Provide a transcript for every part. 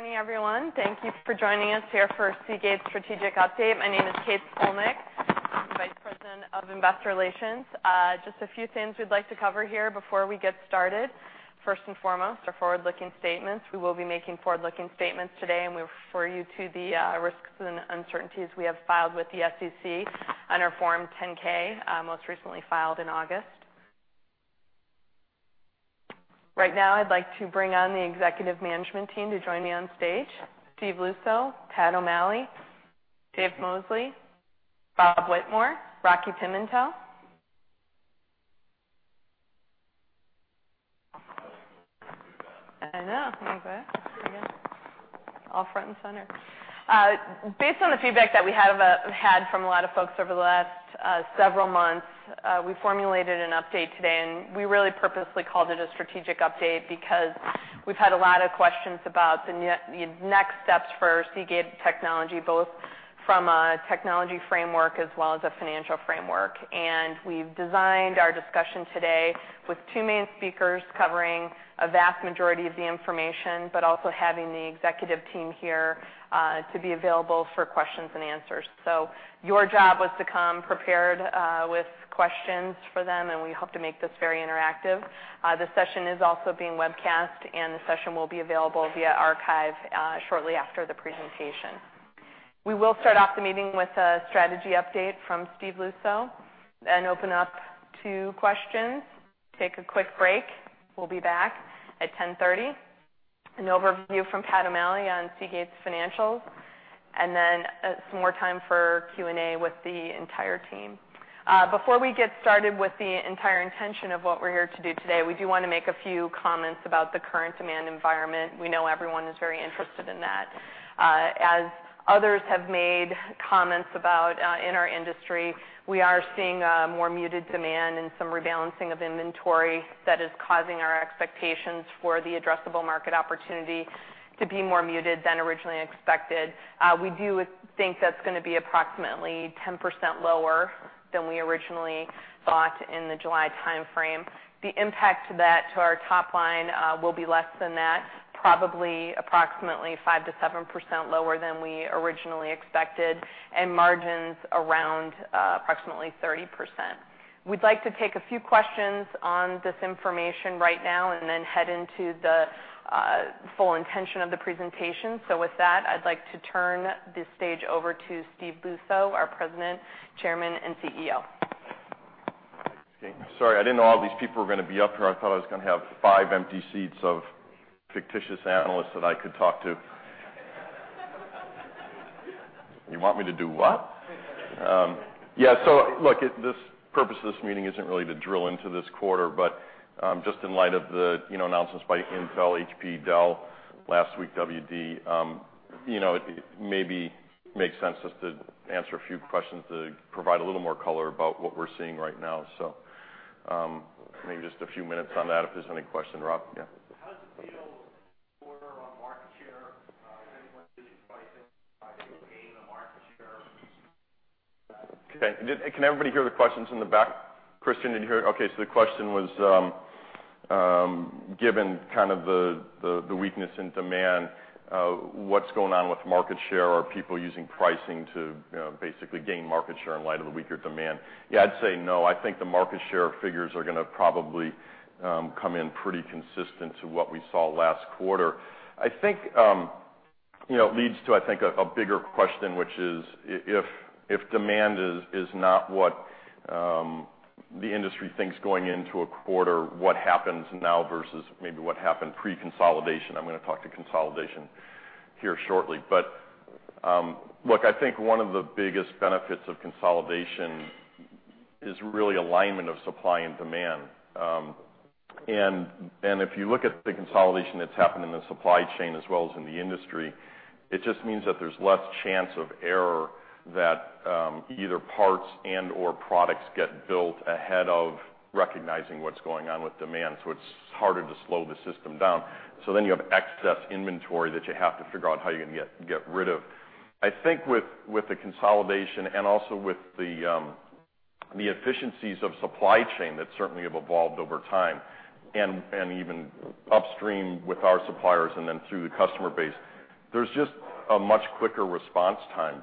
Good morning, everyone. Thank you for joining us here for Seagate's Strategic Update. My name is Kate Scolnick. I'm the Vice President of Investor Relations. Just a few things we'd like to cover here before we get started. First and foremost, our forward-looking statements. We will be making forward-looking statements today, and we refer you to the risks and uncertainties we have filed with the SEC on our Form 10-K, most recently filed in August. Right now, I'd like to bring on the executive management team to join me on stage. Steve Luczo, Patrick O'Malley, Dave Mosley, Bob Whitmore, Rocky Pimentel. I know, right. All front and center. Based on the feedback that we have had from a lot of folks over the last several months, we formulated an update today, we really purposely called it a strategic update because we've had a lot of questions about the next steps for Seagate Technology, both from a technology framework as well as a financial framework. We've designed our discussion today with two main speakers covering a vast majority of the information, but also having the executive team here to be available for questions and answers. Your job was to come prepared with questions for them, and we hope to make this very interactive. The session is also being webcast, the session will be available via archive shortly after the presentation. We will start off the meeting with a strategy update from Steve Luczo, then open up to questions, take a quick break. We'll be back at 10:30 A.M., an overview from Patrick O'Malley on Seagate's financials, then some more time for Q&A with the entire team. Before we get started with the entire intention of what we're here to do today, we do want to make a few comments about the current demand environment. We know everyone is very interested in that. As others have made comments about in our industry, we are seeing a more muted demand and some rebalancing of inventory that is causing our expectations for the addressable market opportunity to be more muted than originally expected. We do think that's going to be approximately 10% lower than we originally thought in the July timeframe. The impact to that to our top line will be less than that, probably approximately 5%-7% lower than we originally expected, and margins around approximately 30%. We'd like to take a few questions on this information right now, then head into the full intention of the presentation. With that, I'd like to turn this stage over to Steve Luczo, our President, Chairman, and CEO. Okay. Sorry, I didn't know all these people were going to be up here. I thought I was going to have five empty seats of fictitious analysts that I could talk to. You want me to do what? Yeah. Look, the purpose of this meeting isn't really to drill into this quarter, but just in light of the announcements by Intel, HP, Dell last week, WD, it maybe makes sense just to answer a few questions to provide a little more color about what we're seeing right now. Maybe just a few minutes on that, if there's any question. Rob, yeah. How does it feel, quarter on market share? Is anyone using pricing to try to gain the market share back? Okay. Can everybody hear the questions in the back? Christian, did you hear it? Okay. The question was, given the weakness in demand, what's going on with market share? Are people using pricing to basically gain market share in light of the weaker demand? Yeah, I'd say no. I think the market share figures are going to probably come in pretty consistent to what we saw last quarter. I think it leads to a bigger question, which is, if demand is not what the industry thinks going into a quarter, what happens now versus maybe what happened pre-consolidation? I'm going to talk to consolidation here shortly. Look, I think one of the biggest benefits of consolidation is really alignment of supply and demand. If you look at the consolidation that's happened in the supply chain as well as in the industry, it just means that there's less chance of error that either parts and/or products get built ahead of recognizing what's going on with demand. It's harder to slow the system down. You have excess inventory that you have to figure out how you're going to get rid of. I think with the consolidation and also with the efficiencies of supply chain that certainly have evolved over time and even upstream with our suppliers and then through the customer base, there's just a much quicker response time.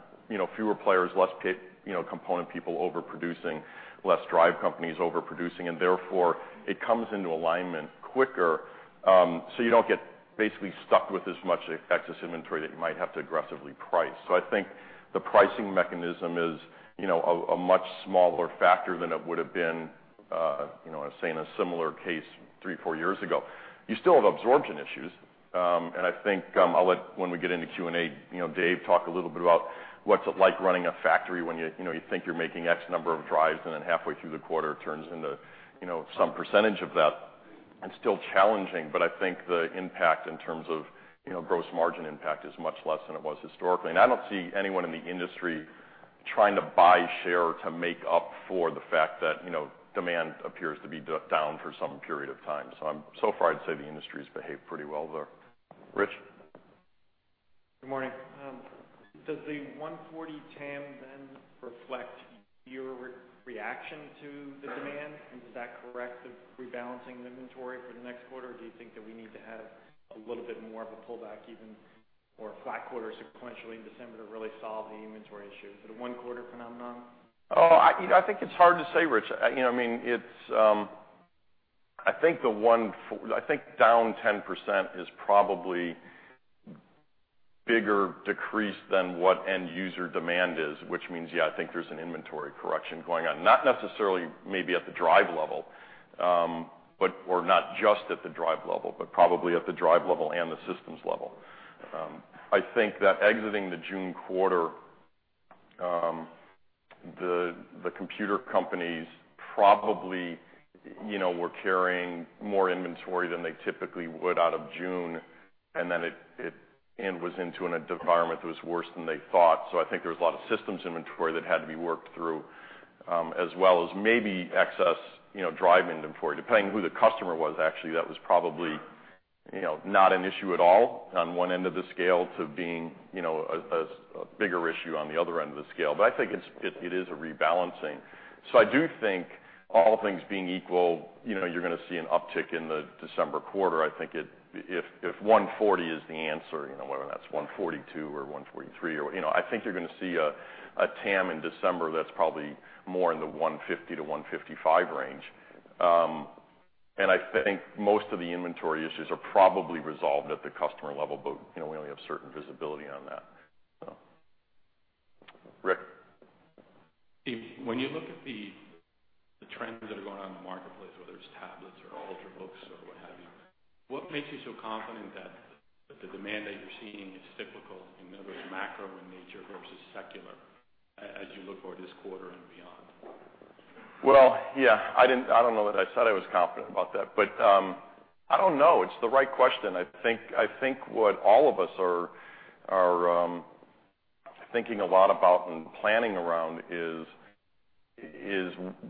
Fewer players, less component people overproducing, less drive companies overproducing, therefore, it comes into alignment quicker, so you don't get basically stuck with as much excess inventory that you might have to aggressively price. I think the pricing mechanism is a much smaller factor than it would have been, say, in a similar case three, four years ago. You still have absorption issues. I think I'll let, when we get into Q&A, Dave talk a little bit about what's it like running a factory when you think you're making X number of drives and then halfway through the quarter it turns into some percentage of that. It's still challenging, but I think the impact in terms of gross margin impact is much less than it was historically. I don't see anyone in the industry trying to buy share to make up for the fact that demand appears to be down for some period of time. Far I'd say the industry's behaved pretty well there. Rich? Good morning. Does the 140 TAM then reflect your reaction to the demand? Is that correct of rebalancing the inventory for the next quarter, or do you think that we need to have a little bit more of a pullback even, or a flat quarter sequentially in December to really solve the inventory issue? Is it a one-quarter phenomenon? I think it's hard to say, Rich. I think down 10% is probably bigger decrease than what end user demand is, which means, yeah, I think there's an inventory correction going on, not necessarily maybe at the drive level, or not just at the drive level, but probably at the drive level and the systems level. I think that exiting the June quarter, the computer companies probably were carrying more inventory than they typically would out of June, and then it was into an environment that was worse than they thought. I think there was a lot of systems inventory that had to be worked through, as well as maybe excess drive inventory, depending on who the customer was, actually, that was probably not an issue at all on one end of the scale to being a bigger issue on the other end of the scale. I think it is a rebalancing. I do think all things being equal, you're going to see an uptick in the December quarter. I think if 140 is the answer, whether that's 142 or 143 or what, I think you're going to see a TAM in December that's probably more in the 150 to 155 range. I think most of the inventory issues are probably resolved at the customer level, but we only have certain visibility on that. Rick. Steve, when you look at the trends that are going on in the marketplace, whether it's tablets or Ultrabooks or what have you, what makes you so confident that the demand that you're seeing is cyclical in that it was macro in nature versus secular as you look for this quarter and beyond? Well, yeah, I don't know that I said I was confident about that. I don't know. It's the right question. I think what all of us are thinking a lot about and planning around is,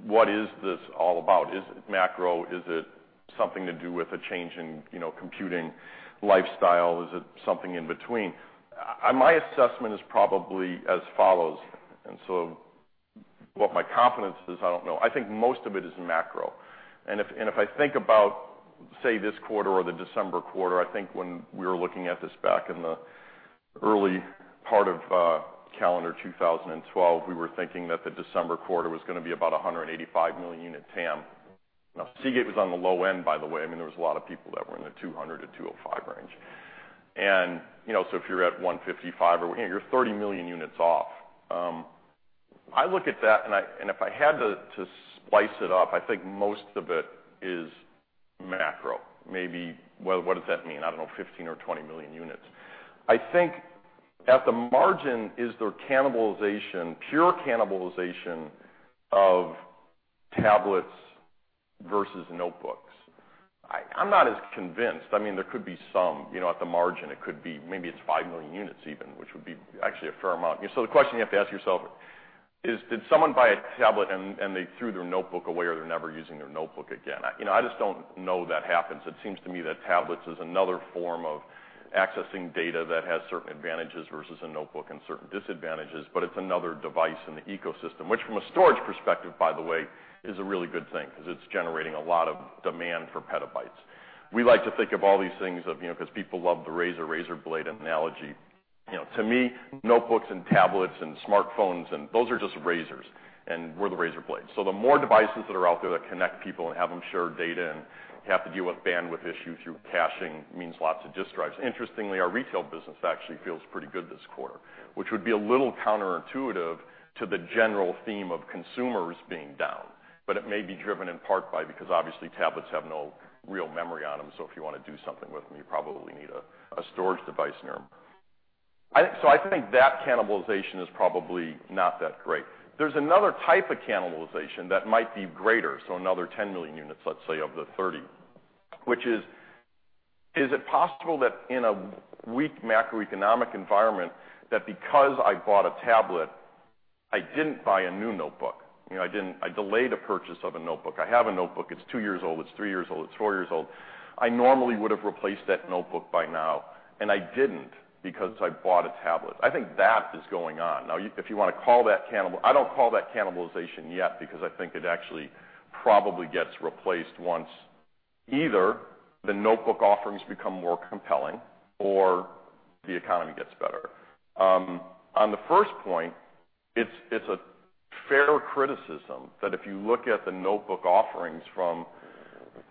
what is this all about? Is it macro? Is it something to do with a change in computing lifestyle? Is it something in between? My assessment is probably as follows. What my confidence is, I don't know. I think most of it is macro. If I think about, say, this quarter or the December quarter, I think when we were looking at this back in the early part of calendar 2012, we were thinking that the December quarter was going to be about 185 million unit TAM. Now, Seagate was on the low end, by the way. There was a lot of people that were in the 200 to 205 range. If you're at 155 or you're 30 million units off, I look at that. If I had to splice it up, I think most of it is macro, maybe. Well, what does that mean? I don't know, 15 or 20 million units. I think at the margin is there cannibalization, pure cannibalization of tablets versus notebooks. I'm not as convinced. There could be some, at the margin, it could be maybe it's 5 million units even, which would be actually a fair amount. The question you have to ask yourself is, did someone buy a tablet and they threw their notebook away or they're never using their notebook again? I just don't know that happens. It seems to me that tablets is another form of accessing data that has certain advantages versus a notebook and certain disadvantages. It's another device in the ecosystem, which from a storage perspective, by the way, is a really good thing because it's generating a lot of demand for petabytes. We like to think of all these things of, because people love the razor blade analogy. To me, notebooks and tablets and smartphones, those are just razors, and we're the razor blade. The more devices that are out there that connect people and have them share data and have to deal with bandwidth issues through caching means lots of disk drives. Interestingly, our retail business actually feels pretty good this quarter, which would be a little counterintuitive to the general theme of consumers being down. It may be driven in part by because obviously tablets have no real memory on them, so if you want to do something with them, you probably need a storage device near them. I think that cannibalization is probably not that great. There's another type of cannibalization that might be greater, so another 10 million units, let's say, of the 30, which is it possible that in a weak macroeconomic environment that because I bought a tablet, I didn't buy a new notebook? I delayed a purchase of a notebook. I have a notebook. It's two years old, it's three years old, it's four years old. I normally would have replaced that notebook by now, and I didn't because I bought a tablet. I think that is going on now. I don't call that cannibalization yet because I think it actually probably gets replaced once either the notebook offerings become more compelling or the economy gets better. On the first point, it's a fair criticism that if you look at the notebook offerings from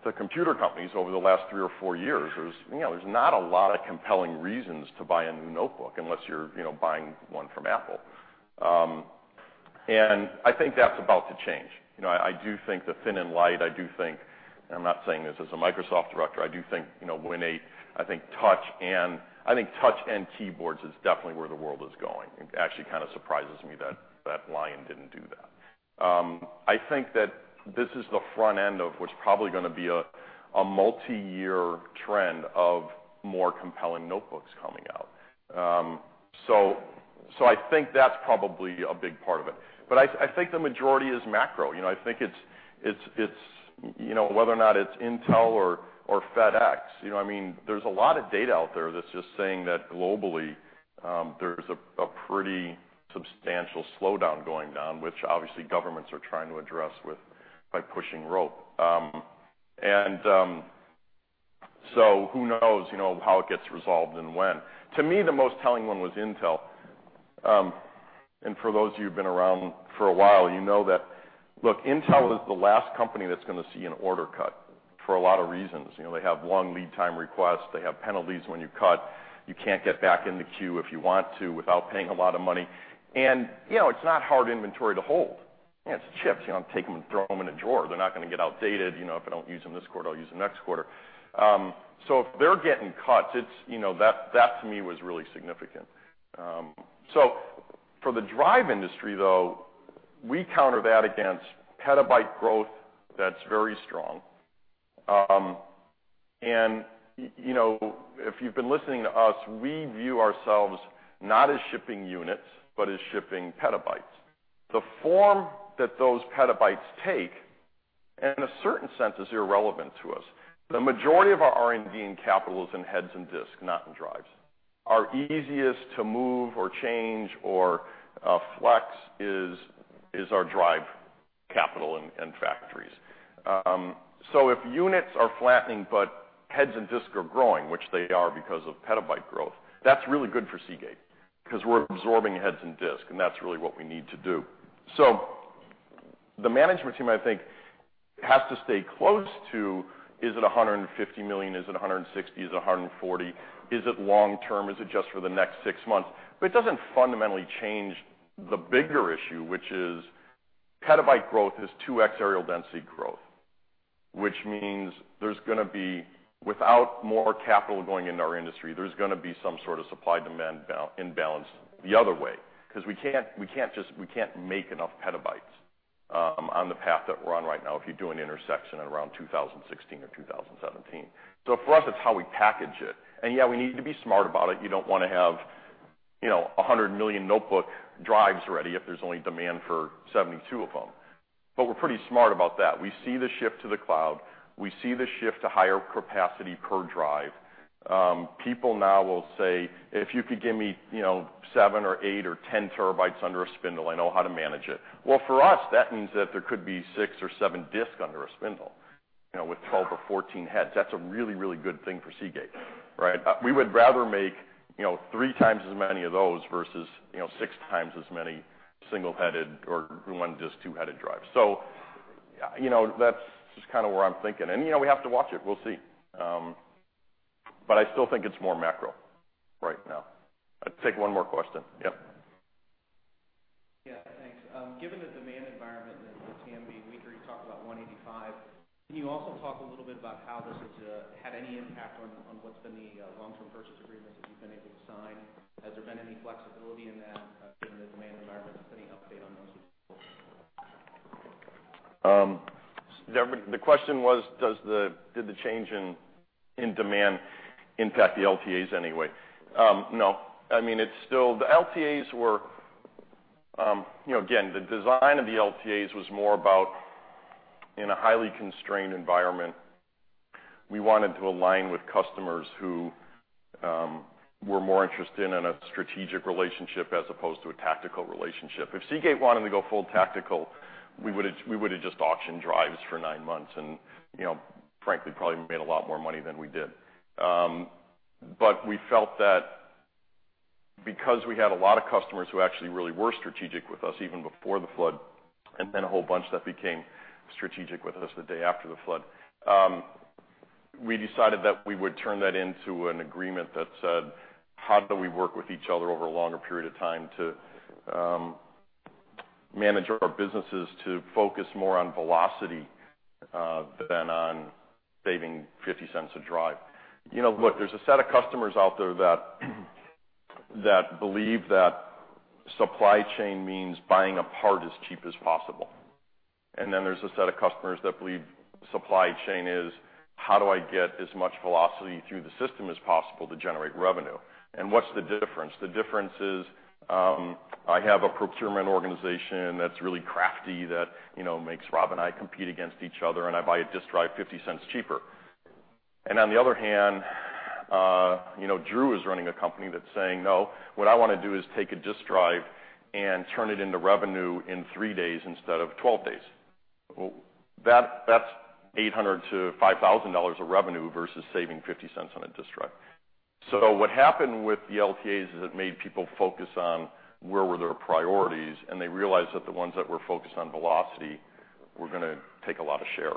the computer companies over the last three or four years, there's not a lot of compelling reasons to buy a new notebook unless you're buying one from Apple. I think that's about to change. I do think the thin and light, I do think, I'm not saying this as a Microsoft director, I do think Windows 8, I think touch and keyboards is definitely where the world is going. It actually kind of surprises me that OS X Lion didn't do that. I think that this is the front end of what's probably going to be a multi-year trend of more compelling notebooks coming out. I think that's probably a big part of it. I think the majority is macro. I think whether or not it's Intel or FedEx, there's a lot of data out there that's just saying that globally, there's a pretty substantial slowdown going down, which obviously governments are trying to address by pushing rope. Who knows how it gets resolved and when. To me, the most telling one was Intel. For those of you who've been around for a while, you know that Intel is the last company that's going to see an order cut for a lot of reasons. They have long lead time requests. They have penalties when you cut. You can't get back in the queue if you want to, without paying a lot of money. It's not hard inventory to hold. It's chips. Take them and throw them in a drawer. They're not going to get outdated. If I don't use them this quarter, I'll use them next quarter. If they're getting cuts, that to me, was really significant. For the drive industry, though, we counter that against petabyte growth that's very strong. If you've been listening to us, we view ourselves not as shipping units, but as shipping petabytes. The form that those petabytes take, in a certain sense, is irrelevant to us. The majority of our R&D and capital is in heads and disk, not in drives. Our easiest to move or change or flex is our drive capital and factories. If units are flattening, but heads and disk are growing, which they are because of petabyte growth, that's really good for Seagate because we're absorbing heads and disk, and that's really what we need to do. The management team, I think, has to stay close to, is it $150 million? Is it $160? Is it $140? Is it long-term? Is it just for the next six months? It doesn't fundamentally change the bigger issue, which is petabyte growth is 2X areal density growth. Which means without more capital going into our industry, there's going to be some sort of supply-demand imbalance the other way, because we can't make enough petabytes on the path that we're on right now if you do an intersection at around 2016 or 2017. For us, it's how we package it. Yeah, we need to be smart about it. You don't want to have $100 million notebook drives ready if there's only demand for 72 of them. We're pretty smart about that. We see the shift to the cloud. We see the shift to higher capacity per drive. People now will say, "If you could give me seven or eight or 10 terabytes under a spindle, I know how to manage it." Well, for us, that means that there could be six or seven disk under a spindle, with 12 or 14 heads. That's a really good thing for Seagate. We would rather make three times as many of those versus six times as many single-headed or one just two-headed drives. That's just where I'm thinking. We have to watch it. We'll see. I still think it's more macro right now. I'll take one more question. Yep. Yeah, thanks. Given the demand environment and the TAM, we've heard you talk about 185. Can you also talk a little bit about how this has had any impact on what's been the long-term purchase agreements that you've been able to sign? Has there been any flexibility in that given the demand environment? If there's any update on those, that'd be helpful. The question was, did the change in demand impact the LTAs anyway? No. The design of the LTAs was more about in a highly constrained environment. We wanted to align with customers who were more interested in a strategic relationship as opposed to a tactical relationship. If Seagate wanted to go full tactical, we would've just auctioned drives for nine months, and frankly, probably made a lot more money than we did. We felt that because we had a lot of customers who actually really were strategic with us even before the flood, and then a whole bunch that became strategic with us the day after the flood, we decided that we would turn that into an agreement that said, how do we work with each other over a longer period of time to manage our businesses to focus more on velocity than on saving $0.50 a drive? Look, there's a set of customers out there that believe that supply chain means buying a part as cheap as possible. There's a set of customers that believe supply chain is, how do I get as much velocity through the system as possible to generate revenue? What's the difference? The difference is, I have a procurement organization that's really crafty, that makes Rob and I compete against each other, and I buy a disk drive $0.50 cheaper. On the other hand, Drew is running a company that's saying, "No, what I want to do is take a disk drive and turn it into revenue in three days instead of 12 days." That's $800 to $5,000 of revenue versus saving $0.50 on a disk drive. What happened with the LTAs is it made people focus on where were their priorities, and they realized that the ones that were focused on velocity were going to take a lot of share.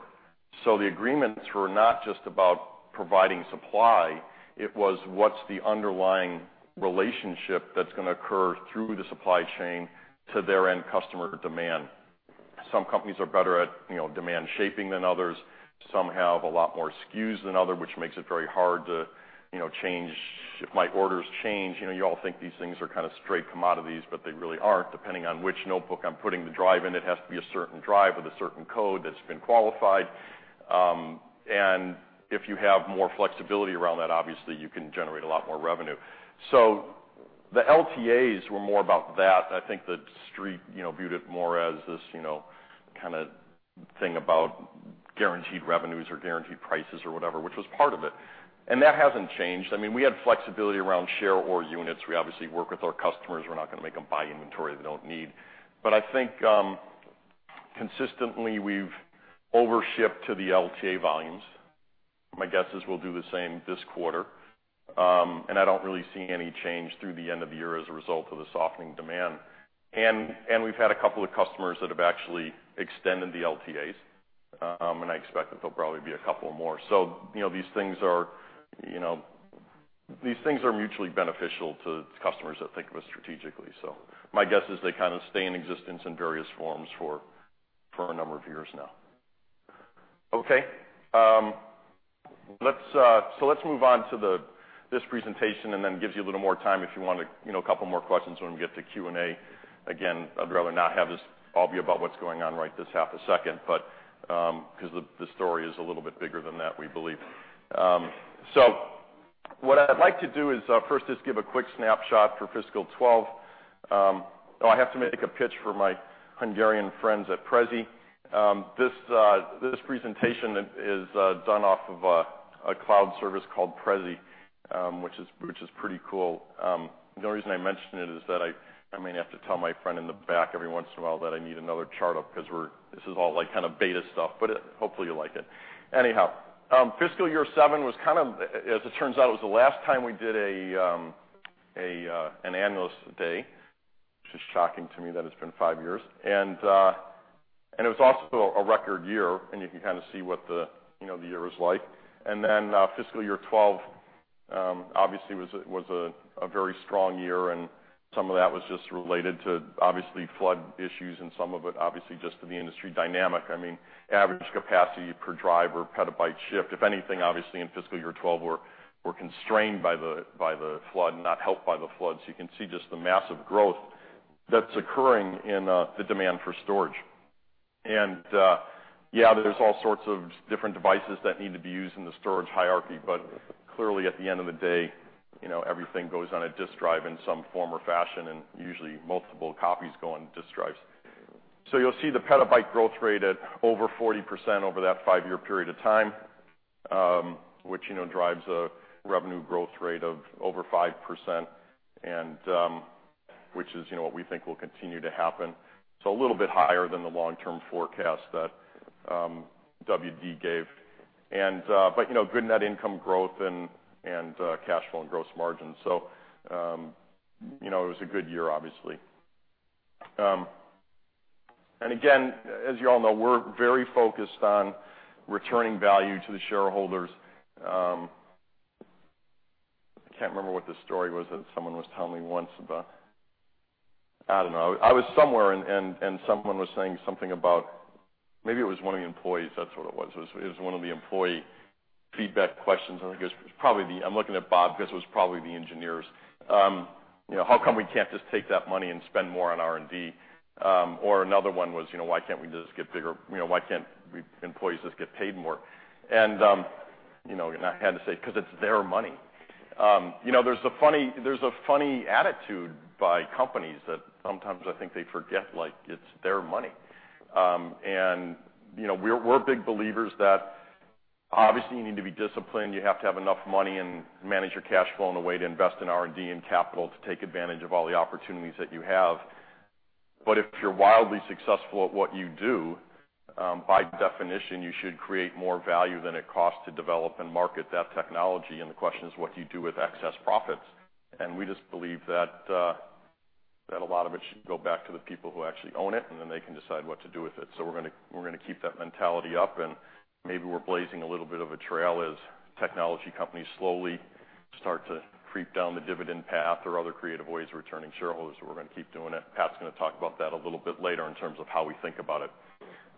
The agreements were not just about providing supply, it was what's the underlying relationship that's going to occur through the supply chain to their end customer demand. Some companies are better at demand shaping than others. Some have a lot more SKUs than other, which makes it very hard to change if my orders change. You all think these things are straight commodities, but they really aren't. Depending on which notebook I'm putting the drive in, it has to be a certain drive with a certain code that's been qualified. If you have more flexibility around that, obviously, you can generate a lot more revenue. The LTAs were more about that. I think the Street viewed it more as this kind of thing about guaranteed revenues or guaranteed prices or whatever, which was part of it. That hasn't changed. We had flexibility around share or units. We obviously work with our customers. We're not going to make them buy inventory they don't need. I think consistently, we've over-shipped to the LTA volumes. My guess is we'll do the same this quarter. I don't really see any change through the end of the year as a result of the softening demand. We've had a couple of customers that have actually extended the LTAs, I expect that there'll probably be a couple more. These things are mutually beneficial to customers that think of us strategically. My guess is they stay in existence in various forms for a number of years now. Okay. Let's move on to this presentation, then it gives you a little more time if you wanted a couple more questions when we get to Q&A. Again, I'd rather not have this all be about what's going on right this half a second, because the story is a little bit bigger than that, we believe. What I'd like to do is first just give a quick snapshot for fiscal 2012. Oh, I have to make a pitch for my Hungarian friends at Prezi. This presentation is done off of a cloud service called Prezi, which is pretty cool. The only reason I mention it is that I may have to tell my friend in the back every once in a while that I need another chart up, because this is all beta stuff. Hopefully, you'll like it. fiscal year 2007, as it turns out, was the last time we did an analyst day, which is shocking to me that it's been 5 years. It was also a record year, and you can see what the year was like. Then fiscal year 2012 obviously was a very strong year, and some of that was just related to, obviously, flood issues, and some of it obviously just to the industry dynamic. Average capacity per drive or petabyte shift. If anything, obviously, in fiscal year 2012, we're constrained by the flood, not helped by the flood. You can see just the massive growth that's occurring in the demand for storage. Yeah, there's all sorts of different devices that need to be used in the storage hierarchy. Clearly, at the end of the day, everything goes on a disk drive in some form or fashion, and usually multiple copies go on disk drives. You'll see the petabyte growth rate at over 40% over that 5-year period of time, which drives a revenue growth rate of over 5%, which is what we think will continue to happen. A little bit higher than the long-term forecast that WD gave. Good net income growth and cash flow and gross margin. It was a good year, obviously. Again, as you all know, we're very focused on returning value to the shareholders. I can't remember what the story was that someone was telling me once about I don't know. I was somewhere, and someone was saying something about maybe it was one of the employees. That's what it was. It was one of the employee feedback questions. I'm looking at Bob because it was probably the engineers. How come we can't just take that money and spend more on R&D? Or another one was, why can't employees just get paid more? I had to say, "Because it's their money." There's a funny attitude by companies that sometimes I think they forget it's their money. We're big believers that obviously you need to be disciplined. You have to have enough money and manage your cash flow in a way to invest in R&D and capital to take advantage of all the opportunities that you have. If you're wildly successful at what you do, by definition, you should create more value than it costs to develop and market that technology. The question is, what do you do with excess profits? We just believe that a lot of it should go back to the people who actually own it, and then they can decide what to do with it. We're going to keep that mentality up, and maybe we're blazing a little bit of a trail as technology companies slowly start to creep down the dividend path or other creative ways of returning shareholders. We're going to keep doing it. Pat's going to talk about that a little bit later in terms of how we think about it.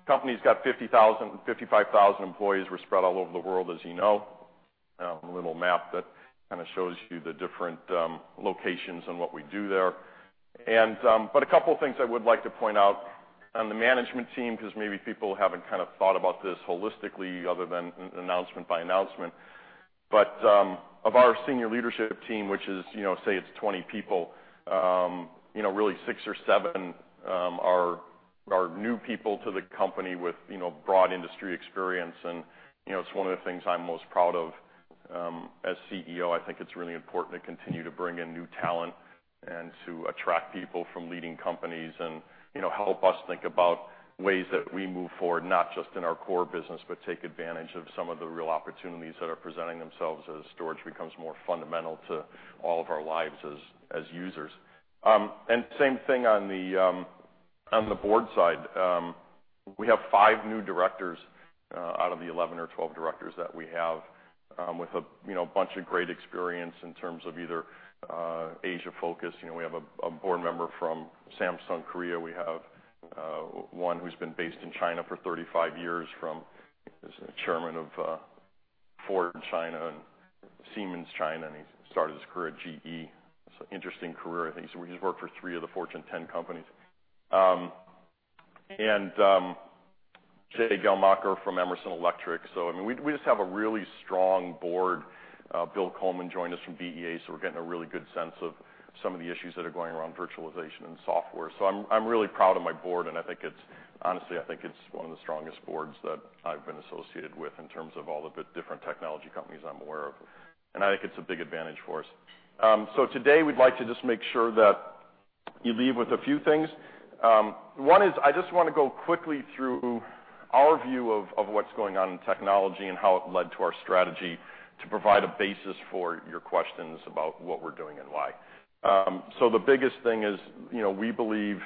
Company's got 55,000 employees. We're spread all over the world, as you know. A little map that shows you the different locations and what we do there. A couple of things I would like to point out on the management team, because maybe people haven't thought about this holistically other than announcement by announcement. Of our senior leadership team, which is, say it's 20 people, really six or seven are new people to the company with broad industry experience, and it's one of the things I'm most proud of. As CEO, I think it's really important to continue to bring in new talent and to attract people from leading companies and help us think about ways that we move forward, not just in our core business, but take advantage of some of the real opportunities that are presenting themselves as storage becomes more fundamental to all of our lives as users. Same thing on the board side. We have five new directors out of the 11 or 12 directors that we have with a bunch of great experience in terms of either Asia focus. We have a board member from Samsung, Korea. We have one who's been based in China for 35 years, chairman of Ford China and Siemens China, and he started his career at GE. It's an interesting career. I think he's worked for three of the Fortune 10 companies. Jay Geldmacher from Emerson Electric. We just have a really strong board. Bill Coleman joined us from BEA. We're getting a really good sense of some of the issues that are going around virtualization and software. I'm really proud of my board, and honestly, I think it's one of the strongest boards that I've been associated with in terms of all the different technology companies I'm aware of. I think it's a big advantage for us. Today, we'd like to just make sure that you leave with a few things. One is, I just want to go quickly through our view of what's going on in technology and how it led to our strategy to provide a basis for your questions about what we're doing and why. The biggest thing is, we believe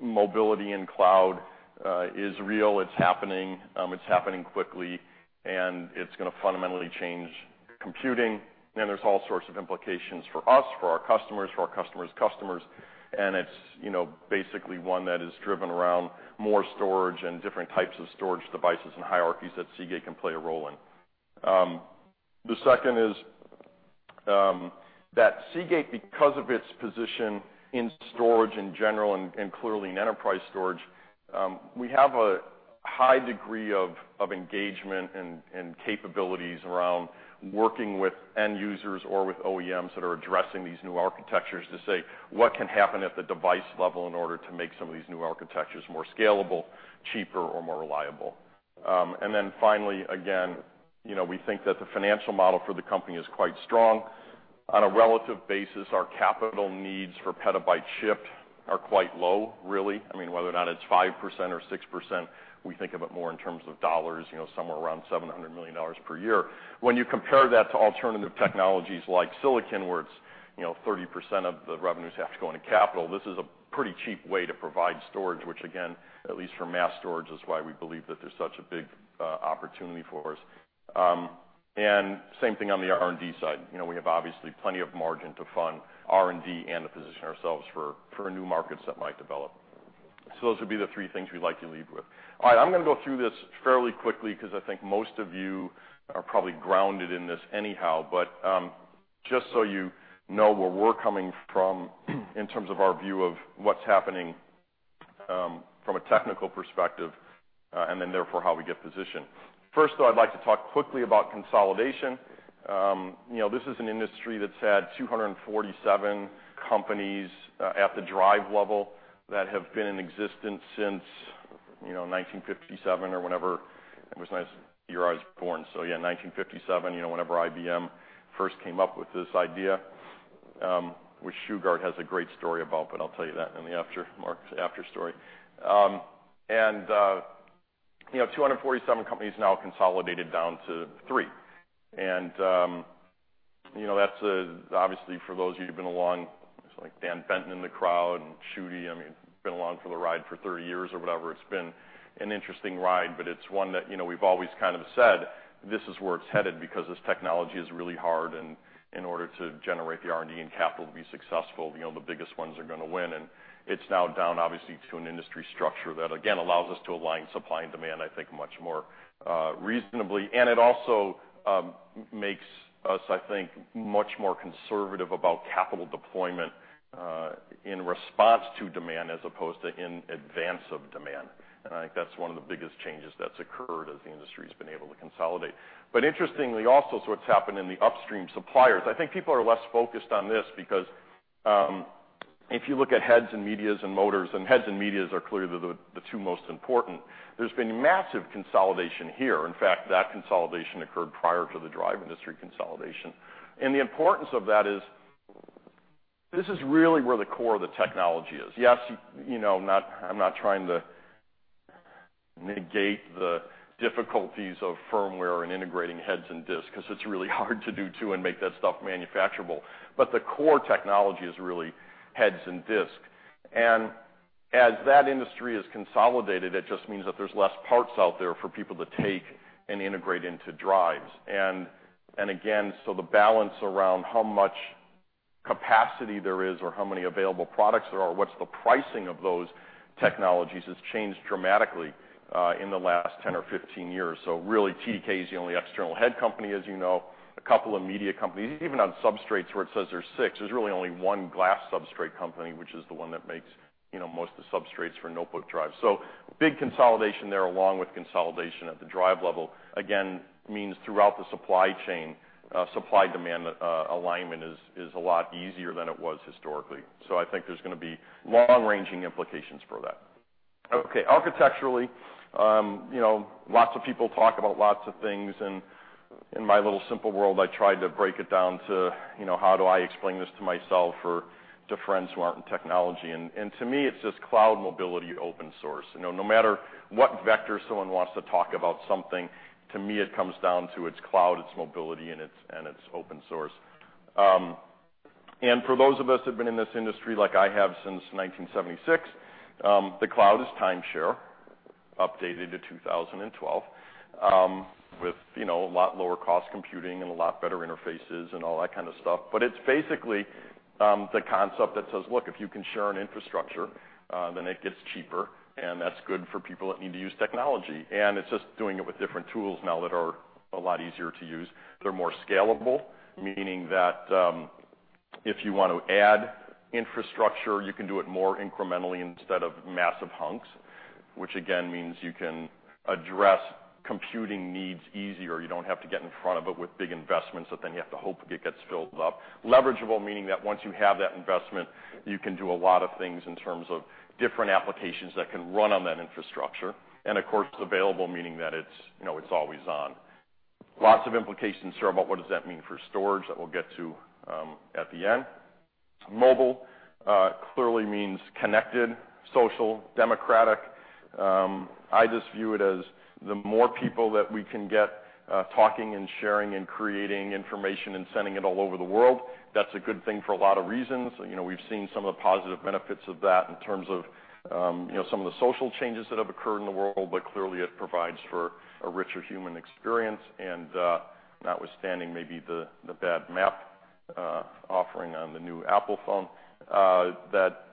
mobility in cloud is real. It's happening, it's happening quickly, and it's going to fundamentally change computing. There's all sorts of implications for us, for our customers, for our customers' customers, and it's basically one that is driven around more storage and different types of storage devices and hierarchies that Seagate can play a role in. The second is that Seagate, because of its position in storage in general, and clearly in enterprise storage, we have a high degree of engagement and capabilities around working with end users or with OEMs that are addressing these new architectures to say, what can happen at the device level in order to make some of these new architectures more scalable, cheaper, or more reliable. Finally, again, we think that the financial model for the company is quite strong. On a relative basis, our capital needs for petabyte shipped are quite low, really. Whether or not it's 5% or 6%, we think of it more in terms of dollars, somewhere around $700 million per year. When you compare that to alternative technologies like silicon, where 30% of the revenues have to go into capital, this is a pretty cheap way to provide storage, which again, at least for mass storage, is why we believe that there's such a big opportunity for us. Same thing on the R&D side. We have obviously plenty of margin to fund R&D and to position ourselves for new markets that might develop. Those would be the three things we'd like to leave with. I'm going to go through this fairly quickly because I think most of you are probably grounded in this anyhow, but just so you know where we're coming from in terms of our view of what's happening from a technical perspective, and then therefore how we get positioned. I'd like to talk quickly about consolidation. This is an industry that's had 247 companies at the drive level that have been in existence since 1957 or whenever. That was the year I was born. 1957, whenever IBM first came up with this idea, which Shugart has a great story about, but I'll tell you that in the after story. 247 companies now consolidated down to three. That's, obviously for those of you who've been along, looks like Dan Fenton in the crowd, and Shooty have been along for the ride for 30 years or whatever. It's been an interesting ride, but it's one that we've always said, this is where it's headed because this technology is really hard, and in order to generate the R&D and capital to be successful, the biggest ones are going to win. It's now down, obviously, to an industry structure that, again, allows us to align supply and demand, I think, much more reasonably. It also makes us, I think, much more conservative about capital deployment in response to demand as opposed to in advance of demand. I think that's one of the biggest changes that's occurred as the industry's been able to consolidate. Interestingly, also, what's happened in the upstream suppliers, I think people are less focused on this because if you look at heads, and medias, and motors, and heads and medias are clearly the two most important, there's been massive consolidation here. In fact, that consolidation occurred prior to the drive industry consolidation. The importance of that is, this is really where the core of the technology is. Yes, I'm not trying to negate the difficulties of firmware and integrating heads and disks because it's really hard to do two and make that stuff manufacturable. The core technology is really heads and disks. As that industry has consolidated, it just means that there's less parts out there for people to take and integrate into drives. Again, so the balance around how much capacity there is or how many available products there are, what's the pricing of those technologies, has changed dramatically in the last 10 or 15 years. Really, TDK is the only external head company, as you know. A couple of media companies, even on substrates where it says there's six, there's really only one glass substrate company, which is the one that makes most of the substrates for notebook drives. Big consolidation there along with consolidation at the drive level, again, means throughout the supply chain, supply-demand alignment is a lot easier than it was historically. I think there's going to be long-ranging implications for that. Okay. Architecturally, lots of people talk about lots of things, in my little simple world, I try to break it down to how do I explain this to myself or to friends who aren't in technology. To me, it's just cloud mobility open source. No matter what vector someone wants to talk about something, to me, it comes down to it's cloud, it's mobility, and it's open source. For those of us who've been in this industry, like I have since 1976, the cloud is time share, updated to 2012, with a lot lower cost computing and a lot better interfaces and all that kind of stuff. It's basically the concept that says, look, if you can share an infrastructure, then it gets cheaper, and that's good for people that need to use technology. It's just doing it with different tools now that are a lot easier to use. They're more scalable, meaning that if you want to add infrastructure, you can do it more incrementally instead of massive hunks, which again means you can address computing needs easier. You don't have to get in front of it with big investments that then you have to hope it gets filled up. Leveragable, meaning that once you have that investment, you can do a lot of things in terms of different applications that can run on that infrastructure. Of course, available, meaning that it's always on. Lots of implications here about what does that mean for storage that we'll get to at the end. Mobile clearly means connected, social, democratic. I just view it as the more people that we can get talking and sharing and creating information and sending it all over the world, that's a good thing for a lot of reasons. We've seen some of the positive benefits of that in terms of some of the social changes that have occurred in the world, but clearly it provides for a richer human experience and, notwithstanding maybe the bad map offering on the new Apple phone that,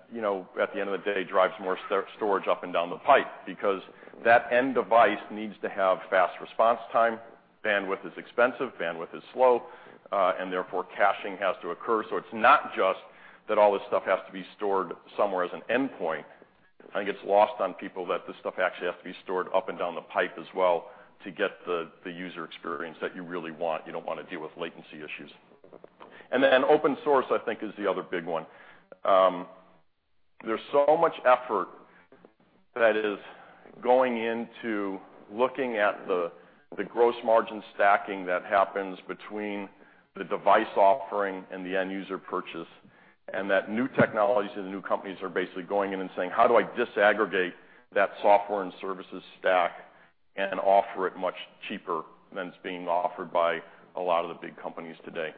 at the end of the day, drives more storage up and down the pipe because that end device needs to have fast response time. Bandwidth is expensive, bandwidth is slow, and therefore caching has to occur. It's not just that all this stuff has to be stored somewhere as an endpoint. I think it's lost on people that this stuff actually has to be stored up and down the pipe as well to get the user experience that you really want. You don't want to deal with latency issues. Then open source, I think is the other big one. There's so much effort that is going into looking at the gross margin stacking that happens between the device offering and the end-user purchase, that new technologies and new companies are basically going in and saying, how do I disaggregate that software and services stack and offer it much cheaper than it's being offered by a lot of the big companies today?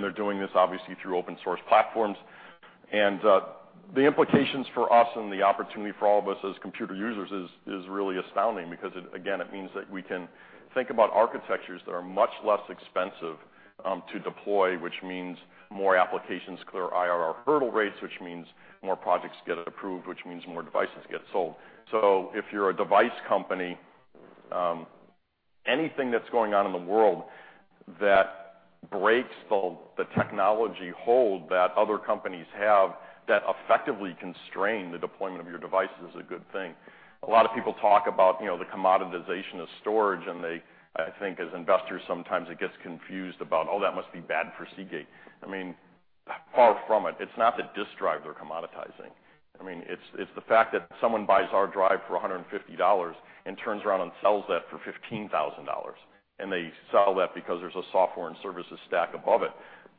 They're doing this obviously through open source platforms. The implications for us and the opportunity for all of us as computer users is really astounding because, again, it means that we can think about architectures that are much less expensive to deploy, which means more applications clear IRR hurdle rates, which means more projects get approved, which means more devices get sold. If you're a device company, anything that's going on in the world that breaks the technology hold that other companies have that effectively constrain the deployment of your device is a good thing. A lot of people talk about the commoditization of storage, and they, I think as investors, sometimes it gets confused about, oh, that must be bad for Seagate. Far from it. It's not the disk drive they're commoditizing. It's the fact that someone buys our drive for $150 and turns around and sells that for $15,000. They sell that because there's a software and services stack above it.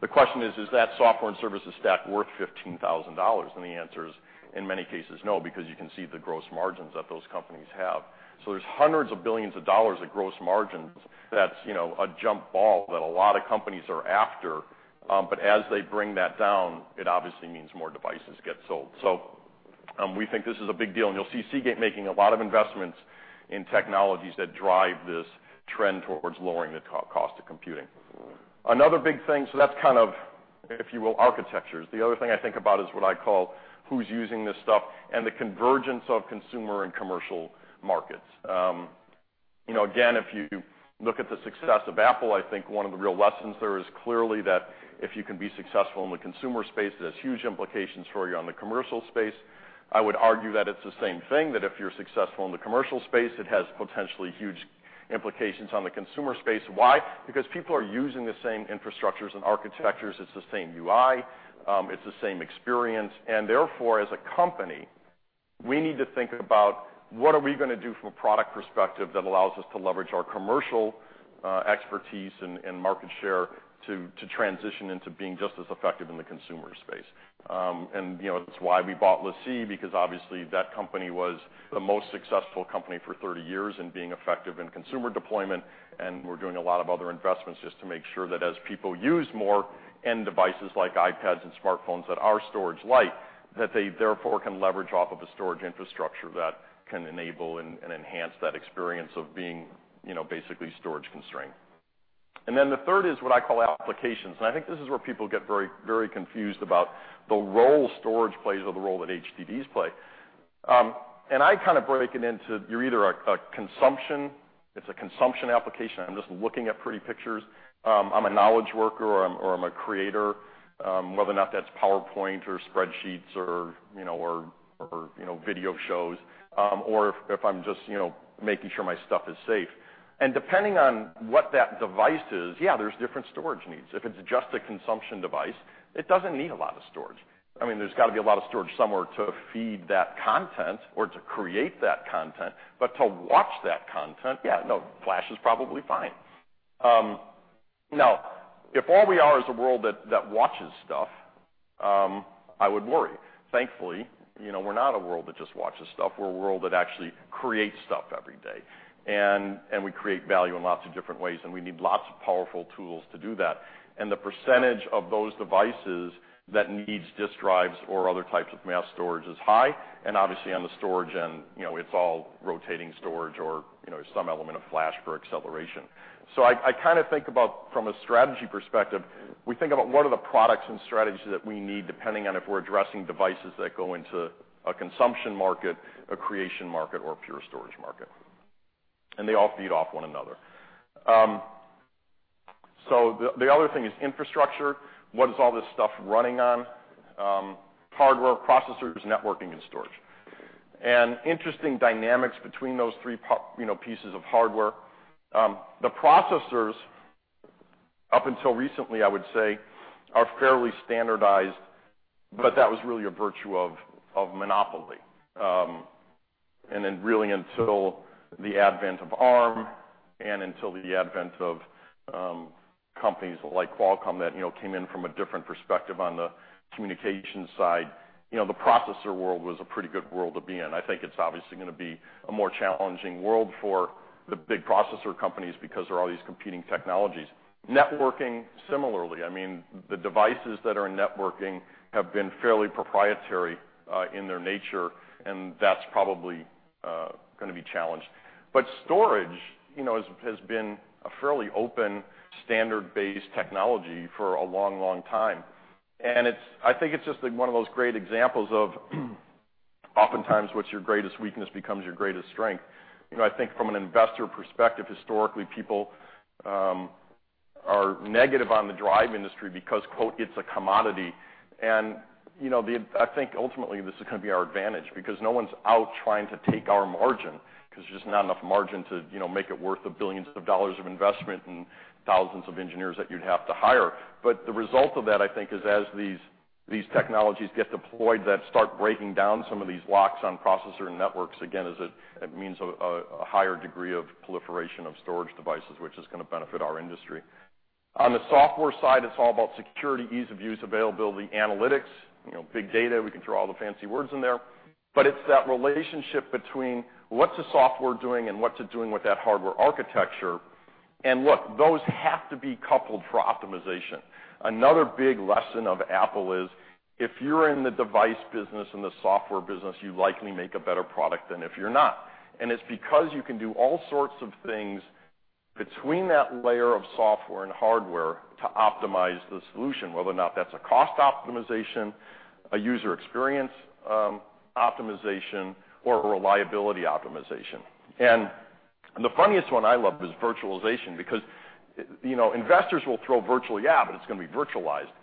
The question is that software and services stack worth $15,000? The answer is, in many cases, no, because you can see the gross margins that those companies have. There's hundreds of billions of dollars of gross margins that's a jump ball that a lot of companies are after. As they bring that down, it obviously means more devices get sold. We think this is a big deal, and you'll see Seagate making a lot of investments in technologies that drive this trend towards lowering the cost of computing. Another big thing, so that's kind of, if you will, architectures. The other thing I think about is what I call who's using this stuff and the convergence of consumer and commercial markets. Again, if you look at the success of Apple, I think one of the real lessons there is clearly that if you can be successful in the consumer space, it has huge implications for you on the commercial space. I would argue that it's the same thing, that if you're successful in the commercial space, it has potentially huge implications on the consumer space. Why? Because people are using the same infrastructures and architectures. It's the same UI. It's the same experience. Therefore, as a company, we need to think about what are we going to do from a product perspective that allows us to leverage our commercial expertise and market share to transition into being just as effective in the consumer space. That's why we bought LaCie because obviously that company was the most successful company for 30 years in being effective in consumer deployment, and we're doing a lot of other investments just to make sure that as people use more end devices like iPads and smartphones that are storage-like, that they therefore can leverage off of a storage infrastructure that can enable and enhance that experience of being basically storage constrained. The third is what I call applications, and I think this is where people get very confused about the role storage plays or the role that HDDs play. I break it into you're either a consumption, it's a consumption application. I'm just looking at pretty pictures. I'm a knowledge worker or I'm a creator, whether or not that's PowerPoint or spreadsheets or video shows, or if I'm just making sure my stuff is safe. Depending on what that device is, yeah, there's different storage needs. If it's just a consumption device, it doesn't need a lot of storage. There's got to be a lot of storage somewhere to feed that content or to create that content, but to watch that content, yeah, no, flash is probably fine. If all we are is a world that watches stuff, I would worry. Thankfully, we're not a world that just watches stuff. We're a world that actually creates stuff every day, and we create value in lots of different ways, and we need lots of powerful tools to do that. The percentage of those devices that needs disk drives or other types of mass storage is high. Obviously on the storage end, it's all rotating storage or some element of flash for acceleration. I think about from a strategy perspective, we think about what are the products and strategies that we need depending on if we're addressing devices that go into a consumption market, a creation market, or a pure storage market. They all feed off one another. The other thing is infrastructure. What is all this stuff running on? Hardware, processors, networking, and storage. Interesting dynamics between those three pieces of hardware. The processors, up until recently, I would say, are fairly standardized, but that was really a virtue of monopoly. Then really until the advent of Arm and until the advent of companies like Qualcomm that came in from a different perspective on the communications side, the processor world was a pretty good world to be in. I think it's obviously going to be a more challenging world for the big processor companies because there are all these competing technologies. Networking, similarly, the devices that are networking have been fairly proprietary in their nature, and that's probably going to be challenged. Storage has been a fairly open, standard-based technology for a long time. I think it's just one of those great examples of oftentimes what's your greatest weakness becomes your greatest strength. I think from an investor perspective, historically, people are negative on the drive industry because "it's a commodity." I think ultimately this is going to be our advantage because no one's out trying to take our margin because there's just not enough margin to make it worth the billions of dollars of investment and thousands of engineers that you'd have to hire. The result of that, I think, is as these technologies get deployed that start breaking down some of these blocks on processor networks, again, it means a higher degree of proliferation of storage devices, which is going to benefit our industry. On the software side, it's all about security, ease of use, availability, analytics, big data. We can throw all the fancy words in there. It's that relationship between what's the software doing and what's it doing with that hardware architecture. Look, those have to be coupled for optimization. Another big lesson of Apple is if you're in the device business and the software business, you likely make a better product than if you're not. It's because you can do all sorts of things between that layer of software and hardware to optimize the solution, whether or not that's a cost optimization, a user experience optimization, or a reliability optimization. The funniest one I love is virtualization because investors will throw virtual, but it's going to be virtualized.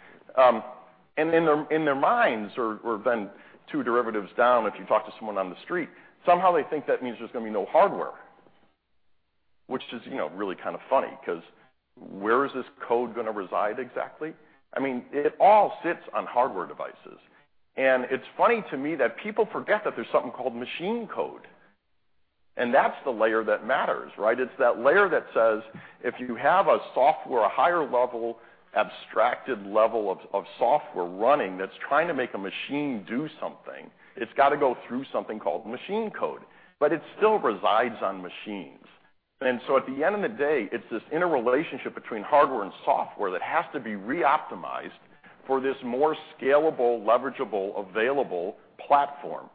In their minds or then two derivatives down, if you talk to someone on the street, somehow they think that means there's going to be no hardware, which is really kind of funny because where is this code going to reside exactly? It all sits on hardware devices. It's funny to me that people forget that there's something called machine code, and that's the layer that matters, right? It's that layer that says, if you have a software, a higher level, abstracted level of software running that's trying to make a machine do something, it's got to go through something called machine code, but it still resides on machines. At the end of the day, it's this interrelationship between hardware and software that has to be reoptimized for this more scalable, leverageable, available platform.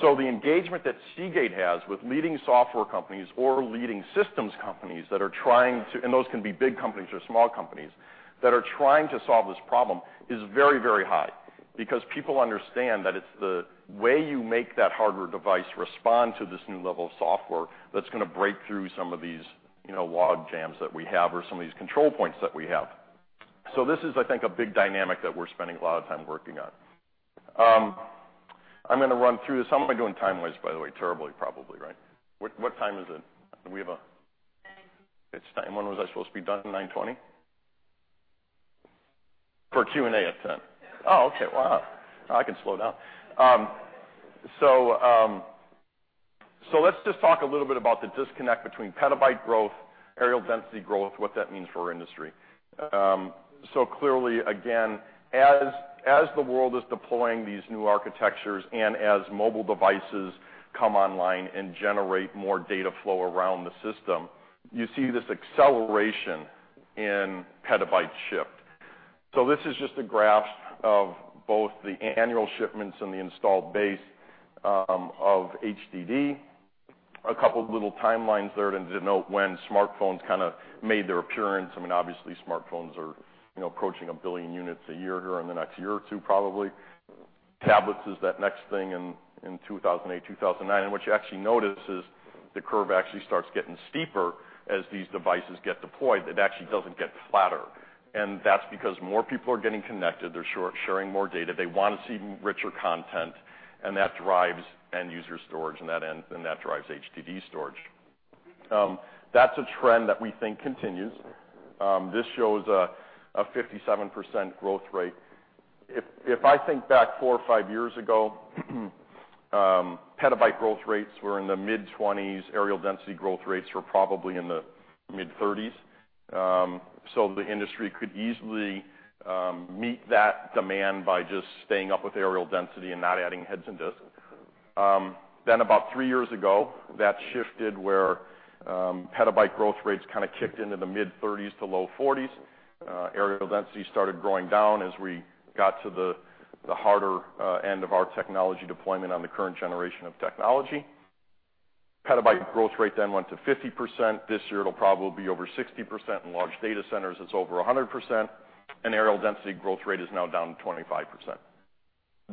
The engagement that Seagate has with leading software companies or leading systems companies that are trying to, and those can be big companies or small companies, that are trying to solve this problem is very high because people understand that it's the way you make that hardware device respond to this new level of software that's going to break through some of these log jams that we have or some of these control points that we have. This is, I think, a big dynamic that we're spending a lot of time working on. I'm going to run through this. Let's just talk a little bit about the disconnect between petabyte growth, areal density growth, what that means for our industry. Clearly, again, as the world is deploying these new architectures and as mobile devices come online and generate more data flow around the system, you see this acceleration in petabyte shift. This is just a graph of both the annual shipments and the installed base of HDD. A couple of little timelines there to denote when smartphones kind of made their appearance. Obviously, smartphones are approaching 1 billion units a year here in the next year or two, probably. Tablets is that next thing in 2008, 2009. What you actually notice is the curve actually starts getting steeper as these devices get deployed. It actually doesn't get flatter. That's because more people are getting connected. They're sharing more data. They want to see richer content, that drives end-user storage, and that drives HDD storage. That's a trend that we think continues. This shows a 57% growth rate. If I think back 4 or 5 years ago, petabyte growth rates were in the mid-20s. Areal density growth rates were probably in the mid-30s. The industry could easily meet that demand by just staying up with areal density and not adding heads and disks. About 3 years ago, that shifted where petabyte growth rates kind of kicked into the mid-30s to low 40s. Areal density started going down as we got to the harder end of our technology deployment on the current generation of technology. Petabyte growth rate went to 50%. This year, it'll probably be over 60%. In large data centers, it's over 100%, areal density growth rate is now down to 25%.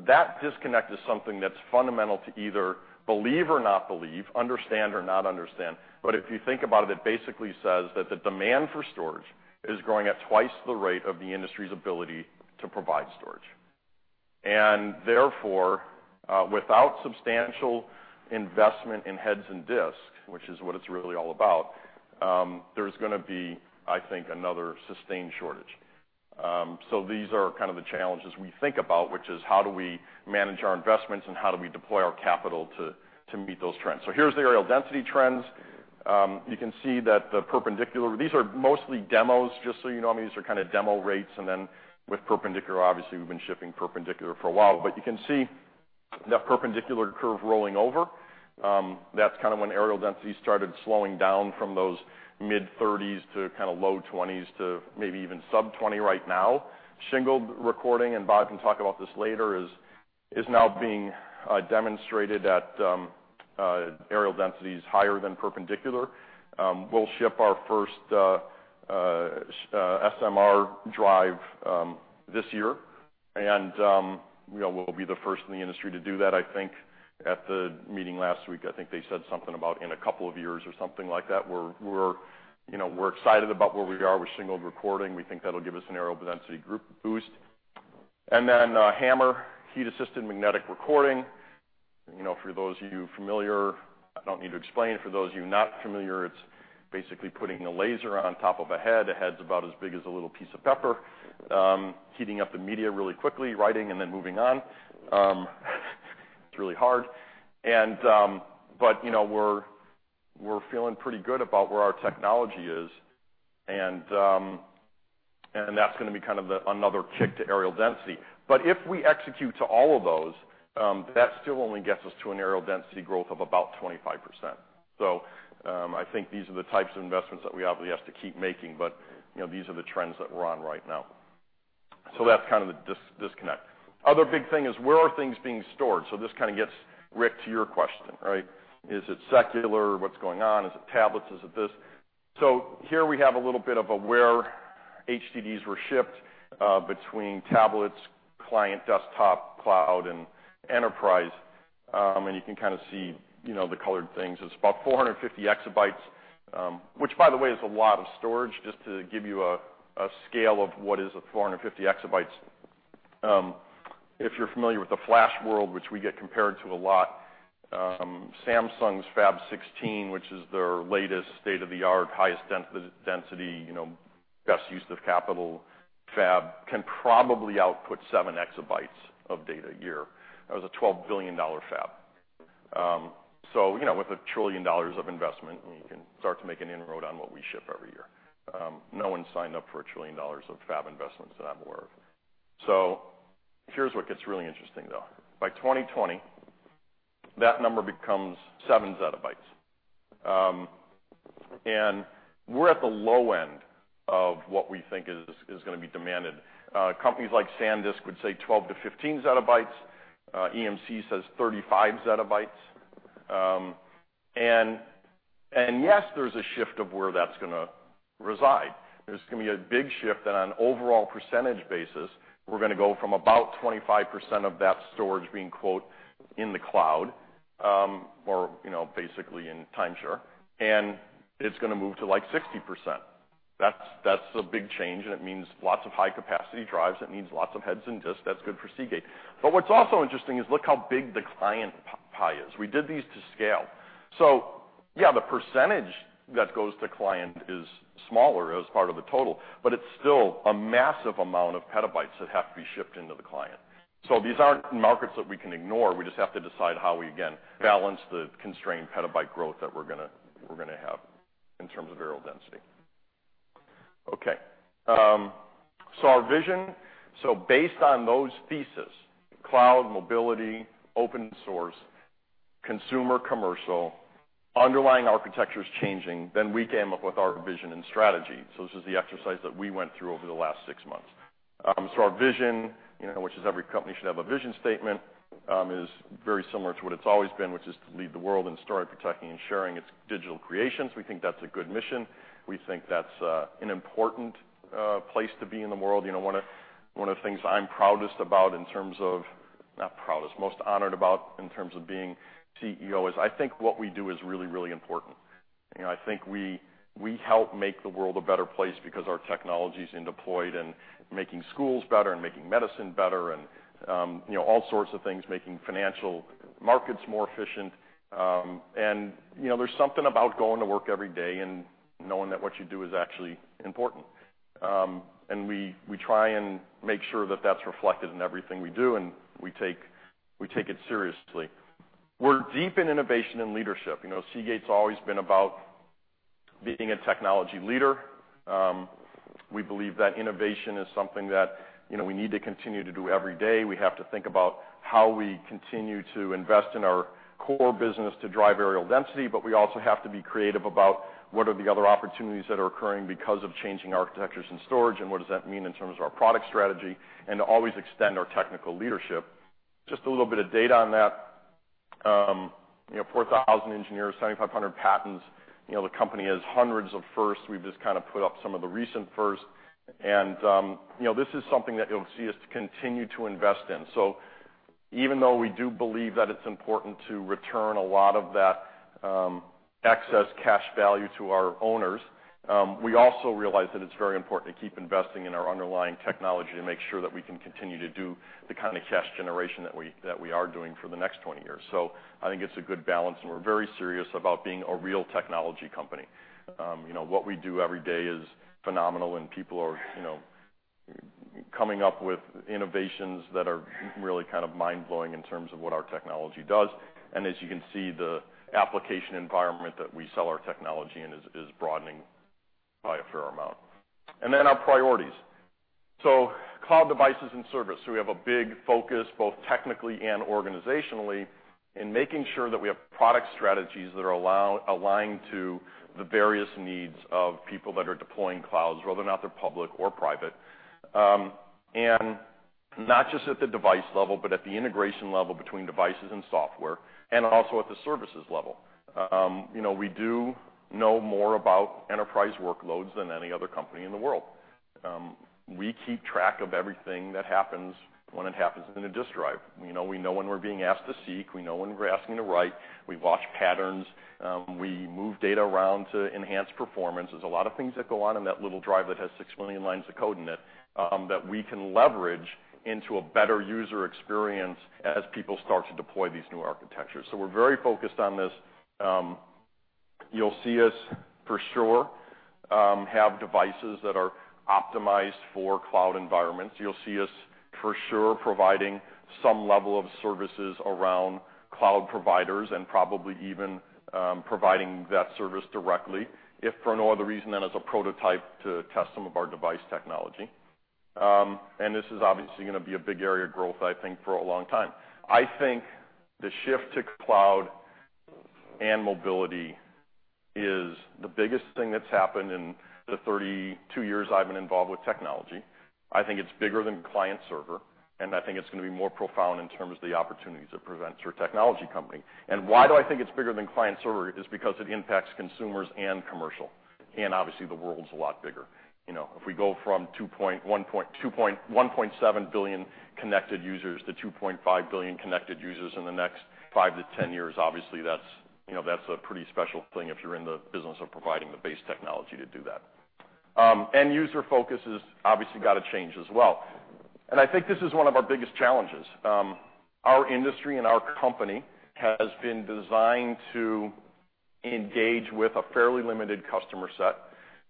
That disconnect is something that's fundamental to either believe or not believe, understand or not understand. If you think about it basically says that the demand for storage is growing at twice the rate of the industry's ability to provide storage. Therefore, without substantial investment in heads and disks, which is what it's really all about, there's going to be, I think, another sustained shortage. These are the challenges we think about, which is how do we manage our investments and how do we deploy our capital to meet those trends. Here's the areal density trends. You can see that the perpendicular. These are mostly demos, just so you know. These are demo rates, with perpendicular, obviously, we've been shipping perpendicular for a while. You can see that perpendicular curve rolling over. That's when areal density started slowing down from those mid-30s to low 20s to maybe even sub-20 right now. Shingled recording, Bob can talk about this later, is now being demonstrated at areal densities higher than perpendicular. We'll ship our first SMR drive this year, we'll be the first in the industry to do that, I think. At the meeting last week, I think they said something about in a couple of years or something like that. We're excited about where we are with shingled recording. We think that'll give us an areal density group boost. HAMR, Heat-Assisted Magnetic Recording. For those of you familiar, I don't need to explain. For those of you not familiar, it's basically putting a laser on top of a head. The head's about as big as a little piece of pepper, heating up the media really quickly, writing, and then moving on. It's really hard. We're feeling pretty good about where our technology is, and that's going to be another kick to areal density. If we execute to all of those, that still only gets us to an areal density growth of about 25%. I think these are the types of investments that we obviously have to keep making, but these are the trends that we're on right now. That's the disconnect. Other big thing is where are things being stored? This gets Rick to your question. Is it secular? What's going on? Is it tablets? Is it this? Here we have a little bit of a where HDDs were shipped between tablets, client, desktop, cloud, and enterprise. You can see the colored things. It's about 450 exabytes, which by the way, is a lot of storage. Just to give you a scale of what is a 450 exabytes. If you're familiar with the flash world, which we get compared to a lot, Samsung's FAB 16, which is their latest state-of-the-art, highest density, best use of capital FAB, can probably output seven exabytes of data a year. That was a $12 billion FAB. With a trillion dollars of investment, you can start to make an inroad on what we ship every year. No one signed up for a trillion dollars of FAB investments that I'm aware of. Here's what gets really interesting, though. By 2020, that number becomes seven zettabytes. We're at the low end of what we think is going to be demanded. Companies like SanDisk would say 12 to 15 zettabytes. EMC says 35 zettabytes. Yes, there's a shift of where that's going to reside. There's going to be a big shift on an overall percentage basis. We're going to go from about 25% of that storage being "in the cloud" or basically in timeshare, and it's going to move to 60%. That's a big change, it means lots of high-capacity drives. It means lots of heads and disks. That's good for Seagate. What's also interesting is look how big the client pie is. We did these to scale. Yeah, the percentage that goes to client is smaller as part of the total, but it's still a massive amount of petabytes that have to be shipped into the client. These aren't markets that we can ignore. We just have to decide how we, again, balance the constrained petabyte growth that we're going to have in terms of areal density. Okay. Our vision. Based on those theses, cloud, mobility, open source, consumer, commercial, underlying architecture is changing, we came up with our vision and strategy. This is the exercise that we went through over the last six months. Our vision, which is every company should have a vision statement, is very similar to what it's always been, which is to lead the world in storage, protecting, and sharing its digital creations. We think that's a good mission. We think that's an important place to be in the world. One of the things I'm proudest about in terms of, Not proudest, most honored about in terms of being CEO is I think what we do is really, really important. I think we help make the world a better place because our technology's been deployed and making schools better and making medicine better and all sorts of things, making financial markets more efficient. There's something about going to work every day and knowing that what you do is actually important. We try and make sure that that's reflected in everything we do, and we take it seriously. We're deep in innovation and leadership. Seagate's always been about being a technology leader. We believe that innovation is something that we need to continue to do every day. We have to think about how we continue to invest in our core business to drive areal density, we also have to be creative about what are the other opportunities that are occurring because of changing architectures and storage, what does that mean in terms of our product strategy, and to always extend our technical leadership. Just a little bit of data on that 4,000 engineers, 7,500 patents. The company has hundreds of firsts. We've just put up some of the recent firsts, this is something that you'll see us continue to invest in. Even though we do believe that it's important to return a lot of that excess cash value to our owners, we also realize that it's very important to keep investing in our underlying technology to make sure that we can continue to do the kind of cash generation that we are doing for the next 20 years. I think it's a good balance, we're very serious about being a real technology company. What we do every day is phenomenal, people are coming up with innovations that are really mind-blowing in terms of what our technology does. As you can see, the application environment that we sell our technology in is broadening by a fair amount. Our priorities. Cloud devices and service. We have a big focus, both technically and organizationally, in making sure that we have product strategies that are aligned to the various needs of people that are deploying clouds, whether or not they're public or private. Not just at the device level, but at the integration level between devices and software, also at the services level. We do know more about enterprise workloads than any other company in the world. We keep track of everything that happens when it happens in a disk drive. We know when we're being asked to seek, we know when we're asking to write. We watch patterns, we move data around to enhance performance. There's a lot of things that go on in that little drive that has 6 million lines of code in it that we can leverage into a better user experience as people start to deploy these new architectures. We're very focused on this. You'll see us, for sure, have devices that are optimized for cloud environments. You'll see us, for sure, providing some level of services around cloud providers and probably even providing that service directly, if for no other reason than as a prototype to test some of our device technology. This is obviously going to be a big area of growth, I think, for a long time. I think the shift to cloud and mobility is the biggest thing that's happened in the 32 years I've been involved with technology. I think it's bigger than client-server, and I think it's going to be more profound in terms of the opportunities it presents for a technology company. Why do I think it's bigger than client-server? Is because it impacts consumers and commercial. Obviously, the world's a lot bigger. If we go from 1.7 billion connected users to 2.5 billion connected users in the next 5 to 10 years, obviously that's a pretty special thing if you're in the business of providing the base technology to do that. End-user focus is obviously got to change as well. I think this is one of our biggest challenges. Our industry and our company has been designed to engage with a fairly limited customer set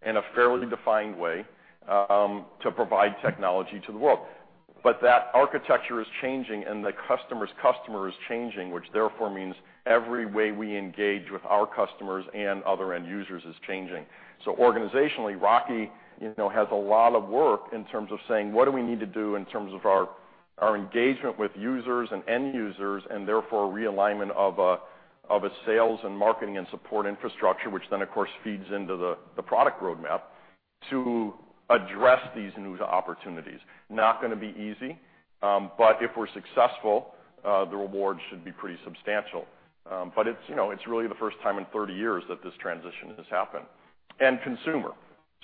in a fairly defined way to provide technology to the world. That architecture is changing and the customer's customer is changing, which therefore means every way we engage with our customers and other end-users is changing. Organizationally, Rocky has a lot of work in terms of saying, what do we need to do in terms of our engagement with users and end-users, and therefore realignment of a sales and marketing and support infrastructure, which then, of course, feeds into the product roadmap to address these new opportunities. Not going to be easy, but if we're successful, the rewards should be pretty substantial. It's really the first time in 30 years that this transition has happened. Consumer,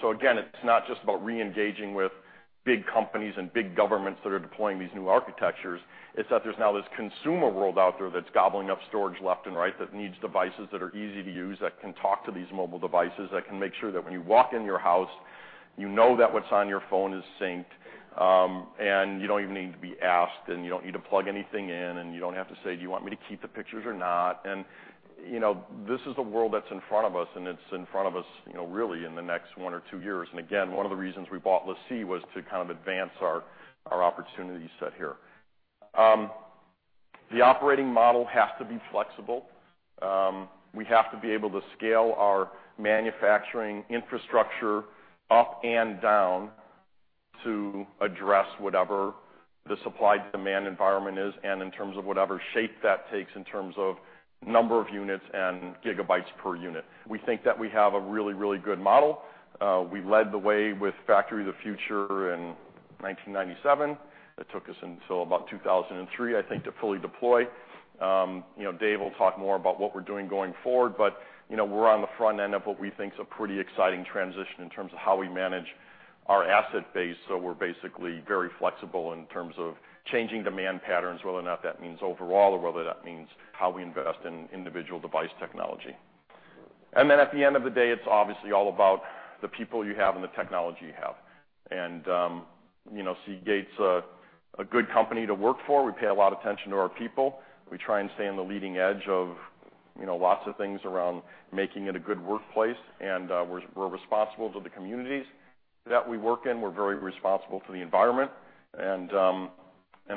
again, it's not just about re-engaging with big companies and big governments that are deploying these new architectures. It's that there's now this consumer world out there that's gobbling up storage left and right, that needs devices that are easy to use, that can talk to these mobile devices, that can make sure that when you walk in your house, you know that what's on your phone is synced. You don't even need to be asked, and you don't need to plug anything in, and you don't have to say, do you want me to keep the pictures or not? This is the world that's in front of us, and it's in front of us really in the next one or two years. Again, one of the reasons we bought LaCie was to advance our opportunity set here. The operating model has to be flexible. We have to be able to scale our manufacturing infrastructure up and down to address whatever the supply-demand environment is, in terms of whatever shape that takes in terms of number of units and gigabytes per unit. We think that we have a really, really good model. We led the way with Factory of the Future in 1997. That took us until about 2003, I think, to fully deploy. Dave will talk more about what we're doing going forward, we're on the front end of what we think is a pretty exciting transition in terms of how we manage our asset base. We're basically very flexible in terms of changing demand patterns, whether or not that means overall or whether that means how we invest in individual device technology. At the end of the day, it's obviously all about the people you have and the technology you have. Seagate's a good company to work for. We pay a lot of attention to our people. We try and stay on the leading edge of lots of things around making it a good workplace. We're responsible to the communities that we work in. We're very responsible to the environment.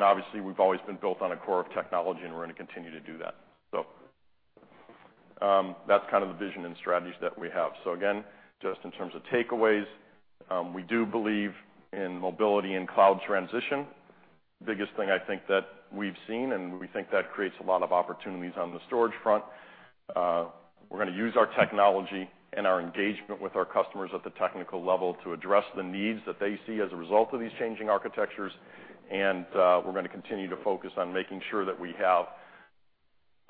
Obviously, we've always been built on a core of technology, and we're going to continue to do that. That's the vision and strategies that we have. Again, just in terms of takeaways, we do believe in mobility and cloud transition. Biggest thing I think that we've seen, and we think that creates a lot of opportunities on the storage front. We're going to use our technology and our engagement with our customers at the technical level to address the needs that they see as a result of these changing architectures. We're going to continue to focus on making sure that we have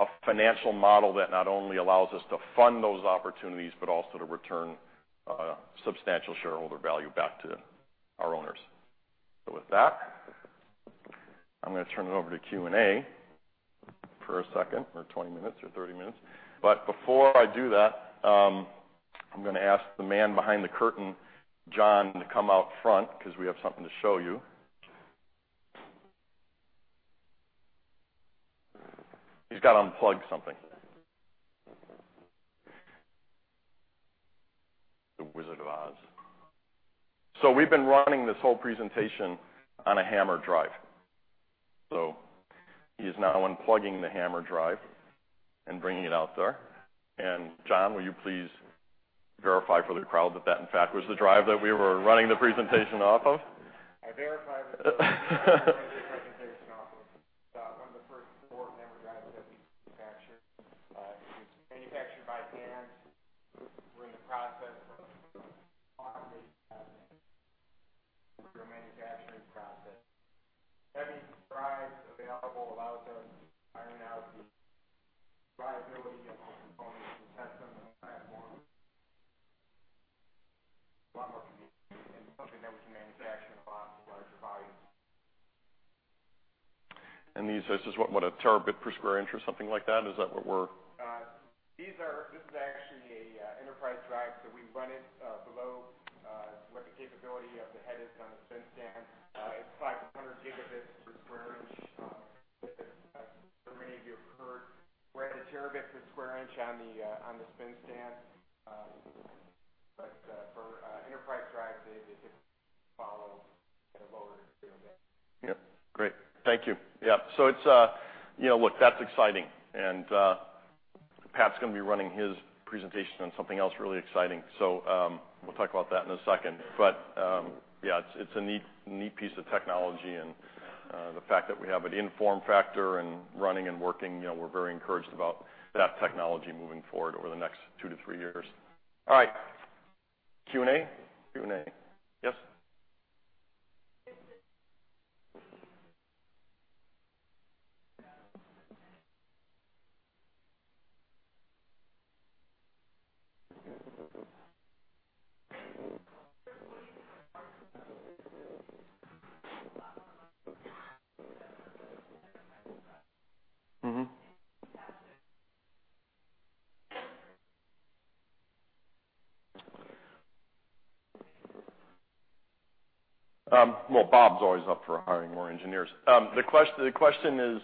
a financial model that not only allows us to fund those opportunities, but also to return substantial shareholder value back to our owners. With that, I'm going to turn it over to Q&A for a second or 20 minutes or 30 minutes. Before I do that, I'm going to ask the man behind the curtain, John, to come out front because we have something to show you. He's got to unplug something. The Wizard of Oz. We've been running this whole presentation on a HAMR drive. He is now unplugging the HAMR drive and bringing it out there. John, will you please verify for the crowd that that in fact was the drive that we were running the presentation off of? I verify that's the drive we've been presenting off of. One of the first four HAMR drives that we've manufactured. It was manufactured by hand during the process of automation through our manufacturing process. Having the drive available allows us to iron out the viability of the components and test them in the platform. A lot more convenient than something that we can manufacture in far larger volumes. This is what, a terabit per square inch or something like that? Is that what we're? This is actually an enterprise drive. We run it below what the capability of the head is on the spin stand. It's 500 gigabits per square inch. As I'm sure many of you have heard, we're at a terabit per square inch on the spin stand. For enterprise drives, they just follow at a lower gigabit. Yep. Great. Thank you. Yeah. Look, that's exciting. Pat's going to be running his presentation on something else really exciting. We'll talk about that in a second. Yeah, it's a neat piece of technology. The fact that we have it in form factor and running and working, we're very encouraged about that technology moving forward over the next 2 to 3 years. All right. Q&A? Q&A. Yes. Well, Bob's always up for hiring more engineers. The question is,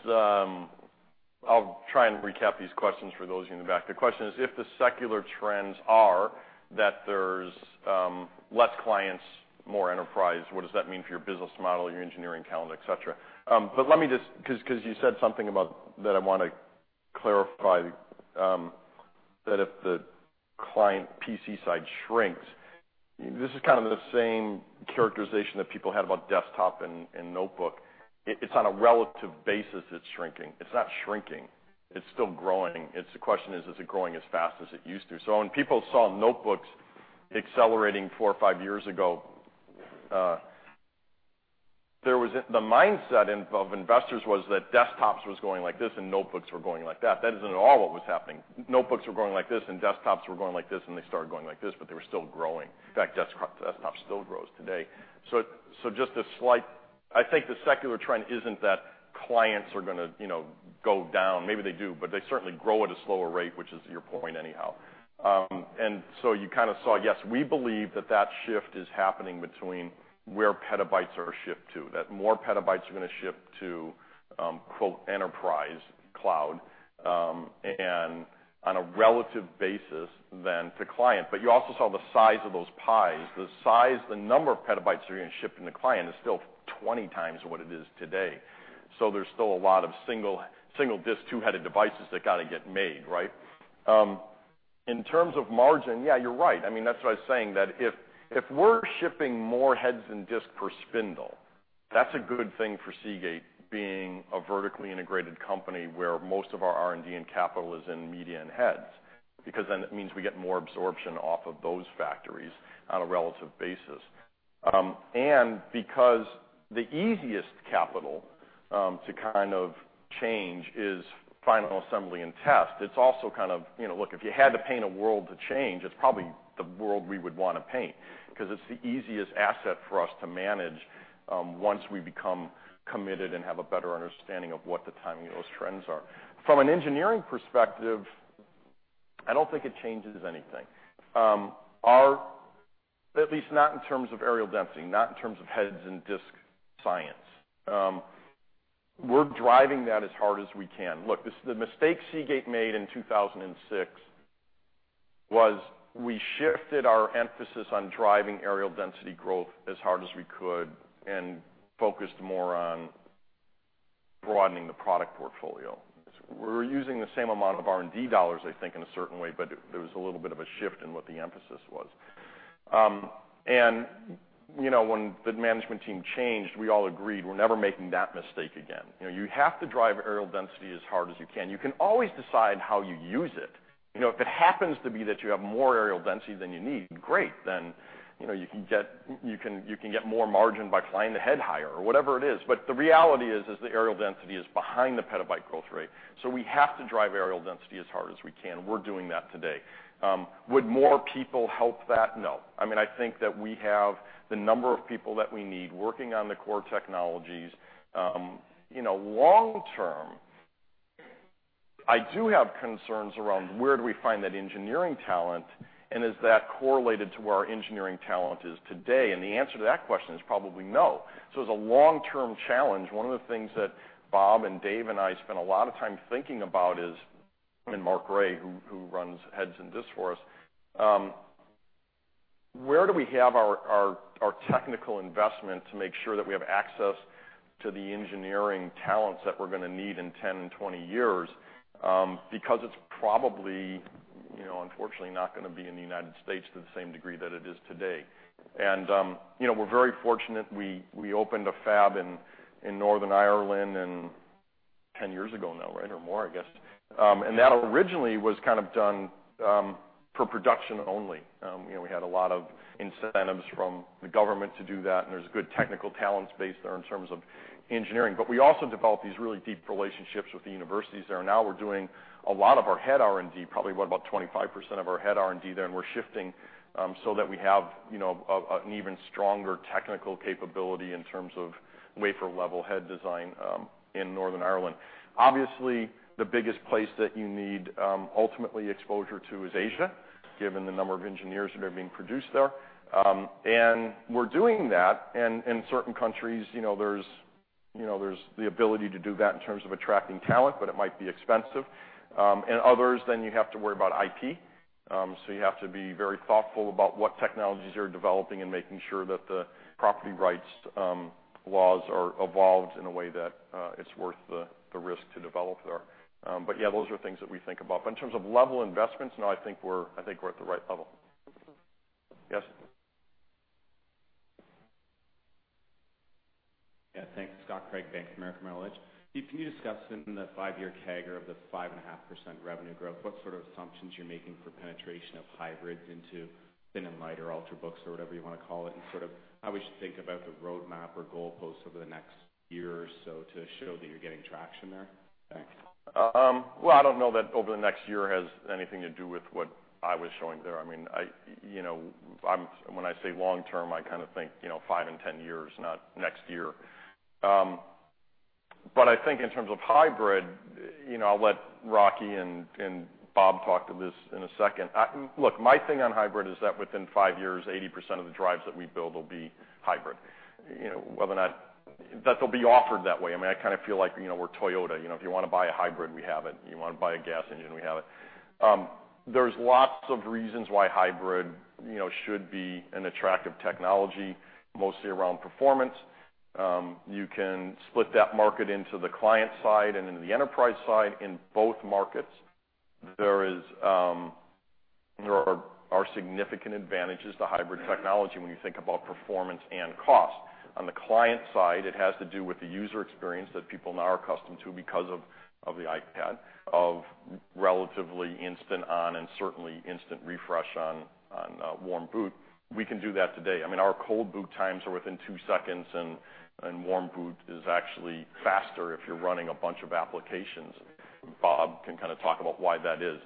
I'll try and recap these questions for those of you in the back. The question is, if the secular trends are that there's less clients, more enterprise, what does that mean for your business model, your engineering talent, et cetera? You said something that I want to clarify, that if the client PC side shrinks, this is the same characterization that people had about desktop and notebook. It's on a relative basis it's shrinking. It's not shrinking. It's still growing. The question is it growing as fast as it used to? When people saw notebooks accelerating four or five years ago, the mindset of investors was that desktops was going like this and notebooks were going like that. That isn't at all what was happening. Notebooks were growing like this and desktops were growing like this and they started going like this, but they were still growing. In fact, desktop still grows today. I think the secular trend isn't that clients are going to go down. Maybe they do, but they certainly grow at a slower rate, which is your point anyhow. You kind of saw, yes, we believe that that shift is happening between where petabytes are shipped to, that more petabytes are going to ship to "enterprise cloud" on a relative basis than to client. You also saw the size of those pies. The number of petabytes that are getting shipped in the client is still 20 times what it is today. There's still a lot of single disk, two-headed devices that got to get made, right? In terms of margin, yeah, you're right. That's what I was saying, that if we're shipping more heads than disk per spindle, that's a good thing for Seagate being a vertically integrated company where most of our R&D and capital is in media and heads, because then it means we get more absorption off of those factories on a relative basis. Because the easiest capital to change is final assembly and test. Look, if you had to paint a world to change, it's probably the world we would want to paint because it's the easiest asset for us to manage once we become committed and have a better understanding of what the timing of those trends are. From an engineering perspective, I don't think it changes anything. At least not in terms of areal density, not in terms of heads and disk science. We're driving that as hard as we can. Look, the mistake Seagate made in 2006 was we shifted our emphasis on driving areal density growth as hard as we could and focused more on broadening the product portfolio. We were using the same amount of R&D dollars, I think, in a certain way, but there was a little bit of a shift in what the emphasis was. When the management team changed, we all agreed we're never making that mistake again. You have to drive areal density as hard as you can. You can always decide how you use it. If it happens to be that you have more areal density than you need, great. You can get more margin by flying the head higher or whatever it is. The reality is the areal density is behind the petabyte growth rate, so we have to drive areal density as hard as we can. We're doing that today. Would more people help that? No. I think that we have the number of people that we need working on the core technologies. Long-term, I do have concerns around where do we find that engineering talent, and is that correlated to where our engineering talent is today? The answer to that question is probably no. As a long-term challenge, one of the things that Bob and Dave and I spend a lot of time thinking about is, Mark Gray, who heads in this for us, where do we have our technical investment to make sure that we have access to the engineering talents that we're going to need in 10, 20 years? Because it's probably, unfortunately, not going to be in the U.S. to the same degree that it is today. We're very fortunate. We opened a fab in Northern Ireland 10 years ago now, right, or more, I guess. That originally was done for production only. We had a lot of incentives from the government to do that, and there's a good technical talents base there in terms of engineering. We also developed these really deep relationships with the universities there. Now we're doing a lot of our head R&D, probably about 25% of our head R&D there, and we're shifting so that we have an even stronger technical capability in terms of wafer-level head design in Northern Ireland. Obviously, the biggest place that you need ultimately exposure to is Asia, given the number of engineers that are being produced there. We're doing that in certain countries. There's the ability to do that in terms of attracting talent, but it might be expensive. In others, you have to worry about IP. You have to be very thoughtful about what technologies you're developing and making sure that the property rights laws are evolved in a way that it's worth the risk to develop there. Yeah, those are things that we think about. In terms of level investments, no, I think we're at the right level. Yes? Yeah, thanks. Scott Craig, Bank of America Merrill Lynch. Can you discuss in the five-year CAGR of the 5.5% revenue growth, what sort of assumptions you're making for penetration of hybrids into thin and light or Ultrabooks or whatever you want to call it, and how we should think about the roadmap or goalposts over the next year or so to show that you're getting traction there? Thanks. Well, I don't know that over the next year has anything to do with what I was showing there. When I say long-term, I think five and 10 years, not next year. I think in terms of hybrid, I'll let Rocky and Bob talk to this in a second. Look, my thing on hybrid is that within five years, 80% of the drives that we build will be hybrid. That they'll be offered that way. I feel like we're Toyota. If you want to buy a hybrid, we have it. You want to buy a gas engine, we have it. There's lots of reasons why hybrid should be an attractive technology, mostly around performance. You can split that market into the client side and into the enterprise side. In both markets, there are significant advantages to hybrid technology when you think about performance and cost. On the client side, it has to do with the user experience that people now are accustomed to because of the iPad, of relatively instant on and certainly instant refresh on warm boot. We can do that today. Our cold boot times are within two seconds, and warm boot is actually faster if you are running a bunch of applications. Bob can talk about why that is.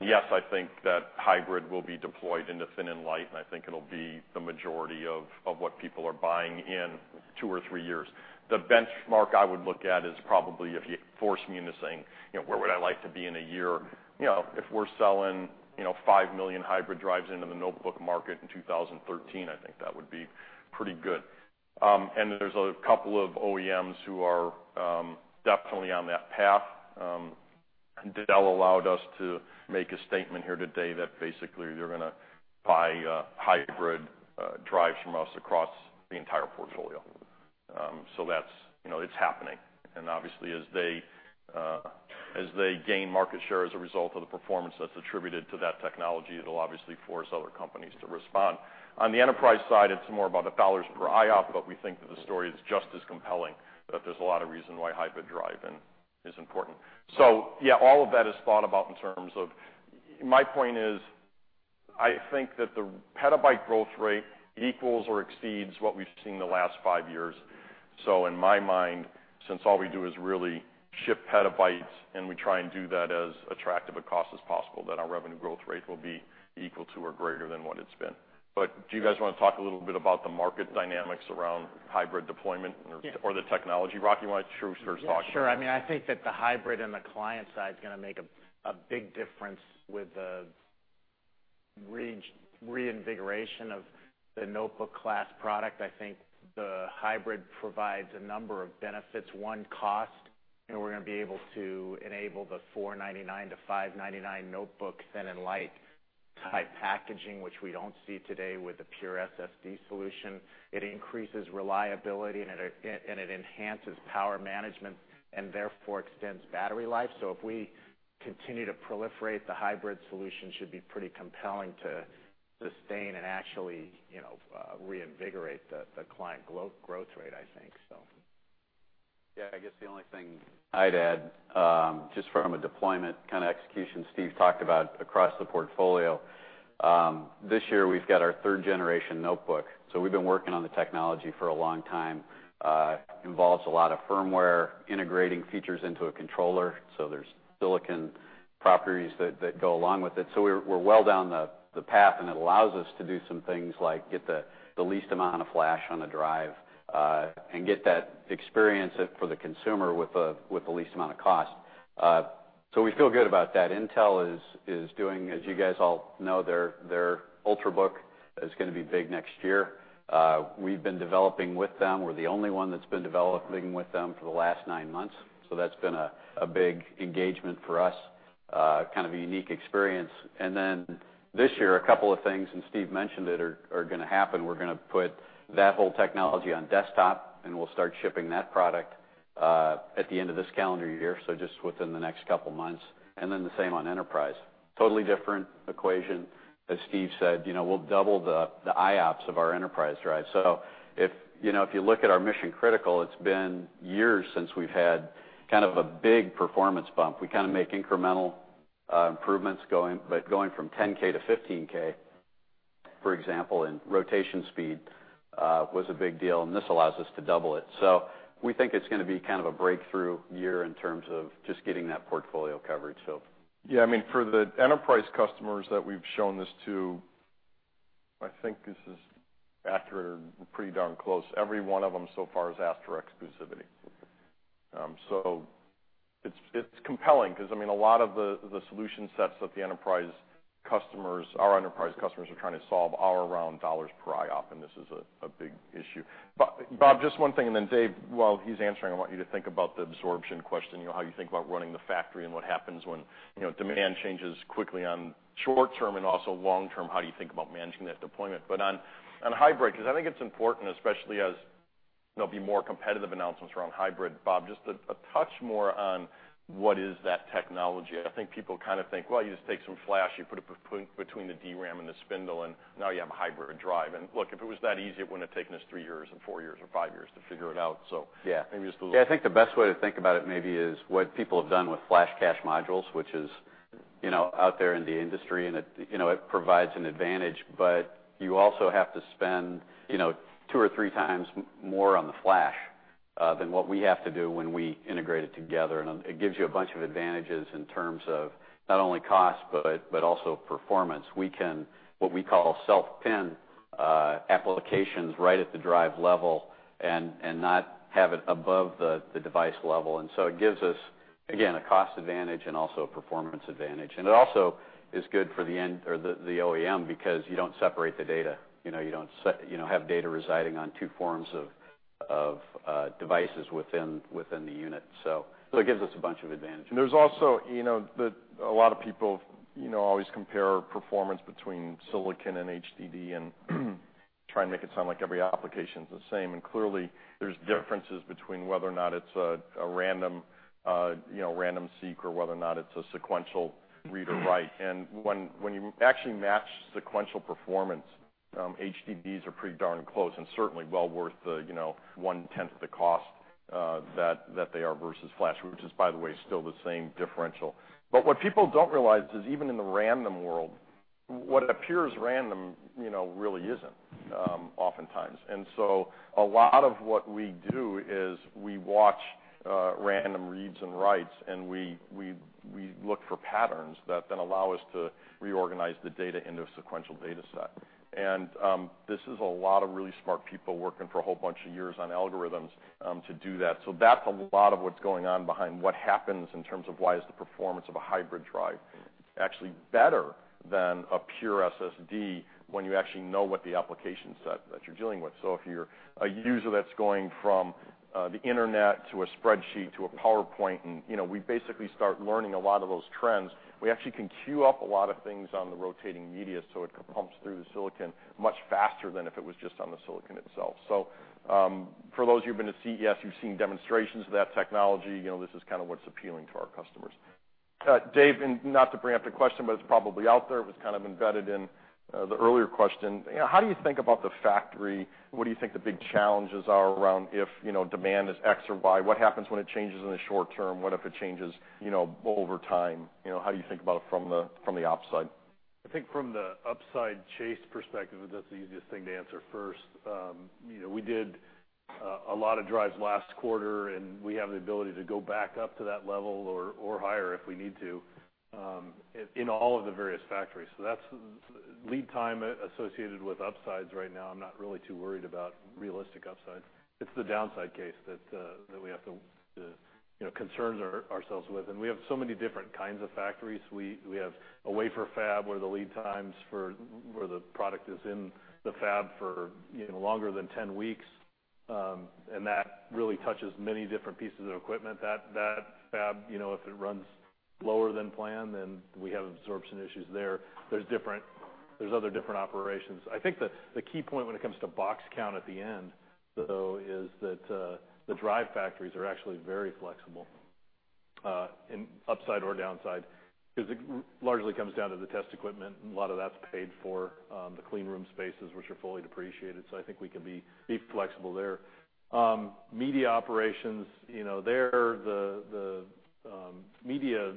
Yes, I think that hybrid will be deployed into thin and light, and I think it will be the majority of what people are buying in two or three years. The benchmark I would look at is probably if you force me into saying, where would I like to be in one year? If we are selling 5 million hybrid drives into the notebook market in 2013, I think that would be pretty good. There is a couple of OEMs who are definitely on that path. Dell allowed us to make a statement here today that basically they are going to buy hybrid drives from us across the entire portfolio. It is happening. Obviously, as they gain market share as a result of the performance that is attributed to that technology, it will obviously force other companies to respond. On the enterprise side, it is more about the $ per IOPS, but we think that the story is just as compelling, that there is a lot of reason why hybrid drive is important. Yeah, all of that is thought about in terms of-- My point is, I think that the petabyte growth rate equals or exceeds what we have seen the last five years. In my mind, since all we do is really ship petabytes and we try and do that as attractive a cost as possible, then our revenue growth rate will be equal to or greater than what it has been. Do you guys want to talk a little bit about the market dynamics around hybrid deployment or the technology? Rocky, you want to first talk about that? Sure. I think that the hybrid and the client side is going to make a big difference with the reinvigoration of the notebook-class product. I think the hybrid provides a number of benefits. One, cost. We are going to be able to enable the $499-$599 notebook thin and light-type packaging, which we do not see today with the pure SSD solution. It increases reliability, and it enhances power management and therefore extends battery life. If we continue to proliferate, the hybrid solution should be pretty compelling to sustain and actually reinvigorate the client growth rate, I think so. I guess the only thing I'd add, just from a deployment execution Steve talked about across the portfolio. This year, we've got our third generation notebook. We've been working on the technology for a long time. Involves a lot of firmware, integrating features into a controller, there's silicon properties that go along with it. We're well down the path, and it allows us to do some things like get the least amount of flash on the drive, and get that experience for the consumer with the least amount of cost. We feel good about that. Intel is doing, as you guys all know, their Ultrabook is going to be big next year. We've been developing with them. We're the only one that's been developing with them for the last nine months, that's been a big engagement for us, kind of a unique experience. This year, a couple of things, and Steve mentioned it, are going to happen. We're going to put that whole technology on desktop, we'll start shipping that product at the end of this calendar year, just within the next couple of months. The same on enterprise. Totally different equation. As Steve said, we'll double the IOPS of our enterprise drive. If you look at our mission-critical, it's been years since we've had a big performance bump. We make incremental improvements, going from 10K to 15K, for example, in rotation speed, was a big deal, and this allows us to double it. We think it's going to be a breakthrough year in terms of just getting that portfolio coverage. For the enterprise customers that we've shown this to, I think this is accurate or pretty darn close. Every one of them so far has asked for exclusivity. It's compelling because a lot of the solution sets that our enterprise customers are trying to solve are around $ per IOPS, this is a big issue. Bob, just one thing, Dave, while he's answering, I want you to think about the absorption question, how you think about running the factory and what happens when demand changes quickly on short-term and also long-term, how do you think about managing that deployment? On hybrid, because I think it's important, especially as there'll be more competitive announcements around hybrid. Bob, just a touch more on what is that technology. I think people think, well, you just take some flash, you put it between the DRAM and the spindle, now you have a hybrid drive. Look, if it was that easy, it wouldn't have taken us three years or four years or five years to figure it out. Maybe just a little. Yeah. I think the best way to think about it maybe is what people have done with flash cache modules, which is out there in the industry, and it provides an advantage, but you also have to spend two or three times more on the flash than what we have to do when we integrate it together. It gives you a bunch of advantages in terms of not only cost, but also performance. We can, what we call self-pin applications right at the drive level and not have it above the device level. It gives us, again, a cost advantage and also a performance advantage. It also is good for the OEM because you don't separate the data. You don't have data residing on two forms of devices within the unit. It gives us a bunch of advantages. There's also, a lot of people always compare performance between silicon and HDD and try and make it sound like every application's the same. Clearly, there's differences between whether or not it's a random seek or whether or not it's a sequential read or write. When you actually match sequential performance, HDDs are pretty darn close and certainly well worth the one-tenth the cost that they are versus flash, which is, by the way, still the same differential. What people don't realize is even in the random world, what appears random really isn't, oftentimes. A lot of what we do is we watch random reads and writes, and we look for patterns that then allow us to reorganize the data into a sequential data set. This is a lot of really smart people working for a whole bunch of years on algorithms to do that. That's a lot of what's going on behind what happens in terms of why is the performance of a hybrid drive actually better than a pure SSD when you actually know what the application set that you're dealing with. If you're a user that's going from the internet to a spreadsheet to a PowerPoint, and we basically start learning a lot of those trends, we actually can queue up a lot of things on the rotating media so it could pump through the silicon much faster than if it was just on the silicon itself. For those who've been to CES, you've seen demonstrations of that technology. This is what's appealing to our customers. Dave, not to bring up the question, it's probably out there. It was embedded in the earlier question. How do you think about the Factory of the Future? What do you think the big challenges are around if demand is X or Y? What happens when it changes in the short term? What if it changes over time? How do you think about it from the ops side? I think from the upside chase perspective, that's the easiest thing to answer first. We did a lot of drives last quarter, and we have the ability to go back up to that level or higher if we need to, in all of the various factories. That's lead time associated with upsides right now. I'm not really too worried about realistic upside. It's the downside case that we have to concern ourselves with. We have so many different kinds of factories. We have a wafer fab where the lead times for where the product is in the fab for longer than 10 weeks. That really touches many different pieces of equipment. That fab, if it runs lower than planned, then we have absorption issues there. There's other different operations. I think the key point when it comes to box count at the end, though, is that the drive factories are actually very flexible In upside or downside, because it largely comes down to the test equipment, and a lot of that's paid for. The clean room spaces, which are fully depreciated. I think we can be flexible there. Media operations, there, the media,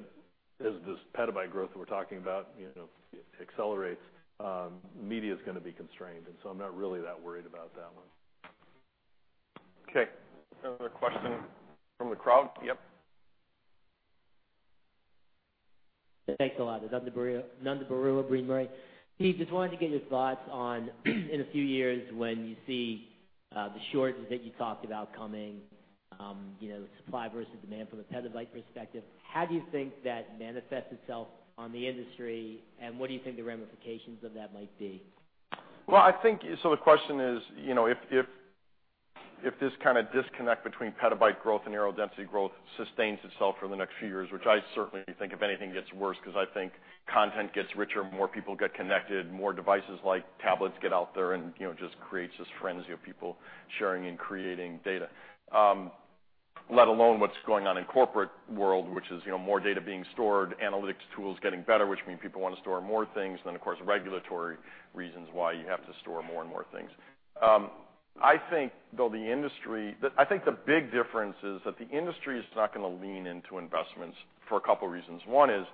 as this petabyte growth we're talking about accelerates, media's going to be constrained. I'm not really that worried about that one. Okay. Another question from the crowd. Yep. Thanks a lot. Ananda Baruah, Brean Capital. Steve, just wanted to get your thoughts on in a few years when you see the shortages that you talked about coming, the supply versus demand from a petabyte perspective, how do you think that manifests itself on the industry, and what do you think the ramifications of that might be? The question is, if this kind of disconnect between petabyte growth and areal density growth sustains itself for the next few years, which I certainly think if anything gets worse because I think content gets richer, more people get connected, more devices like tablets get out there and just creates this frenzy of people sharing and creating data. Let alone what is going on in corporate world, which is more data being stored, analytics tools getting better, which means people want to store more things. Of course, regulatory reasons why you have to store more and more things. I think the big difference is that the industry is not going to lean into investments for a couple of reasons. One is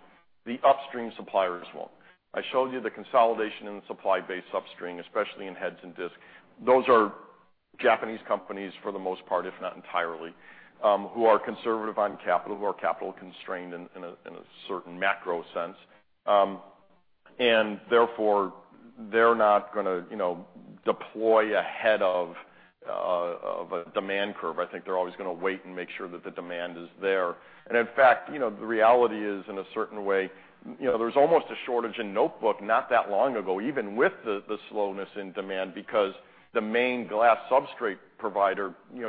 the upstream suppliers will not. I showed you the consolidation in the supply base upstream, especially in heads and disk. Those are Japanese companies for the most part, if not entirely, who are conservative on capital, who are capital constrained in a certain macro sense. Therefore, they are not going to deploy ahead of a demand curve. I think they are always going to wait and make sure that the demand is there. In fact, the reality is in a certain way, there is almost a shortage in notebook not that long ago, even with the slowness in demand because the main glass substrate provider, they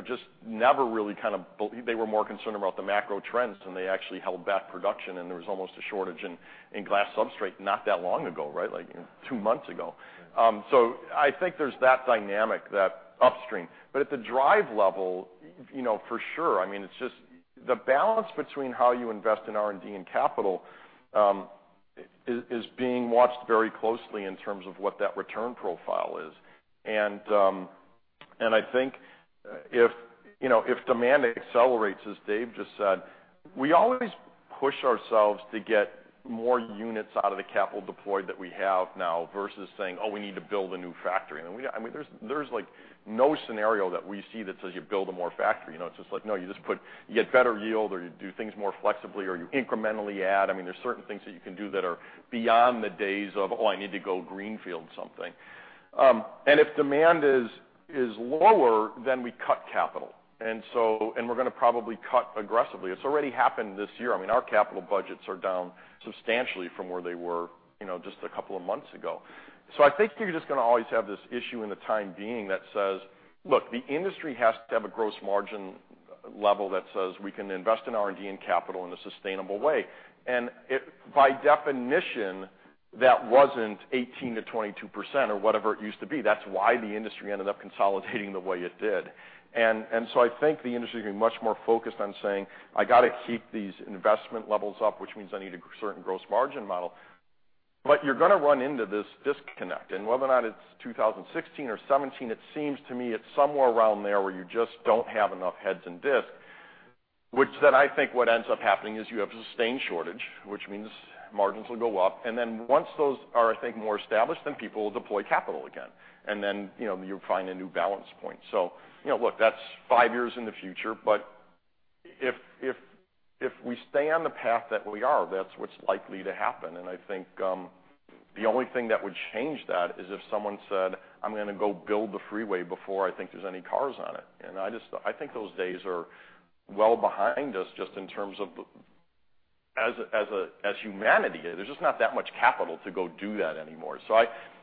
were more concerned about the macro trends, and they actually held back production, and there was almost a shortage in glass substrate not that long ago, like two months ago. Right. I think there is that dynamic, that upstream. At the drive level, for sure, it is just the balance between how you invest in R&D and capital is being watched very closely in terms of what that return profile is. I think if demand accelerates, as Dave just said, we always push ourselves to get more units out of the capital deployed that we have now versus saying, "Oh, we need to build a new factory." There is no scenario that we see that says you build more factory. It is just like, no, you get better yield or you do things more flexibly or you incrementally add. There are certain things that you can do that are beyond the days of, oh, I need to go greenfield something. If demand is lower, then we cut capital. We are going to probably cut aggressively. It has already happened this year. Our capital budgets are down substantially from where they were just a couple of months ago. I think you are just going to always have this issue in the time being that says, look, the industry has to have a gross margin level that says we can invest in R&D and capital in a sustainable way. By definition, that was not 18%-22% or whatever it used to be. That is why the industry ended up consolidating the way it did. I think the industry is going to be much more focused on saying, I got to keep these investment levels up, which means I need a certain gross margin model. You are going to run into this disconnect, and whether or not it is 2016 or 2017, it seems to me it is somewhere around there where you just do not have enough heads and disks. What ends up happening is you have sustained shortage, which means margins will go up. Once those are more established, people will deploy capital again. You'll find a new balance point. That's 5 years in the future, but if we stay on the path that we are, that's what's likely to happen, and the only thing that would change that is if someone said, "I'm going to go build the freeway before I think there's any cars on it." Those days are well behind us just in terms of as humanity. There's just not that much capital to go do that anymore.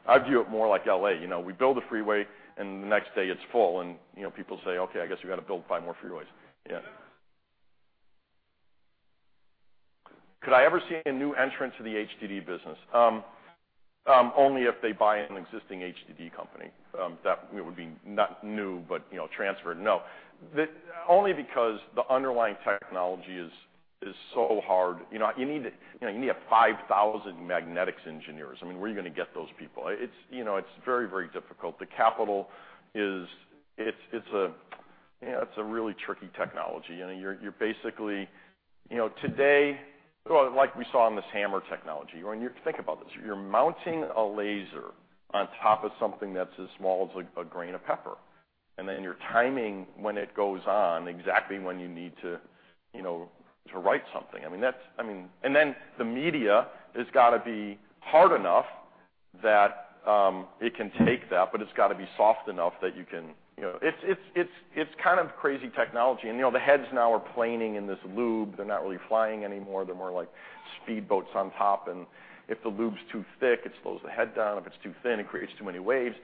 I view it more like L.A. We build a freeway, and the next day it's full, and people say, "Okay, I guess we got to build five more freeways." Could I ever see a new entrant to the HDD business? Only if they buy an existing HDD company. That would be not new, but transferred. No. Only because the underlying technology is so hard. You need 5,000 magnetics engineers. Where are you going to get those people? It's very, very difficult. The capital is a really tricky technology. Today, like we saw in this HAMR technology, when you think about this, you're mounting a laser on top of something that's as small as a grain of pepper, and then you're timing when it goes on exactly when you need to write something. The media has got to be hard enough that it can take that, but it's got to be soft enough that it's kind of crazy technology. The heads now are planing in this lube. They're not really flying anymore. They're more like speedboats on top, and if the lube's too thick, it slows the head down. If it's too thin, it creates too many waves.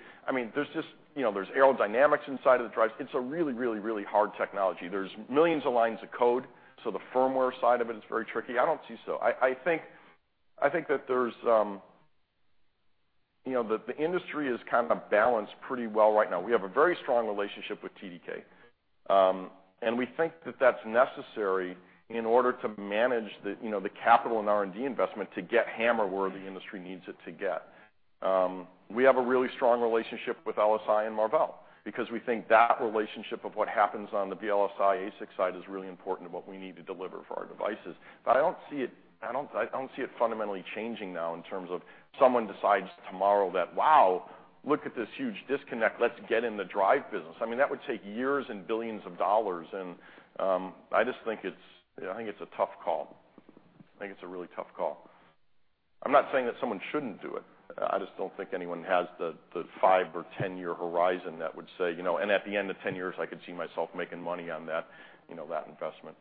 There's aerodynamics inside of the drives. It's a really, really hard technology. There's millions of lines of code, so the firmware side of it is very tricky. I don't see so. The industry is kind of balanced pretty well right now. We have a very strong relationship with TDK, we think that that's necessary in order to manage the capital and R&D investment to get HAMR where the industry needs it to get. We have a really strong relationship with LSI and Marvell because we think that relationship of what happens on the VLSI ASIC side is really important to what we need to deliver for our devices. I don't see it fundamentally changing now in terms of someone decides tomorrow that, "Wow, look at this huge disconnect. Let's get in the drive business." That would take years and billions of dollars, I just think it's a tough call. I think it's a really tough call. I'm not saying that someone shouldn't do it. I just don't think anyone has the five or 10-year horizon that would say, "At the end of 10 years, I could see myself making money on that investment.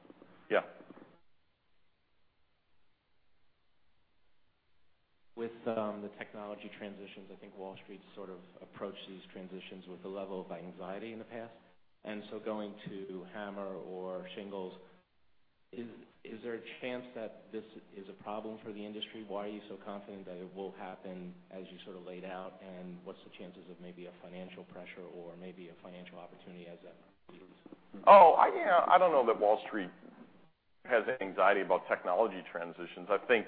With the technology transitions, I think Wall Street sort of approached these transitions with a level of anxiety in the past. So going to HAMR or Shingled, is there a chance that this is a problem for the industry? Why are you so confident that it will happen as you sort of laid out? What's the chances of maybe a financial pressure or maybe a financial opportunity as that I don't know that Wall Street has anxiety about technology transitions. I think,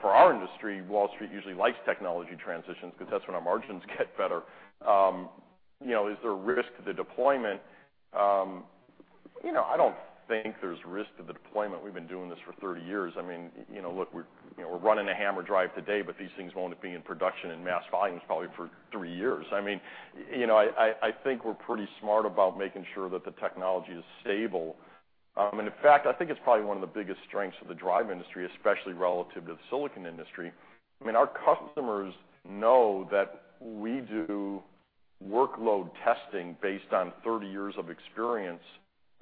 for our industry, Wall Street usually likes technology transitions because that's when our margins get better. Is there a risk to the deployment? I don't think there's risk to the deployment. We've been doing this for 30 years. Look, we're running a HAMR drive today, but these things won't be in production in mass volumes probably for three years. I think we're pretty smart about making sure that the technology is stable. In fact, I think it's probably one of the biggest strengths of the drive industry, especially relative to the silicon industry. Our customers know that we do workload testing based on 30 years of experience,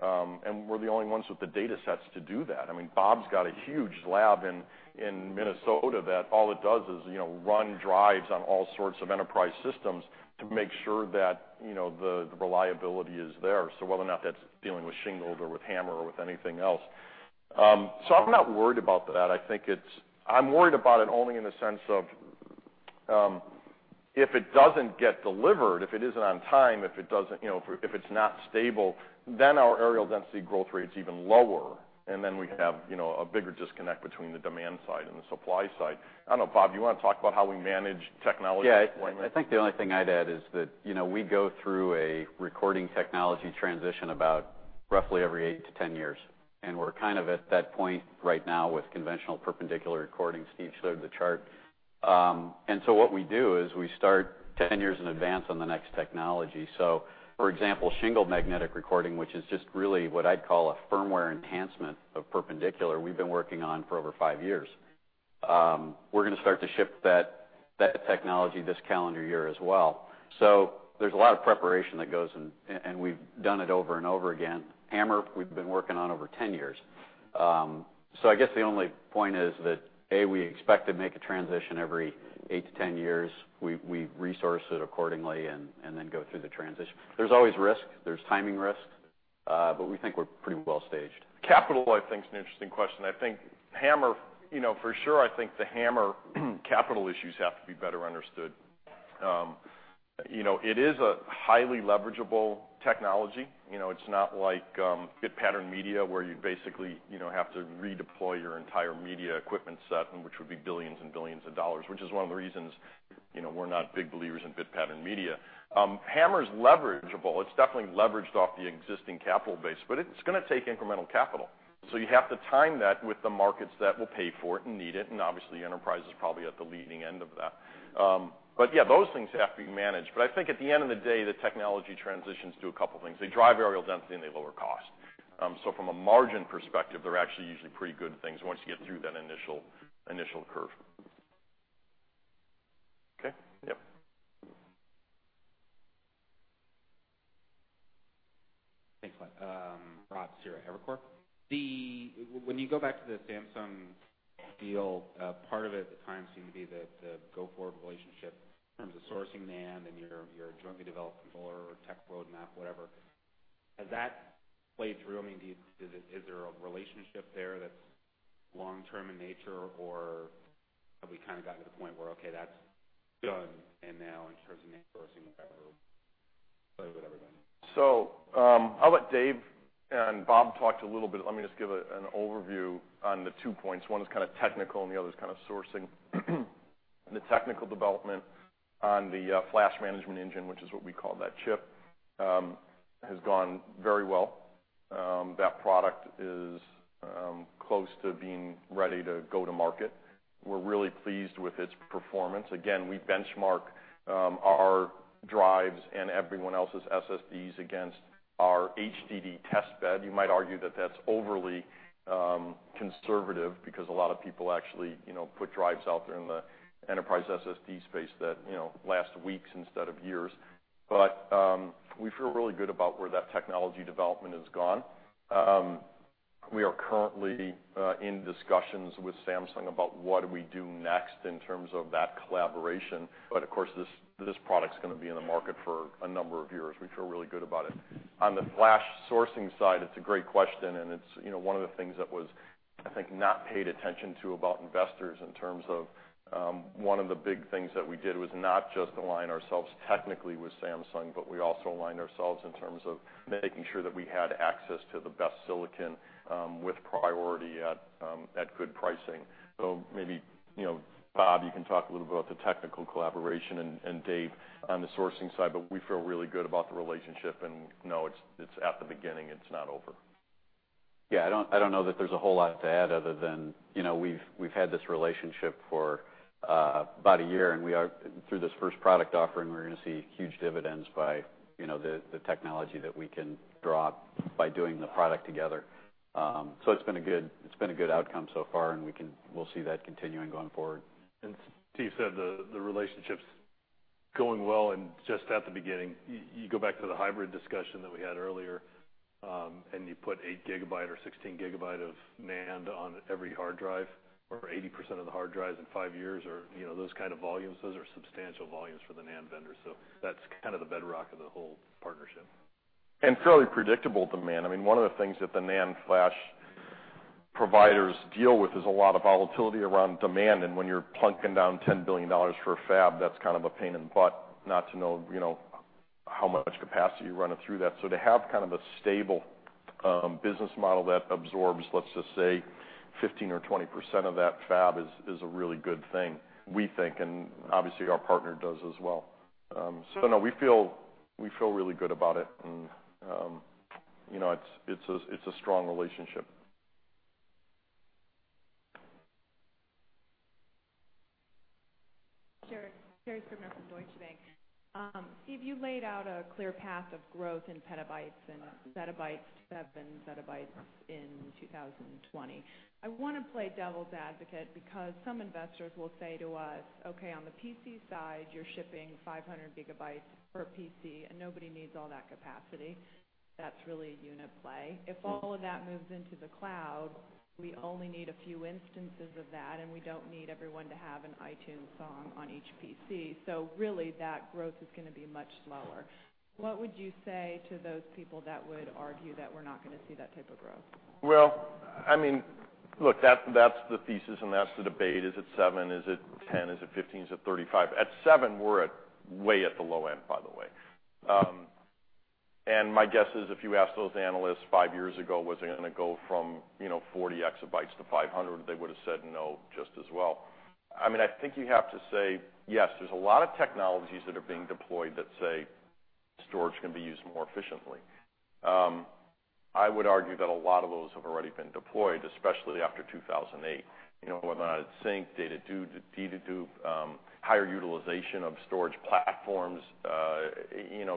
and we're the only ones with the datasets to do that. Bob's got a huge lab in Minnesota that all it does is run drives on all sorts of enterprise systems to make sure that the reliability is there. Whether or not that's dealing with Shingled or with HAMR or with anything else. I'm not worried about that. I'm worried about it only in the sense of, if it doesn't get delivered, if it isn't on time, if it's not stable, then our areal density growth rate's even lower, then we have a bigger disconnect between the demand side and the supply side. I don't know, Bob, do you want to talk about how we manage technology deployment? Yeah. I think the only thing I'd add is that we go through a recording technology transition about roughly every eight to 10 years, and we're kind of at that point right now with conventional perpendicular recording. Steve showed the chart. What we do is we start 10 years in advance on the next technology. For example, Shingled Magnetic Recording, which is just really what I'd call a firmware enhancement of perpendicular, we've been working on for over five years. We're going to start to ship that technology this calendar year as well. There's a lot of preparation that goes, and we've done it over and over again. HAMR, we've been working on over 10 years. I guess the only point is that, A, we expect to make a transition every eight to 10 years. We resource it accordingly and then go through the transition. There's always risk. There's timing risk, but we think we're pretty well-staged. Capital I think is an interesting question. For sure, I think the HAMR capital issues have to be better understood. It is a highly leverageable technology. It's not like Bit Patterned Media, where you'd basically have to redeploy your entire media equipment set, which would be $billions and $billions, which is one of the reasons we're not big believers in Bit Patterned Media. HAMR's leverageable. It's definitely leveraged off the existing capital base, but it's going to take incremental capital. You have to time that with the markets that will pay for it and need it, and obviously, enterprise is probably at the leading end of that. Yeah, those things have to be managed. I think at the end of the day, the technology transitions do a couple of things. They drive areal density, and they lower cost. From a margin perspective, they're actually usually pretty good things once you get through that initial curve. Okay. Yep. Thanks. Rob Cihra, Evercore. When you go back to the Samsung deal, part of it at the time seemed to be the go-forward relationship in terms of sourcing NAND and your jointly developed controller or tech roadmap, whatever. Has that played through? Is there a relationship there that's long-term in nature, or have we kind of gotten to the point where okay, that's done, and now in terms of NAND sourcing, whatever, play with everybody? I'll let Dave and Bob talk to a little bit. Let me just give an overview on the two points. One is kind of technical, and the other's kind of sourcing. The technical development on the flash management engine, which is what we call that chip, has gone very well. That product is close to being ready to go to market. We're really pleased with its performance. Again, we benchmark our drives and everyone else's SSDs against our HDD test bed. You might argue that that's overly conservative because a lot of people actually put drives out there in the enterprise SSD space that last weeks instead of years. We feel really good about where that technology development has gone. We are currently in discussions with Samsung about what we do next in terms of that collaboration. Of course, this product's going to be in the market for a number of years. We feel really good about it. On the flash sourcing side, it's a great question, and it's one of the things that was, I think, not paid attention to about investors in terms of one of the big things that we did was not just align ourselves technically with Samsung, but we also aligned ourselves in terms of making sure that we had access to the best silicon, with priority at good pricing. Maybe, Bob, you can talk a little bit about the technical collaboration and Dave on the sourcing side, but we feel really good about the relationship and know it's at the beginning, it's not over. Yeah, I don't know that there's a whole lot to add other than we've had this relationship for about a year, and through this first product offering, we're going to see huge dividends by the technology that we can draw by doing the product together. It's been a good outcome so far, and we'll see that continuing going forward. Steve said the relationship's going well and just at the beginning. You go back to the hybrid discussion that we had earlier, and you put 8 GB or 16 GB of NAND on every hard drive or 80% of the hard drives in 5 years or those kind of volumes. Those are substantial volumes for the NAND vendors. That's the bedrock of the whole partnership. Fairly predictable demand. One of the things that the NAND flash providers deal with is a lot of volatility around demand, and when you're plunking down $10 billion for a fab, that's a pain in the butt not to know how much capacity you're running through that. To have a stable business model that absorbs, let's just say, 15% or 20% of that fab is a really good thing, we think, and obviously, our partner does as well. No, we feel really good about it, and it's a strong relationship. Sherri Scribner from Deutsche Bank. Steve, you laid out a clear path of growth in petabytes and zettabytes, seven zettabytes in 2020. I want to play devil's advocate because some investors will say to us, "Okay, on the PC side, you're shipping 500 gigabytes per PC, and nobody needs all that capacity. That's really a unit play." If all of that moves into the cloud, we only need a few instances of that, and we don't need everyone to have an iTunes song on each PC. Really, that growth is going to be much slower. What would you say to those people that would argue that we're not going to see that type of growth? Well, look, that's the thesis and that's the debate. Is it seven? Is it 10? Is it 15? Is it 35? At seven, we're way at the low end, by the way. My guess is if you asked those analysts five years ago, "Was it going to go from 40 exabytes to 500?" They would've said no, just as well. I think you have to say, yes, there's a lot of technologies that are being deployed that say storage can be used more efficiently. I would argue that a lot of those have already been deployed, especially after 2008, whether or not it's sync, dedup, higher utilization of storage platforms.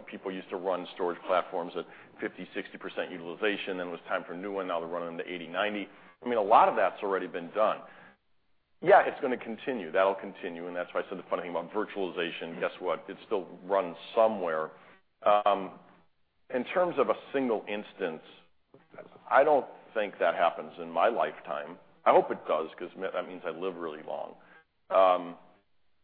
People used to run storage platforms at 50%, 60% utilization, then it was time for a new one. Now they're running them to 80%, 90%. A lot of that's already been done. Yeah, it's going to continue. That'll continue, and that's why I said the funny thing about virtualization. Guess what? It still runs somewhere. In terms of a single instance, I don't think that happens in my lifetime. I hope it does because that means I live really long.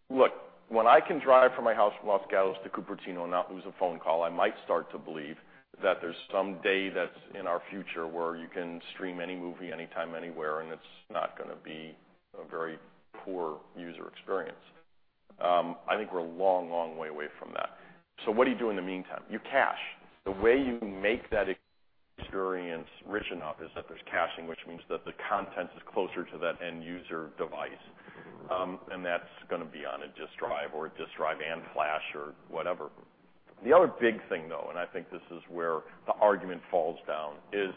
Look, when I can drive from my house from Los Gatos to Cupertino and not lose a phone call, I might start to believe that there's some day that's in our future where you can stream any movie, anytime, anywhere, and it's not going to be a very poor user experience. I think we're a long way away from that. What do you do in the meantime? You cache. The way you make that experience rich enough is that there's caching, which means that the content is closer to that end-user device, and that's going to be on a disk drive or a disk drive and flash or whatever. The other big thing, though, I think this is where the argument falls down, is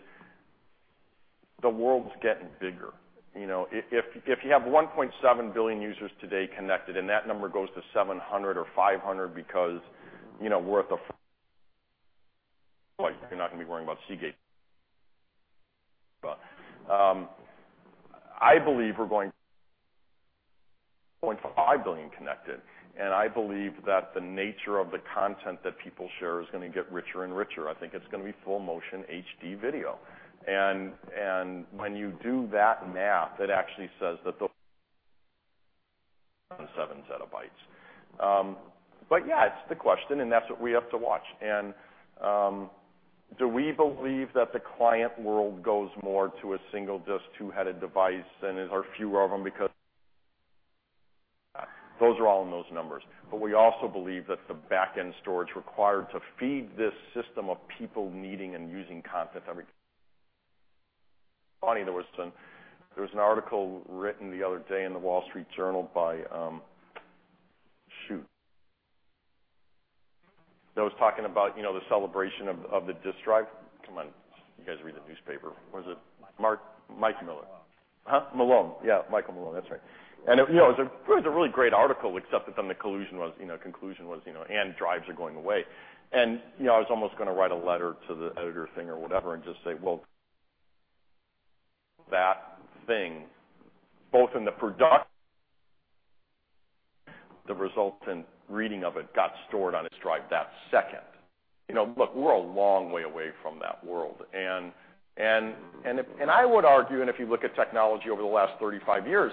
the world's getting bigger. If you have 1.7 billion users today connected and that number goes to 700 or 500 because we're at the. You're not going to be worrying about Seagate. I believe we're going 0.5 billion connected, and I believe that the nature of the content that people share is going to get richer and richer. I think it's going to be full motion HD video. When you do that math, it actually says that the seven zettabytes. Yeah, it's the question, and that's what we have to watch. Do we believe that the client world goes more to a single disk, two-headed device and there are fewer of them because? Those are all in those numbers. We also believe that the back-end storage required to feed this system of people needing and using content every. Funny, there was an article written the other day in The Wall Street Journal by, shoot. That was talking about the celebration of the disk drive. Come on, you guys read the newspaper. Was it Mike Miller? Malone. Huh? Malone. Yeah, Michael Malone. That's right. It was a really great article, except that then the conclusion was and drives are going away. I was almost going to write a letter to the editor thing or whatever and just say, "Well, that thing, both in the resultant reading of it got stored on its drive that second. Look, we're a long way away from that world. I would argue, and if you look at technology over the last 35 years,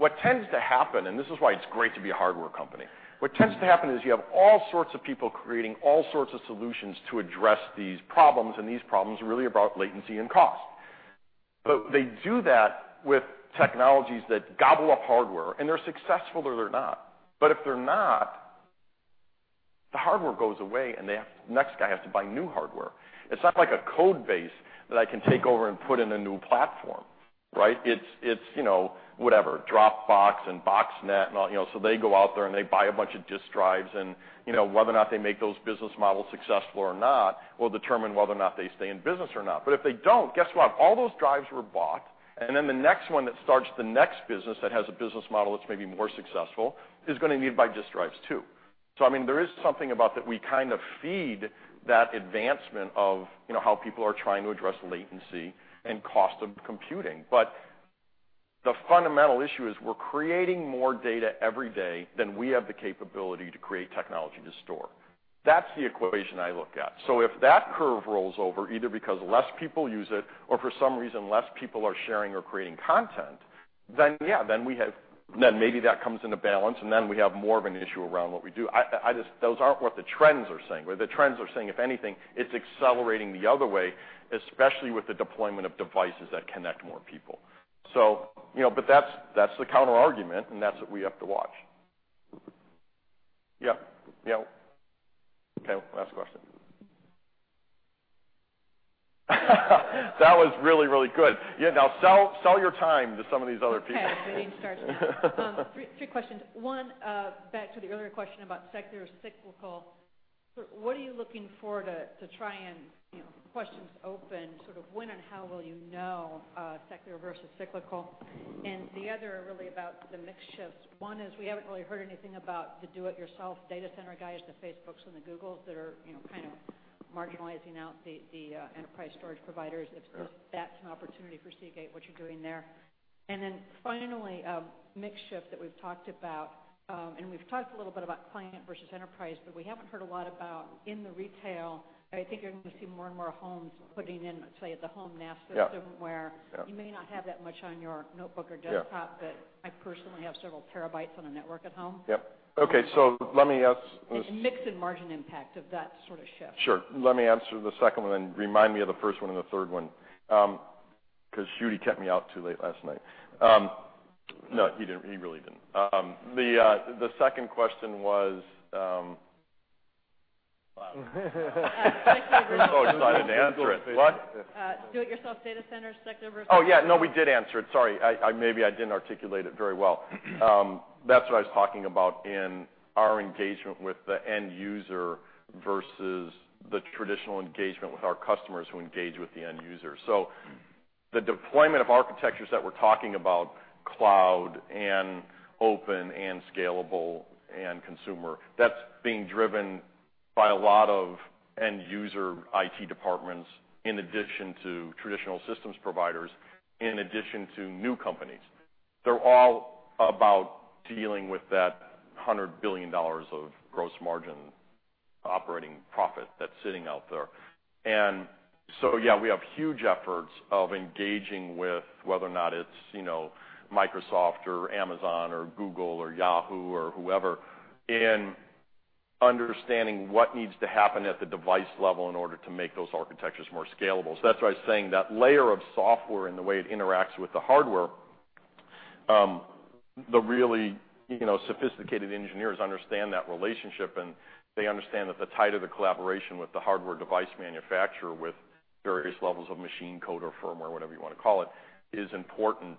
what tends to happen, and this is why it's great to be a hardware company, what tends to happen is you have all sorts of people creating all sorts of solutions to address these problems, and these problems are really about latency and cost. They do that with technologies that gobble up hardware, and they're successful or they're not. If they're not, the hardware goes away and the next guy has to buy new hardware. It's not like a code base that I can take over and put in a new platform, right? It's whatever, Dropbox and Box.net and all, they go out there and they buy a bunch of disk drives and, whether or not they make those business models successful or not, will determine whether or not they stay in business or not. If they don't, guess what? All those drives were bought, the next one that starts the next business that has a business model that's maybe more successful is going to need to buy disk drives, too. There is something about that we kind of feed that advancement of how people are trying to address latency and cost of computing. The fundamental issue is we're creating more data every day than we have the capability to create technology to store. That's the equation I look at. If that curve rolls over, either because less people use it or for some reason, less people are sharing or creating content, then yeah, then maybe that comes into balance, and then we have more of an issue around what we do. Those aren't what the trends are saying. The trends are saying, if anything, it's accelerating the other way, especially with the deployment of devices that connect more people. That's the counterargument, and that's what we have to watch. Yeah. Okay, last question. That was really good. Yeah. Now sell your time to some of these other people. Okay, the name starts now. Three questions. One, back to the earlier question about secular cyclical. What are you looking for to try and, questions open, sort of when and how will you know secular versus cyclical? The other are really about the mix shifts. One is we haven't really heard anything about the do-it-yourself data center guys, the Facebook and the Google that are kind of marginalizing out the enterprise storage providers, if that's an opportunity for Seagate, what you're doing there. Then finally, mix shift that we've talked about, and we've talked a little bit about client versus enterprise, but we haven't heard a lot about in the retail. I think you're going to see more and more homes putting in, let's say, the home NAS system- Yeah where you may not have that much on your notebook or desktop- Yeah I personally have several terabytes on a network at home. Yep. Okay, let me ask- Mix and margin impact of that sort of shift. Sure. Let me answer the second one, then remind me of the first one and the third one. Judy kept me out too late last night. No, he really didn't. The second question was, wow. I'm so excited to answer it. What? Do-it-yourself data centers, secular versus- Oh, yeah. No, we did answer it. Sorry. Maybe I didn't articulate it very well. That's what I was talking about in our engagement with the end user versus the traditional engagement with our customers who engage with the end user. The deployment of architectures that we're talking about, cloud and open and scalable and consumer, that's being driven by a lot of end user IT departments, in addition to traditional systems providers, in addition to new companies. They're all about dealing with that $100 billion of gross margin operating profit that's sitting out there. Yeah, we have huge efforts of engaging with, whether or not it's Microsoft or Amazon or Google or Yahoo or whoever, in understanding what needs to happen at the device level in order to make those architectures more scalable. That's why I was saying that layer of software and the way it interacts with the hardware, the really sophisticated engineers understand that relationship, and they understand that the tie to the collaboration with the hardware device manufacturer with various levels of machine code or firmware, whatever you want to call it, is important.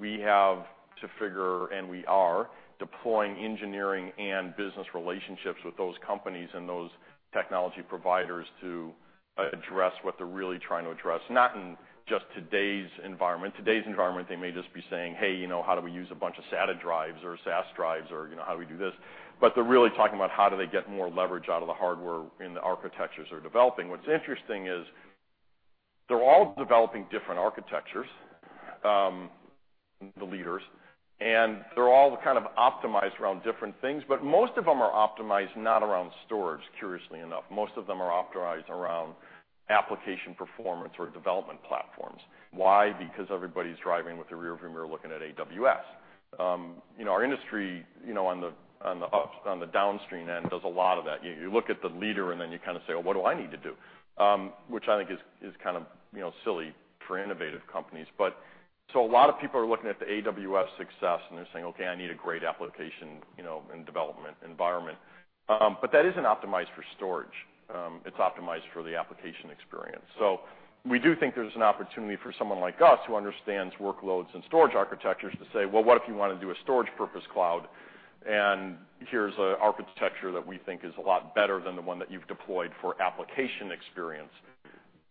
We have to figure, and we are, deploying engineering and business relationships with those companies and those technology providers to address what they're really trying to address, not in just today's environment. Today's environment, they may just be saying, "Hey, how do we use a bunch of SATA drives or SAS drives, or how do we do this?" They're really talking about how do they get more leverage out of the hardware in the architectures they're developing. What's interesting is they're all developing different architectures, the leaders, and they're all kind of optimized around different things, but most of them are optimized not around storage, curiously enough. Most of them are optimized around application performance or development platforms. Why? Because everybody's driving with their rearview mirror looking at AWS. Our industry, on the downstream end, does a lot of that. You look at the leader, and then you say, "Well, what do I need to do?" Which I think is kind of silly for innovative companies. A lot of people are looking at the AWS success, and they're saying, "Okay, I need a great application and development environment." That isn't optimized for storage. It's optimized for the application experience. We do think there's an opportunity for someone like us who understands workloads and storage architectures to say, "Well, what if you want to do a storage purpose cloud? Here's an architecture that we think is a lot better than the one that you've deployed for application experience."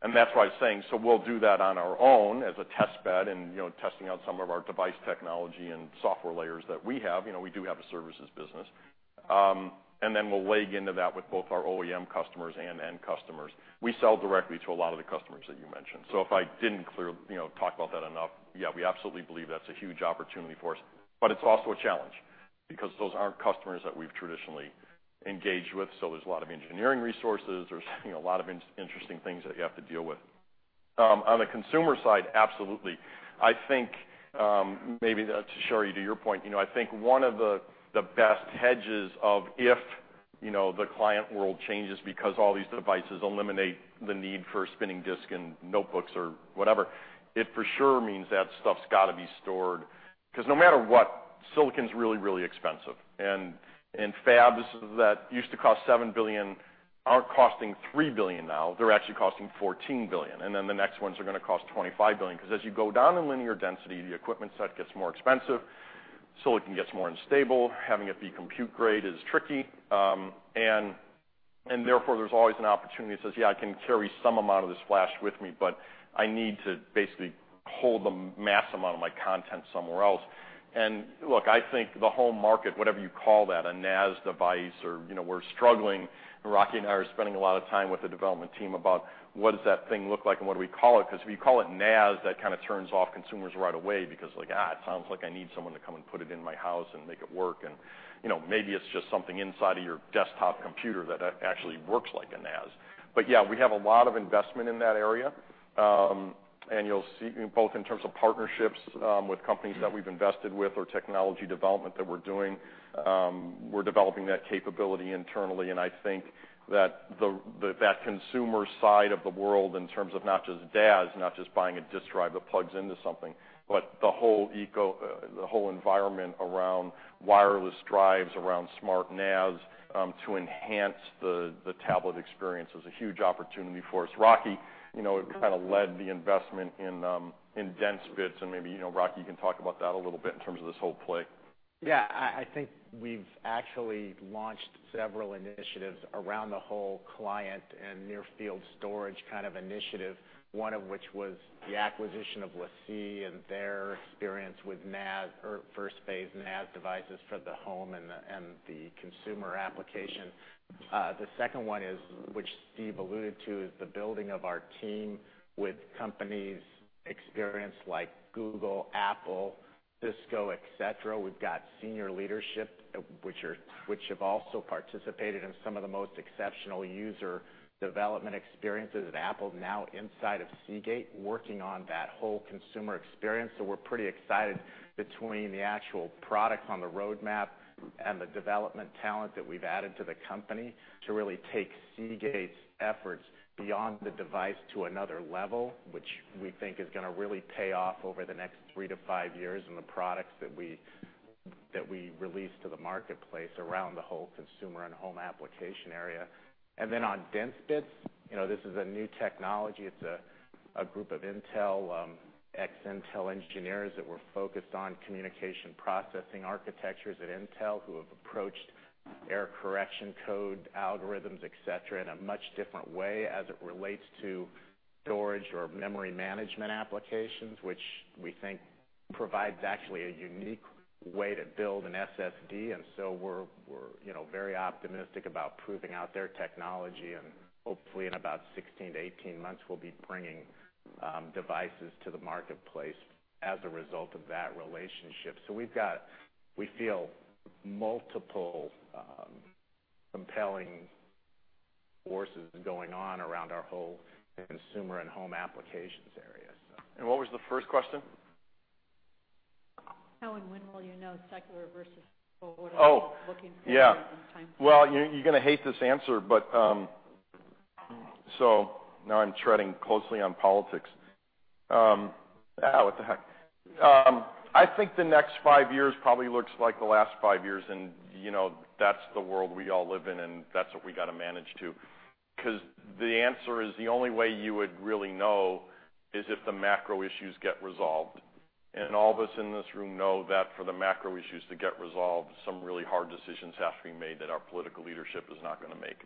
That's why I was saying, we'll do that on our own as a test bed and testing out some of our device technology and software layers that we have. We do have a services business. We'll leg into that with both our OEM customers and end customers. We sell directly to a lot of the customers that you mentioned. If I didn't talk about that enough, yeah, we absolutely believe that's a huge opportunity for us, but it's also a challenge because those aren't customers that we've traditionally engaged with, so there's a lot of engineering resources. There's a lot of interesting things that you have to deal with. On the consumer side, absolutely. I think maybe, Sherri, to your point, I think one of the best hedges of if the client world changes because all these devices eliminate the need for a spinning disk in notebooks or whatever, it for sure means that stuff's got to be stored. Because no matter what, silicon's really, really expensive. Fabs that used to cost $7 billion aren't costing $3 billion now, they're actually costing $14 billion. The next ones are going to cost $25 billion because as you go down in linear density, the equipment set gets more expensive, silicon gets more unstable. Having it be compute grade is tricky. Therefore, there's always an opportunity that says, "Yeah, I can carry some amount of this flash with me, but I need to basically hold the mass amount of my content somewhere else." Look, I think the home market, whatever you call that, a NAS device or we're struggling. Rocky and I are spending a lot of time with the development team about what does that thing look like and what do we call it, because if you call it NAS, that kind of turns off consumers right away because like, "It sounds like I need someone to come and put it in my house and make it work." Maybe it's just something inside of your desktop computer that actually works like a NAS. Yeah, we have a lot of investment in that area. You'll see both in terms of partnerships with companies that we've invested with or technology development that we're doing, we're developing that capability internally, I think that consumer side of the world in terms of not just DAS, not just buying a disk drive that plugs into something, but the whole environment around wireless drives, around smart NAS, to enhance the tablet experience is a huge opportunity for us. Rocky kind of led the investment in DensBits, maybe Rocky, you can talk about that a little bit in terms of this whole play. Yeah. I think we've actually launched several initiatives around the whole client and near field storage kind of initiative, one of which was the acquisition of LaCie and their experience with first phase NAS devices for the home and the consumer application. The second one is, which Steve alluded to, is the building of our team with companies experienced like Google, Apple, Cisco, et cetera. We've got senior leadership which have also participated in some of the most exceptional user development experiences at Apple now inside of Seagate working on that whole consumer experience. We're pretty excited between the actual products on the roadmap and the development talent that we've added to the company to really take Seagate's efforts beyond the device to another level, which we think is going to really pay off over the next three to five years in the products that we release to the marketplace around the whole consumer and home application area. Then on DensBits, this is a new technology. It's a group of ex-Intel engineers that were focused on communication processing architectures at Intel, who have approached error correction code, algorithms, et cetera, in a much different way as it relates to storage or memory management applications, which we think provides actually a unique way to build an SSD. We're very optimistic about proving out their technology, and hopefully in about 16 to 18 months, we'll be bringing devices to the marketplace as a result of that relationship. We feel multiple compelling forces going on around our whole consumer and home applications area. What was the first question? How and when will you know secular versus? Oh. Looking forward and time frame? Well, you're going to hate this answer. Now I'm treading closely on politics. What the heck. I think the next five years probably looks like the last five years, and that's the world we all live in, and that's what we got to manage to. The answer is the only way you would really know is if the macro issues get resolved. All of us in this room know that for the macro issues to get resolved, some really hard decisions have to be made that our political leadership is not going to make.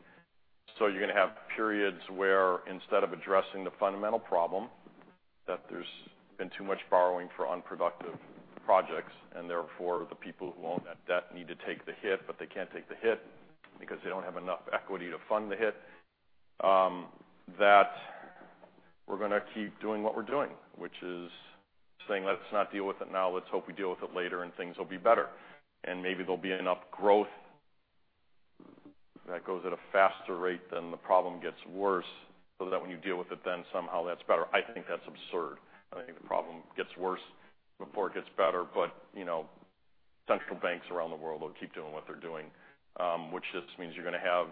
You're going to have periods where instead of addressing the fundamental problem, that there's been too much borrowing for unproductive projects, and therefore the people who own that debt need to take the hit, but they can't take the hit because they don't have enough equity to fund the hit, that we're going to keep doing what we're doing, which is saying, "Let's not deal with it now. Let's hope we deal with it later and things will be better." Maybe there'll be enough growth that goes at a faster rate than the problem gets worse, so that when you deal with it, then somehow that's better. I think that's absurd. I think the problem gets worse before it gets better, but central banks around the world will keep doing what they're doing. That's just means you're going to have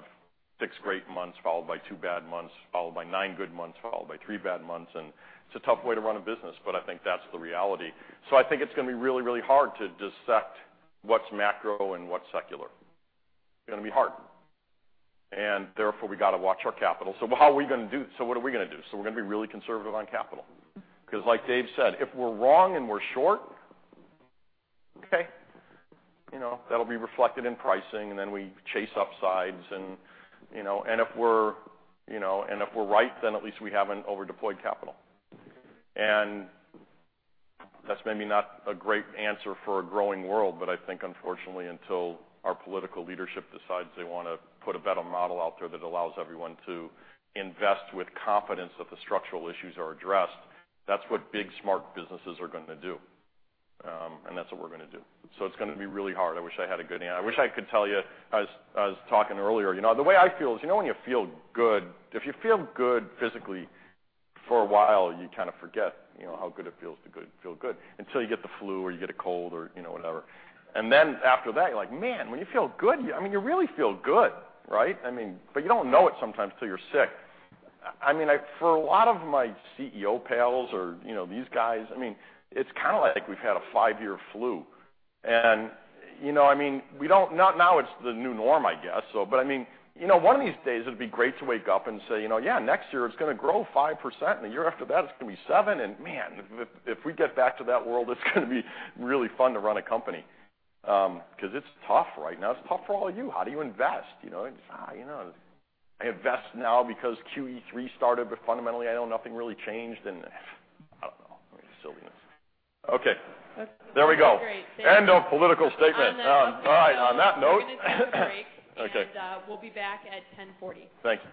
six great months, followed by two bad months, followed by nine good months, followed by three bad months, and it's a tough way to run a business, but I think that's the reality. I think it's going to be really, really hard to dissect what's macro and what's secular. It's going to be hard. Therefore we got to watch our capital. What are we going to do? We're going to be really conservative on capital. Because like Dave said, if we're wrong and we're short, okay, that'll be reflected in pricing, and then we chase upsides and if we're right, then at least we haven't over-deployed capital. That's maybe not a great answer for a growing world, but I think unfortunately, until our political leadership decides they want to put a better model out there that allows everyone to invest with confidence that the structural issues are addressed, that's what big, smart businesses are going to do. That's what we're going to do. It's going to be really hard. I wish I had a good answer. I wish I could tell you, I was talking earlier. The way I feel is, you know when you feel good, if you feel good physically for a while, you kind of forget how good it feels to feel good until you get the flu or you get a cold or whatever. After that, you're like, man, when you feel good, you really feel good, right? You don't know it sometimes till you're sick. For a lot of my CEO pals or these guys, it's kind of like we've had a five-year flu. Now it's the new norm, I guess. One of these days it'd be great to wake up and say, "Yeah, next year it's going to grow 5%, and the year after that it's going to be seven." Man, if we get back to that world, it's going to be really fun to run a company. Because it's tough right now. It's tough for all of you. How do you invest? It's, I invest now because QE3 started, but fundamentally, I know nothing really changed and I don't know. Maybe silliness. Okay. There we go. That's great. Thank you. End of political statement. All right, on that note. We're going to take a break. Okay. We'll be back at 10:40. Thank you.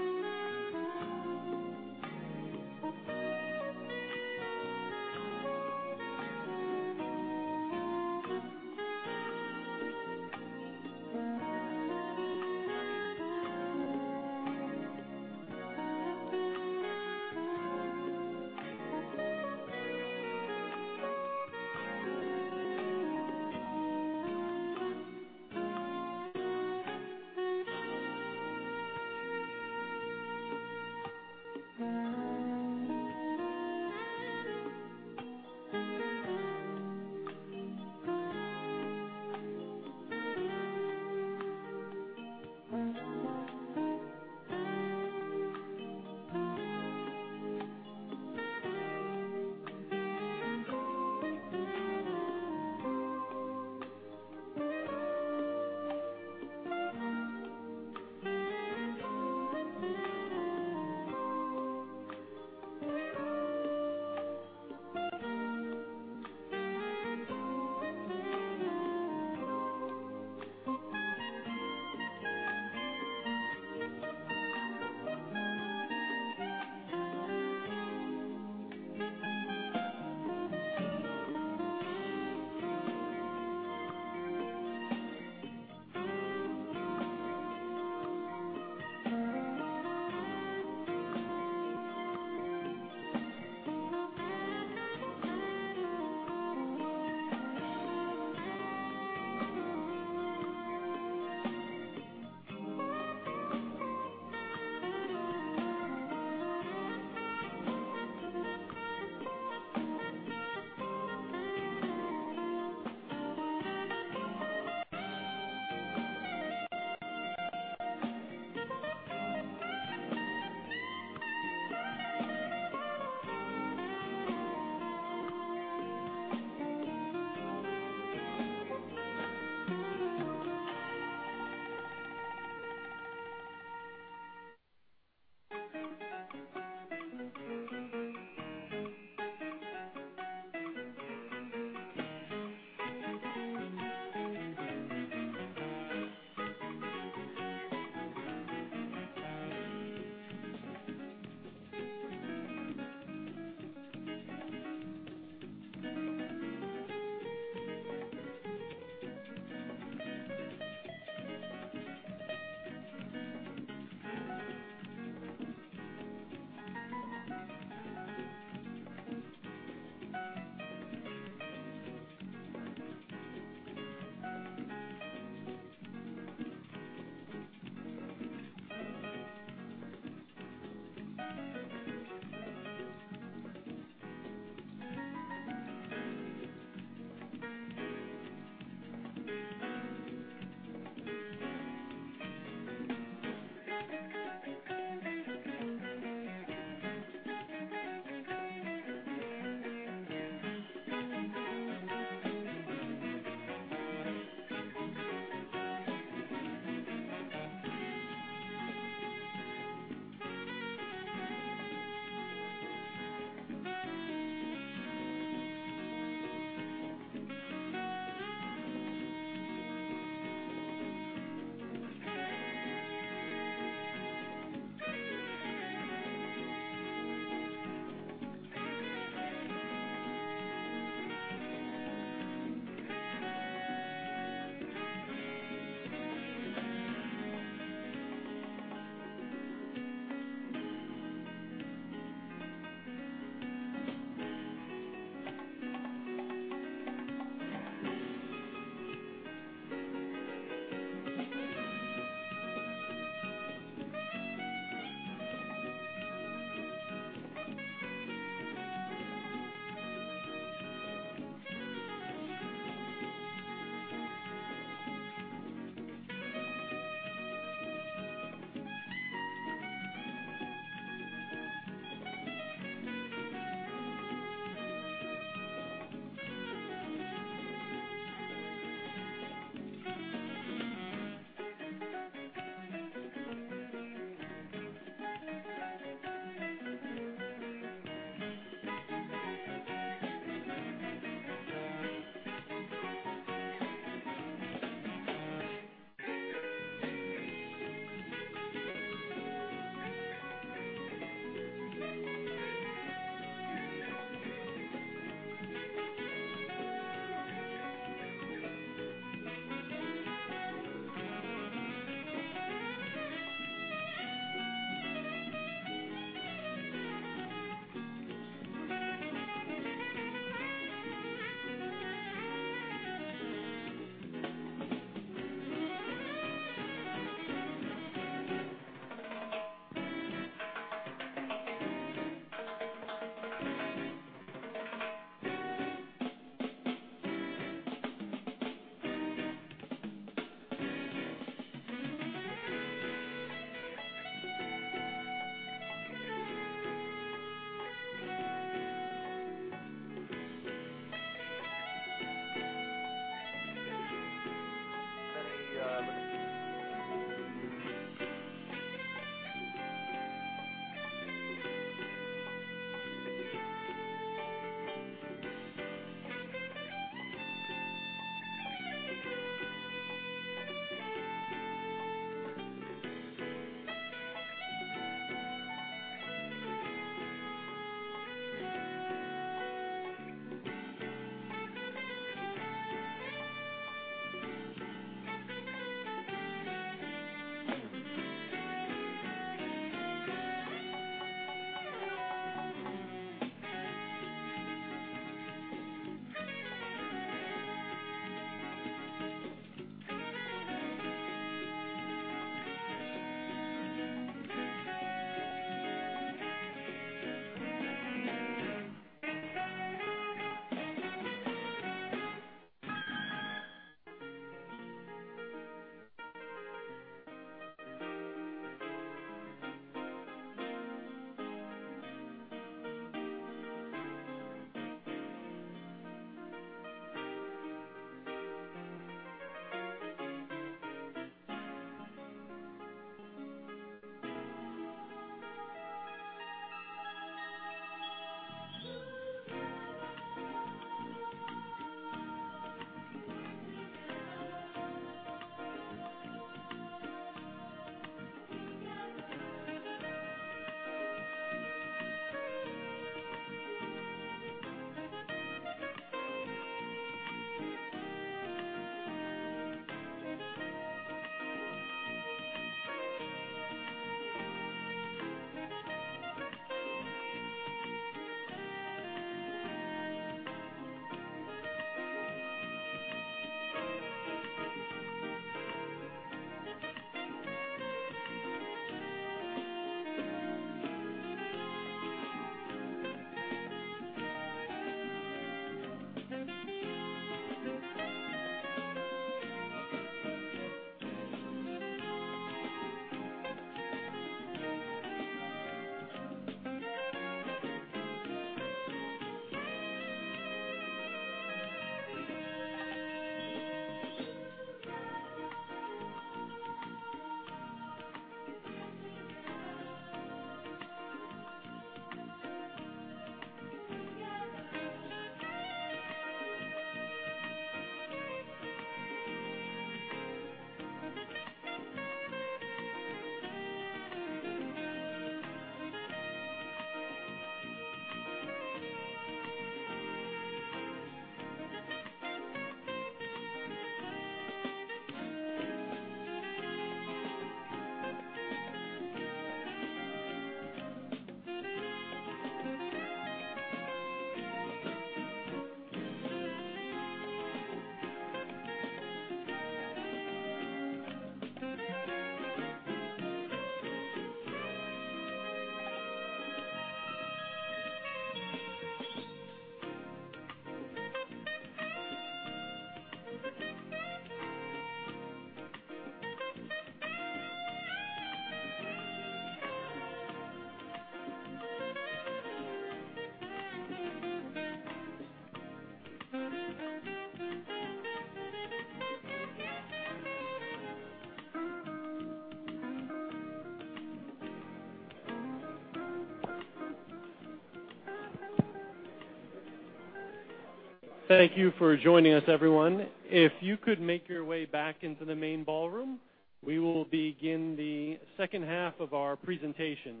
Thank you for joining us, everyone. If you could make your way back into the main ballroom, we will begin the second half of our presentation.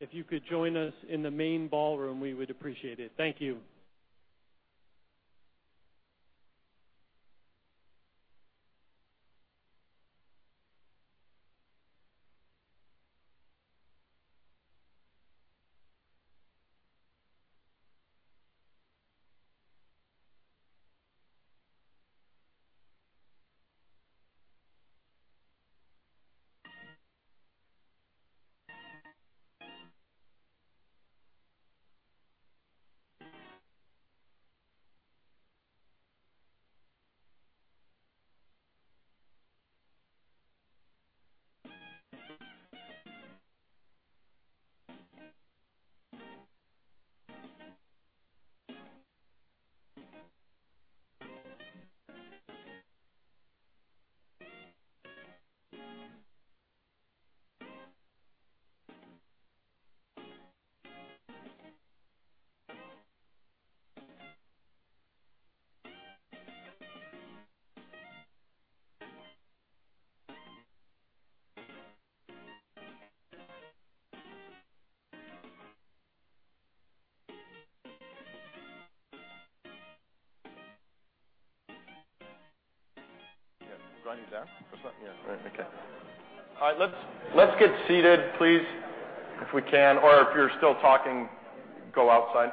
If you could join us in the main ballroom, we would appreciate it. Thank you. Yeah. Is Ronnie down or something? Yeah. All right. Okay. All right, let's get seated please, if we can. If you're still talking, go outside.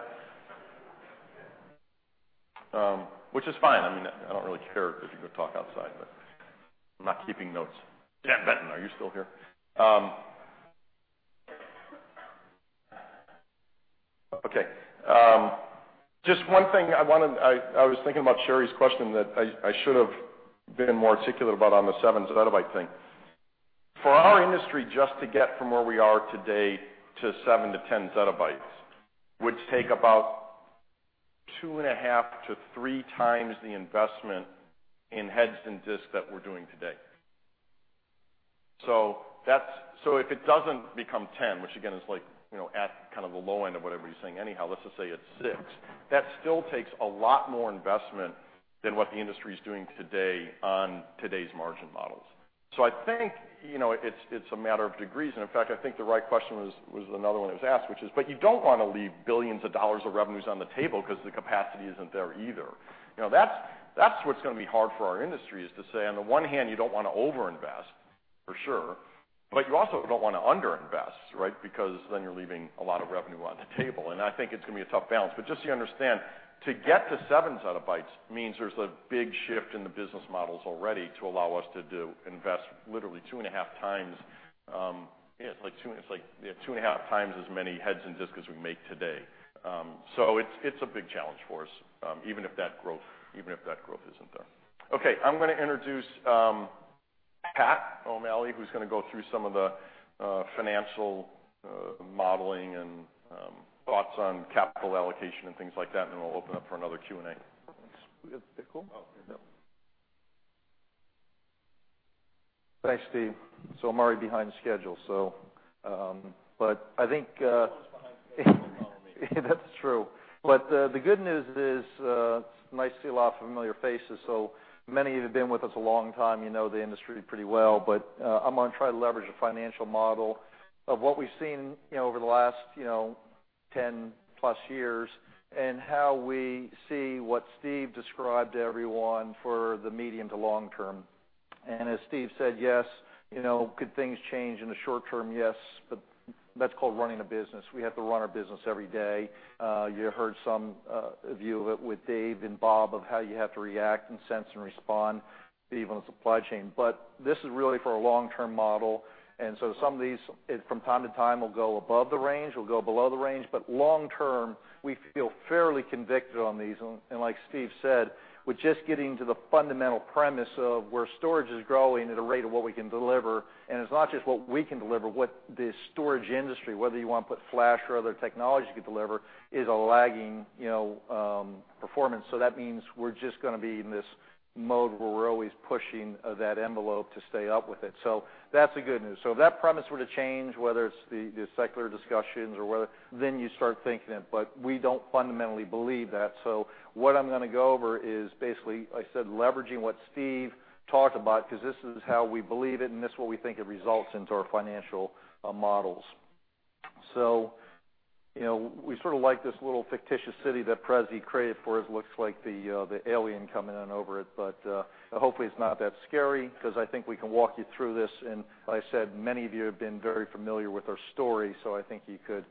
Which is fine. I don't really care if you go talk outside, I'm not keeping notes. Dan Benton, are you still here? Okay. Just one thing, I was thinking about Sherri's question that I should have been more particular about on the seven zettabyte thing. For our industry, just to get from where we are today to seven to 10 zettabytes, would take about two and a half to three times the investment in heads and disks that we're doing today. If it doesn't become 10, which again is at the low end of what everybody's saying anyhow, let's just say it's six, that still takes a lot more investment than what the industry's doing today on today's margin models. I think it's a matter of degrees, in fact, I think the right question was another one that was asked, which is, you don't want to leave $billions of revenues on the table because the capacity isn't there either. That's what's going to be hard for our industry, is to say on the one hand, you don't want to over invest, for sure, you also don't want to under invest, right? Then you're leaving a lot of revenue on the table, I think it's going to be a tough balance. Just so you understand, to get to seven zettabytes means there's a big shift in the business models already to allow us to invest literally two and a half times as many heads and disks as we make today. It's a big challenge for us, even if that growth isn't there. Okay, I'm going to introduce Patrick O'Malley, who's going to go through some of the financial modeling and thoughts on capital allocation and things like that, then we'll open up for another Q&A. Thanks. Do we have Nicole? Oh, here. Thanks, Steve. I'm already behind schedule. Everyone's behind schedule. Don't follow me. That's true. The good news is, it's nice to see a lot of familiar faces, so many of you have been with us a long time. You know the industry pretty well. I'm going to try to leverage a financial model of what we've seen over the last 10+ years, and how we see what Steve described to everyone for the medium to long term. As Steve said, yes, could things change in the short term? Yes, that's called running a business. We have to run our business every day. You heard some view of it with Dave and Bob of how you have to react and sense and respond, even with supply chain. This is really for a long-term model, some of these, from time to time, will go above the range, will go below the range. Long term, we feel fairly convicted on these. Like Steve said, with just getting to the fundamental premise of where storage is growing at a rate of what we can deliver, it's not just what we can deliver, what the storage industry, whether you want to put flash or other technology could deliver, is a lagging performance. That means we're just going to be in this mode where we're always pushing that envelope to stay up with it. That's the good news. If that premise were to change, whether it's the secular discussions or whether you start thinking it, we don't fundamentally believe that. What I'm going to go over is basically, I said, leveraging what Steve talked about, because this is how we believe it, this is what we think it results into our financial models. We sort of like this little fictitious city that Prezi created for us. It looks like the alien coming in over it. Hopefully it's not that scary because I think we can walk you through this. Like I said, many of you have been very familiar with our story, I think you could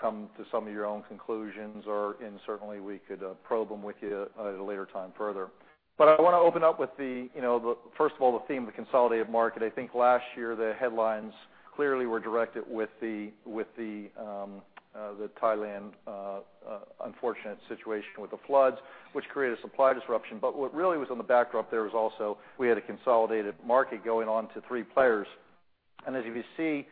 come to some of your own conclusions or, certainly we could probe them with you at a later time further. I want to open up with the, first of all, the theme, the consolidated market. I think last year the headlines clearly were directed with the Thailand unfortunate situation with the floods, which created a supply disruption. What really was in the backdrop there was also we had a consolidated market going on to three players. As you can see,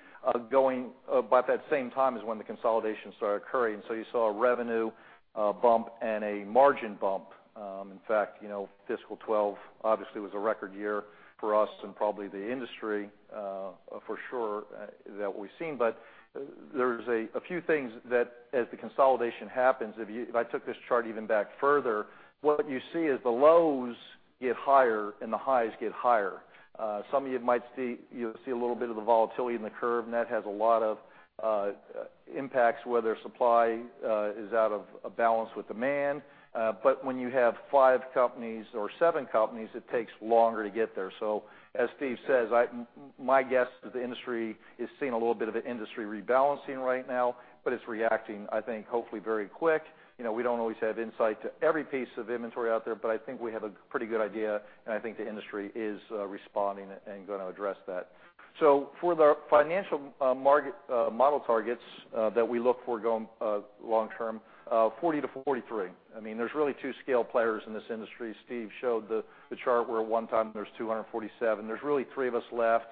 going about that same time is when the consolidation started occurring. You saw a revenue bump and a margin bump. In fact, fiscal 2012 obviously was a record year for us and probably the industry, for sure, that we've seen. There's a few things that as the consolidation happens, if I took this chart even back further, what you see is the lows get higher and the highs get higher. Some of you might see a little bit of the volatility in the curve, and that has a lot of impacts, whether supply is out of balance with demand. When you have five companies or seven companies, it takes longer to get there. As Steve says, my guess is the industry is seeing a little bit of an industry rebalancing right now, it's reacting, I think, hopefully very quick. We don't always have insight to every piece of inventory out there, but I think we have a pretty good idea, and I think the industry is responding and going to address that. For the financial model targets that we look for going long term, 40%-43%. There's really two scale players in this industry. Steve showed the chart where at one time there was 247. There's really three of us left.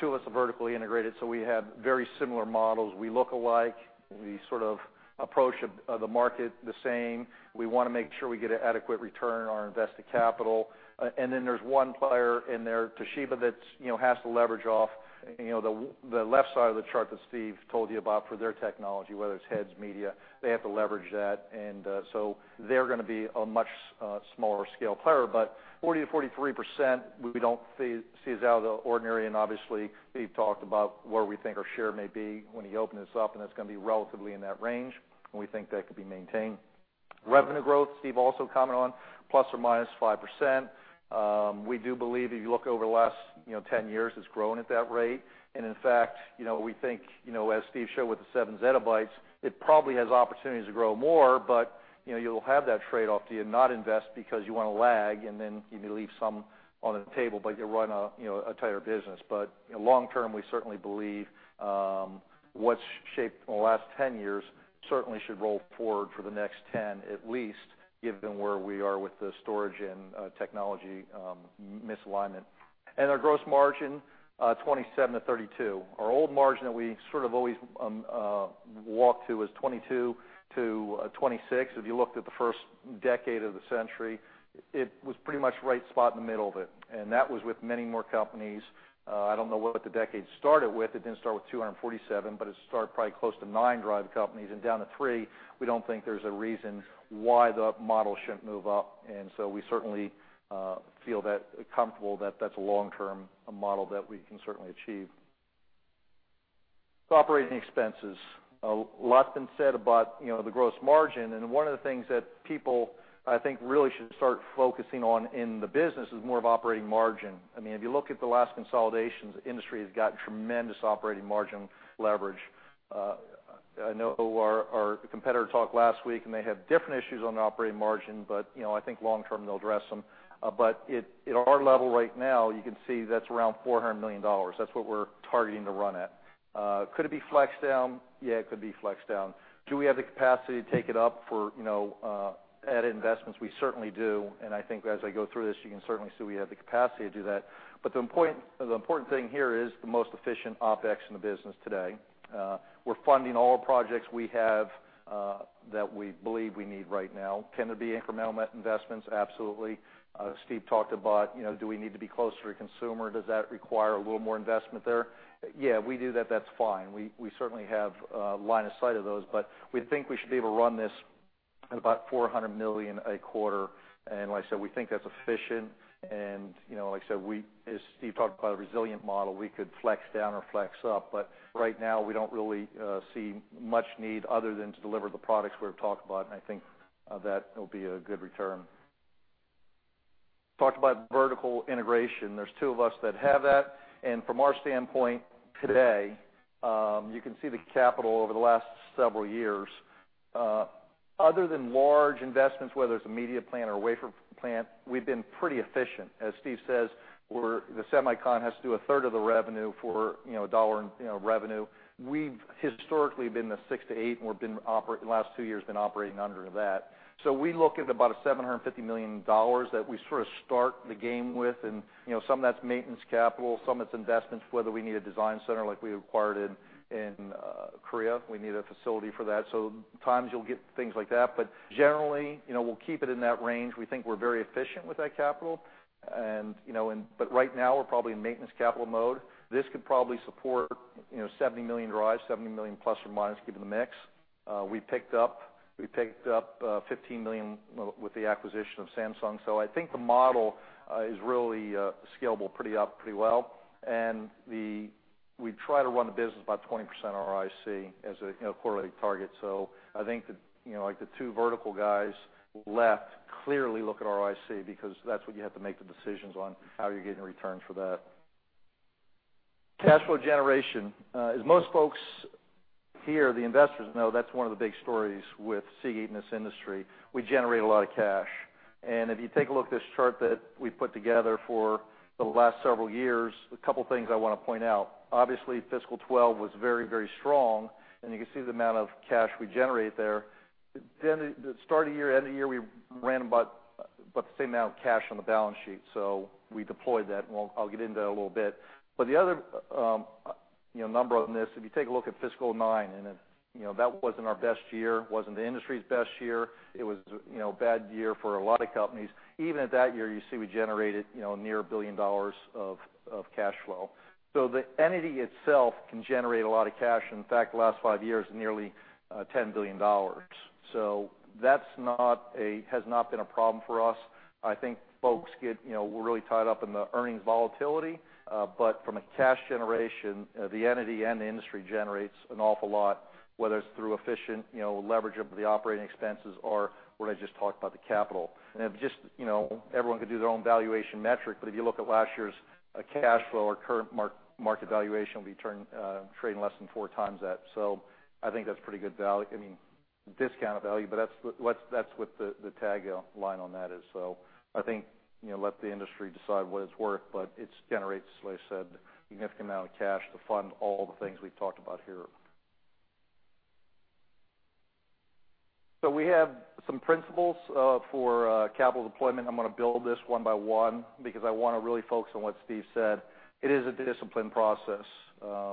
Two of us are vertically integrated, so we have very similar models. We look alike. We sort of approach the market the same. We want to make sure we get an adequate return on our invested capital. Then there's one player in there, Toshiba, that has to leverage off the left side of the chart that Steve told you about for their technology, whether it's heads, media, they have to leverage that. They're going to be a much smaller scale player. 40%-43%, we don't see as out of the ordinary, and obviously Steve talked about where we think our share may be when he opened this up, and it's going to be relatively in that range, and we think that could be maintained. Revenue growth, Steve also commented on, ±5%. We do believe, if you look over the last 10 years, it's grown at that rate. In fact, we think as Steve showed with the seven zettabytes, it probably has opportunities to grow more, you'll have that trade-off. Do you not invest because you want to lag and then you leave some on the table, you run a tighter business. Long term, we certainly believe what's shaped in the last 10 years certainly should roll forward for the next 10, at least given where we are with the storage and technology misalignment. Our gross margin, 27%-32%. Our old margin that we sort of always walked to was 22%-26%. If you looked at the first decade of the century, it was pretty much right spot in the middle of it, and that was with many more companies. I don't know what the decade started with. It didn't start with 247, it started probably close to nine drive companies and down to three. We don't think there's a reason why the model shouldn't move up. We certainly feel comfortable that that's a long-term model that we can certainly achieve. Operating expenses. A lot's been said about the gross margin, one of the things that people, I think, really should start focusing on in the business is more of operating margin. If you look at the last consolidations, the industry has gotten tremendous operating margin leverage. I know our competitor talked last week, they have different issues on the operating margin, I think long term they'll address them. At our level right now, you can see that's around $400 million. That's what we're targeting to run at. Could it be flexed down? Yeah, it could be flexed down. Do we have the capacity to take it up for added investments? We certainly do, I think as I go through this, you can certainly see we have the capacity to do that. The important thing here is the most efficient OpEx in the business today. We're funding all projects we have that we believe we need right now. Can there be incremental investments? Absolutely. Steve talked about, do we need to be closer to consumer? Does that require a little more investment there? Yeah, we do that. That's fine. We certainly have line of sight of those, but we think we should be able to run this at about $400 million a quarter. Like I said, we think that's efficient. Like I said, as Steve talked about a resilient model, we could flex down or flex up. Right now we don't really see much need other than to deliver the products we've talked about, I think that will be a good return. Talked about vertical integration. There's two of us that have that. From our standpoint today, you can see the capital over the last several years. Other than large investments, whether it's a media plant or a wafer plant, we've been pretty efficient. As Steve says, the semicon has to do a third of the revenue for a dollar in revenue. We've historically been the 6 to 8, we've, the last two years, been operating under that. We look at about $750 million that we sort of start the game with, some of that's maintenance capital, some of it's investments, whether we need a design center like we acquired in Korea. We need a facility for that. At times you'll get things like that. Generally, we'll keep it in that range. We think we're very efficient with that capital. Right now we're probably in maintenance capital mode. This could probably support 70 million drives, 70 million plus or minus given the mix. We picked up 15 million with the acquisition of Samsung. I think the model is really scalable pretty well. We try to run the business about 20% ROIC as a quarterly target. I think the two vertical guys left clearly look at ROIC because that's what you have to make the decisions on how you're getting returns for that. Cash flow generation. As most folks here, the investors know that's one of the big stories with Seagate in this industry. We generate a lot of cash. If you take a look at this chart that we put together for the last several years, a couple of things I want to point out. Obviously, fiscal 2012 was very, very strong, you can see the amount of cash we generate there. The start of the year, end of the year, we ran about the same amount of cash on the balance sheet. We deployed that, I'll get into that a little bit. The other number on this, if you take a look at fiscal 2009, that wasn't our best year, wasn't the industry's best year. It was a bad year for a lot of companies. Even at that year, you see we generated near $1 billion of cash flow. The entity itself can generate a lot of cash. In fact, the last five years, nearly $10 billion. That has not been a problem for us. I think folks get really tied up in the earnings volatility. From a cash generation, the entity and the industry generates an awful lot, whether it's through efficient leverage of the operating expenses or what I just talked about, the capital. Everyone could do their own valuation metric, but if you look at last year's cash flow or current market valuation, we turned trading less than 4 times that. I think that's pretty good value. I mean, discounted value, but that's what the tagline on that is. I think let the industry decide what it's worth, but it generates, as I said, a significant amount of cash to fund all the things we've talked about here. We have some principles for capital deployment. I'm going to build this one by one because I want to really focus on what Steve said. It is a disciplined process.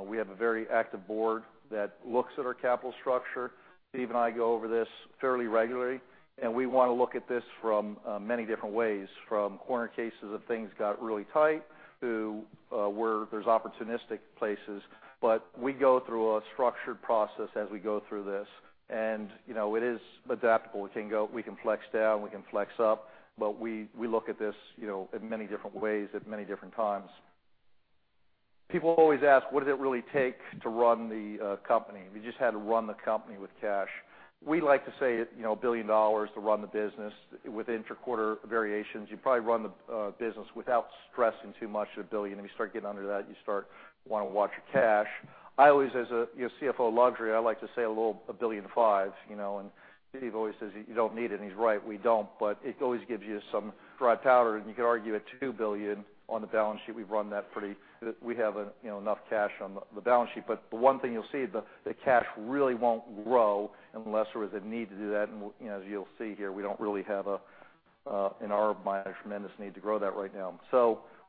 We have a very active board that looks at our capital structure. Steve and I go over this fairly regularly. We want to look at this from many different ways, from corner cases of things got really tight to where there's opportunistic places. We go through a structured process as we go through this, and it is adaptable. We can flex down, we can flex up, but we look at this in many different ways at many different times. People always ask, "What does it really take to run the company?" We just had to run the company with cash. We like to say $1 billion to run the business with inter-quarter variations. You probably run the business without stressing too much at $1 billion. If you start getting under that, you start wanting to watch your cash. I always, as a CFO of luxury, I like to say a little, $1 billion and five. Steve always says, "You don't need it." He's right, we don't. It always gives you some dry powder, and you could argue $2 billion on the balance sheet. We have enough cash on the balance sheet. The one thing you'll see, the cash really won't grow unless there is a need to do that. As you'll see here, we don't really have a, in our mind, a tremendous need to grow that right now.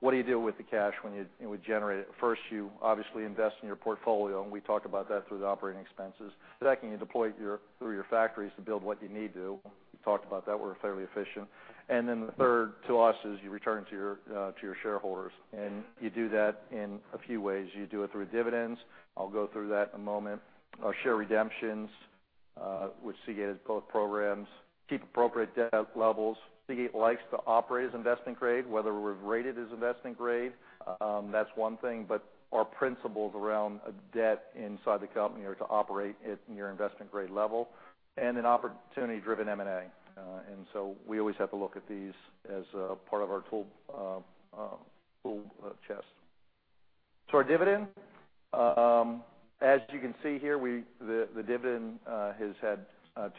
What do you do with the cash when you generate it? First, you obviously invest in your portfolio. We talked about that through the operating expenses. Second, you deploy through your factories to build what you need to. We talked about that. We're fairly efficient. The third to us is you return to your shareholders. You do that in a few ways. You do it through dividends. I'll go through that in a moment. Share redemptions, which Seagate has both programs. Keep appropriate debt levels. Seagate likes to operate as investment grade, whether we're rated as investment grade. That's one thing, but our principles around debt inside the company are to operate at near investment grade level. Opportunity-driven M&A. We always have to look at these as a part of our tool chest. Our dividend. As you can see here, the dividend has had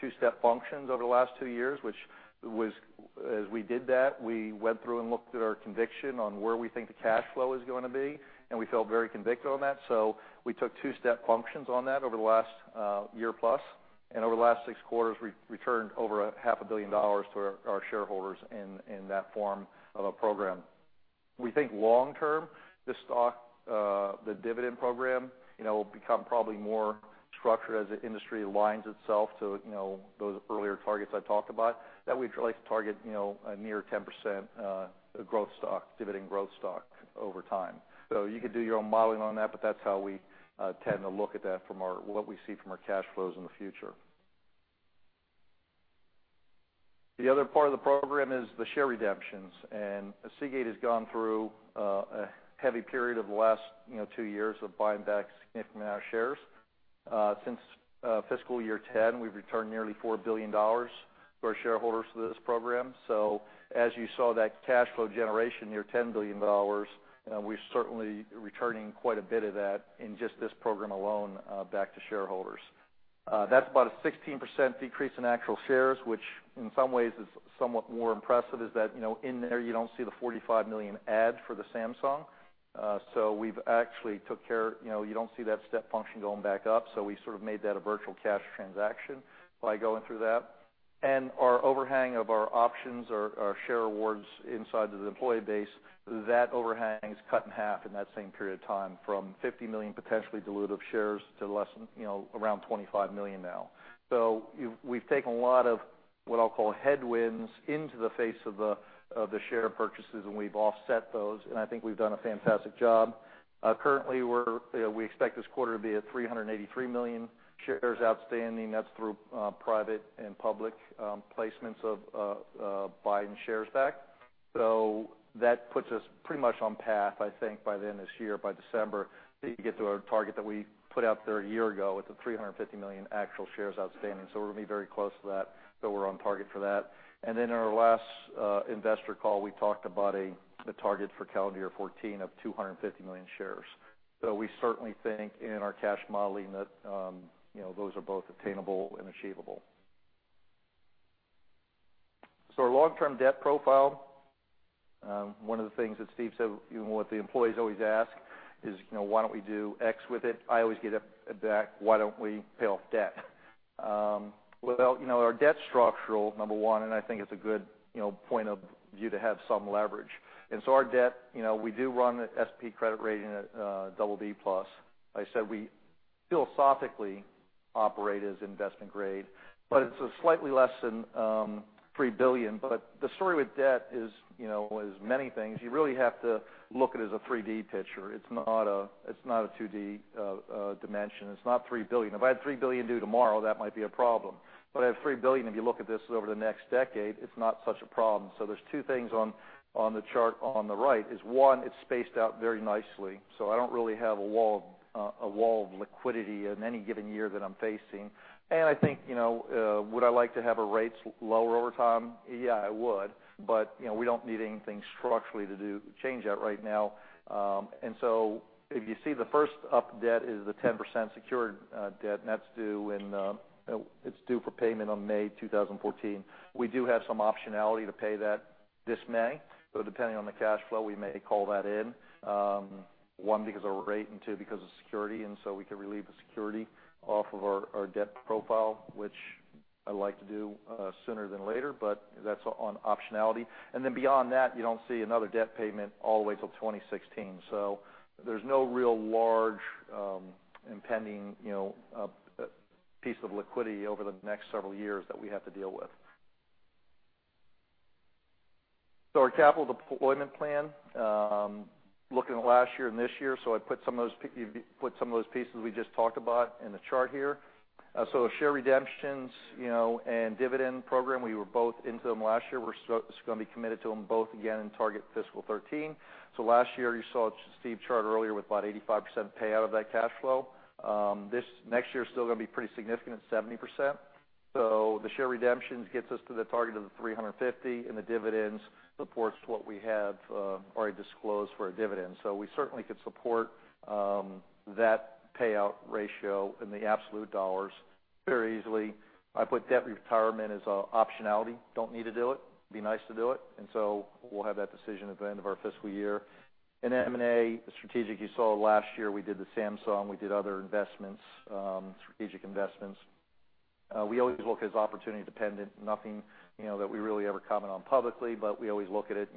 two-step functions over the last two years, which was, as we did that, we went through and looked at our conviction on where we think the cash flow is going to be, and we felt very convicted on that. We took two-step functions on that over the last year plus, and over the last six quarters, we returned over a half a billion dollars to our shareholders in that form of a program. We think long term, the dividend program will become probably more structured as the industry aligns itself to those earlier targets I talked about, that we'd like to target a near 10% dividend growth stock over time. You could do your own modeling on that, but that's how we tend to look at that from what we see from our cash flows in the future. The other part of the program is the share redemptions. Seagate has gone through a heavy period of the last two years of buying back a significant amount of shares. Since fiscal year 2010, we've returned nearly $4 billion for our shareholders through this program. As you saw that cash flow generation, near $10 billion, we're certainly returning quite a bit of that in just this program alone back to shareholders. That's about a 16% decrease in actual shares, which in some ways is somewhat more impressive, is that in there you don't see the $45 million add for the Samsung. We've actually took care. You don't see that step function going back up. We sort of made that a virtual cash transaction by going through that. Our overhang of our options, our share awards inside the employee base, that overhang is cut in half in that same period of time, from 50 million potentially dilutive shares to around 25 million now. We've taken a lot of what I'll call headwinds into the face of the share purchases, and we've offset those, and I think we've done a fantastic job. Currently, we expect this quarter to be at 383 million shares outstanding. That's through private and public placements of buying shares back. That puts us pretty much on path, I think, by the end of this year, by December, that you get to our target that we put out there a year ago. It's a 350 million actual shares outstanding. We're going to be very close to that. We're on target for that. In our last investor call, we talked about the target for calendar year 2014 of 250 million shares. We certainly think in our cash modeling that those are both attainable and achievable. Our long-term debt profile. One of the things that Steve said, what the employees always ask is, "Why don't we do X with it?" I always get back, "Why don't we pay off debt?" Well, our debt structural, number one, I think it's a good point of view to have some leverage. Our debt, we do run S&P credit rating at BB+. Like I said, we philosophically operate as investment grade, but it's a slightly less than $3 billion. The story with debt is many things. You really have to look at it as a 3D picture. It's not a 2D dimension. It's not $3 billion. If I had $3 billion due tomorrow, that might be a problem. I have $3 billion, if you look at this over the next decade, it's not such a problem. There are two things on the chart on the right, is one, it's spaced out very nicely. I don't really have a wall of liquidity in any given year that I'm facing. I think, would I like to have our rates lower over time? Yeah, I would. We don't need anything structurally to do change that right now. If you see the first up debt is the 10% secured debt, and that's due for payment on May 2014. We do have some optionality to pay that this May, so depending on the cash flow, we may call that in, one, because of our rate, and two, because of security. We could relieve the security off of our debt profile, which I like to do sooner than later, but that's on optionality. Beyond that, you don't see another debt payment all the way till 2016. There's no real large impending piece of liquidity over the next several years that we have to deal with. Our capital deployment plan, looking last year and this year, I put some of those pieces we just talked about in the chart here. Share redemptions, and dividend program, we were both into them last year. We're going to be committed to them both again in target fiscal 2013. Last year, you saw Steve chart earlier with about 85% payout of that cash flow. This next year is still going to be pretty significant at 70%. The share redemptions gets us to the target of the $350, and the dividends supports what we have already disclosed for a dividend. We certainly could support that payout ratio in the absolute dollars very easily. I put debt retirement as an optionality. Don't need to do it. It'd be nice to do it. We'll have that decision at the end of our fiscal year. In M&A strategic, you saw last year we did the Samsung, we did other strategic investments. We always look as opportunity-dependent, nothing that we really ever comment on publicly, but we always look at it.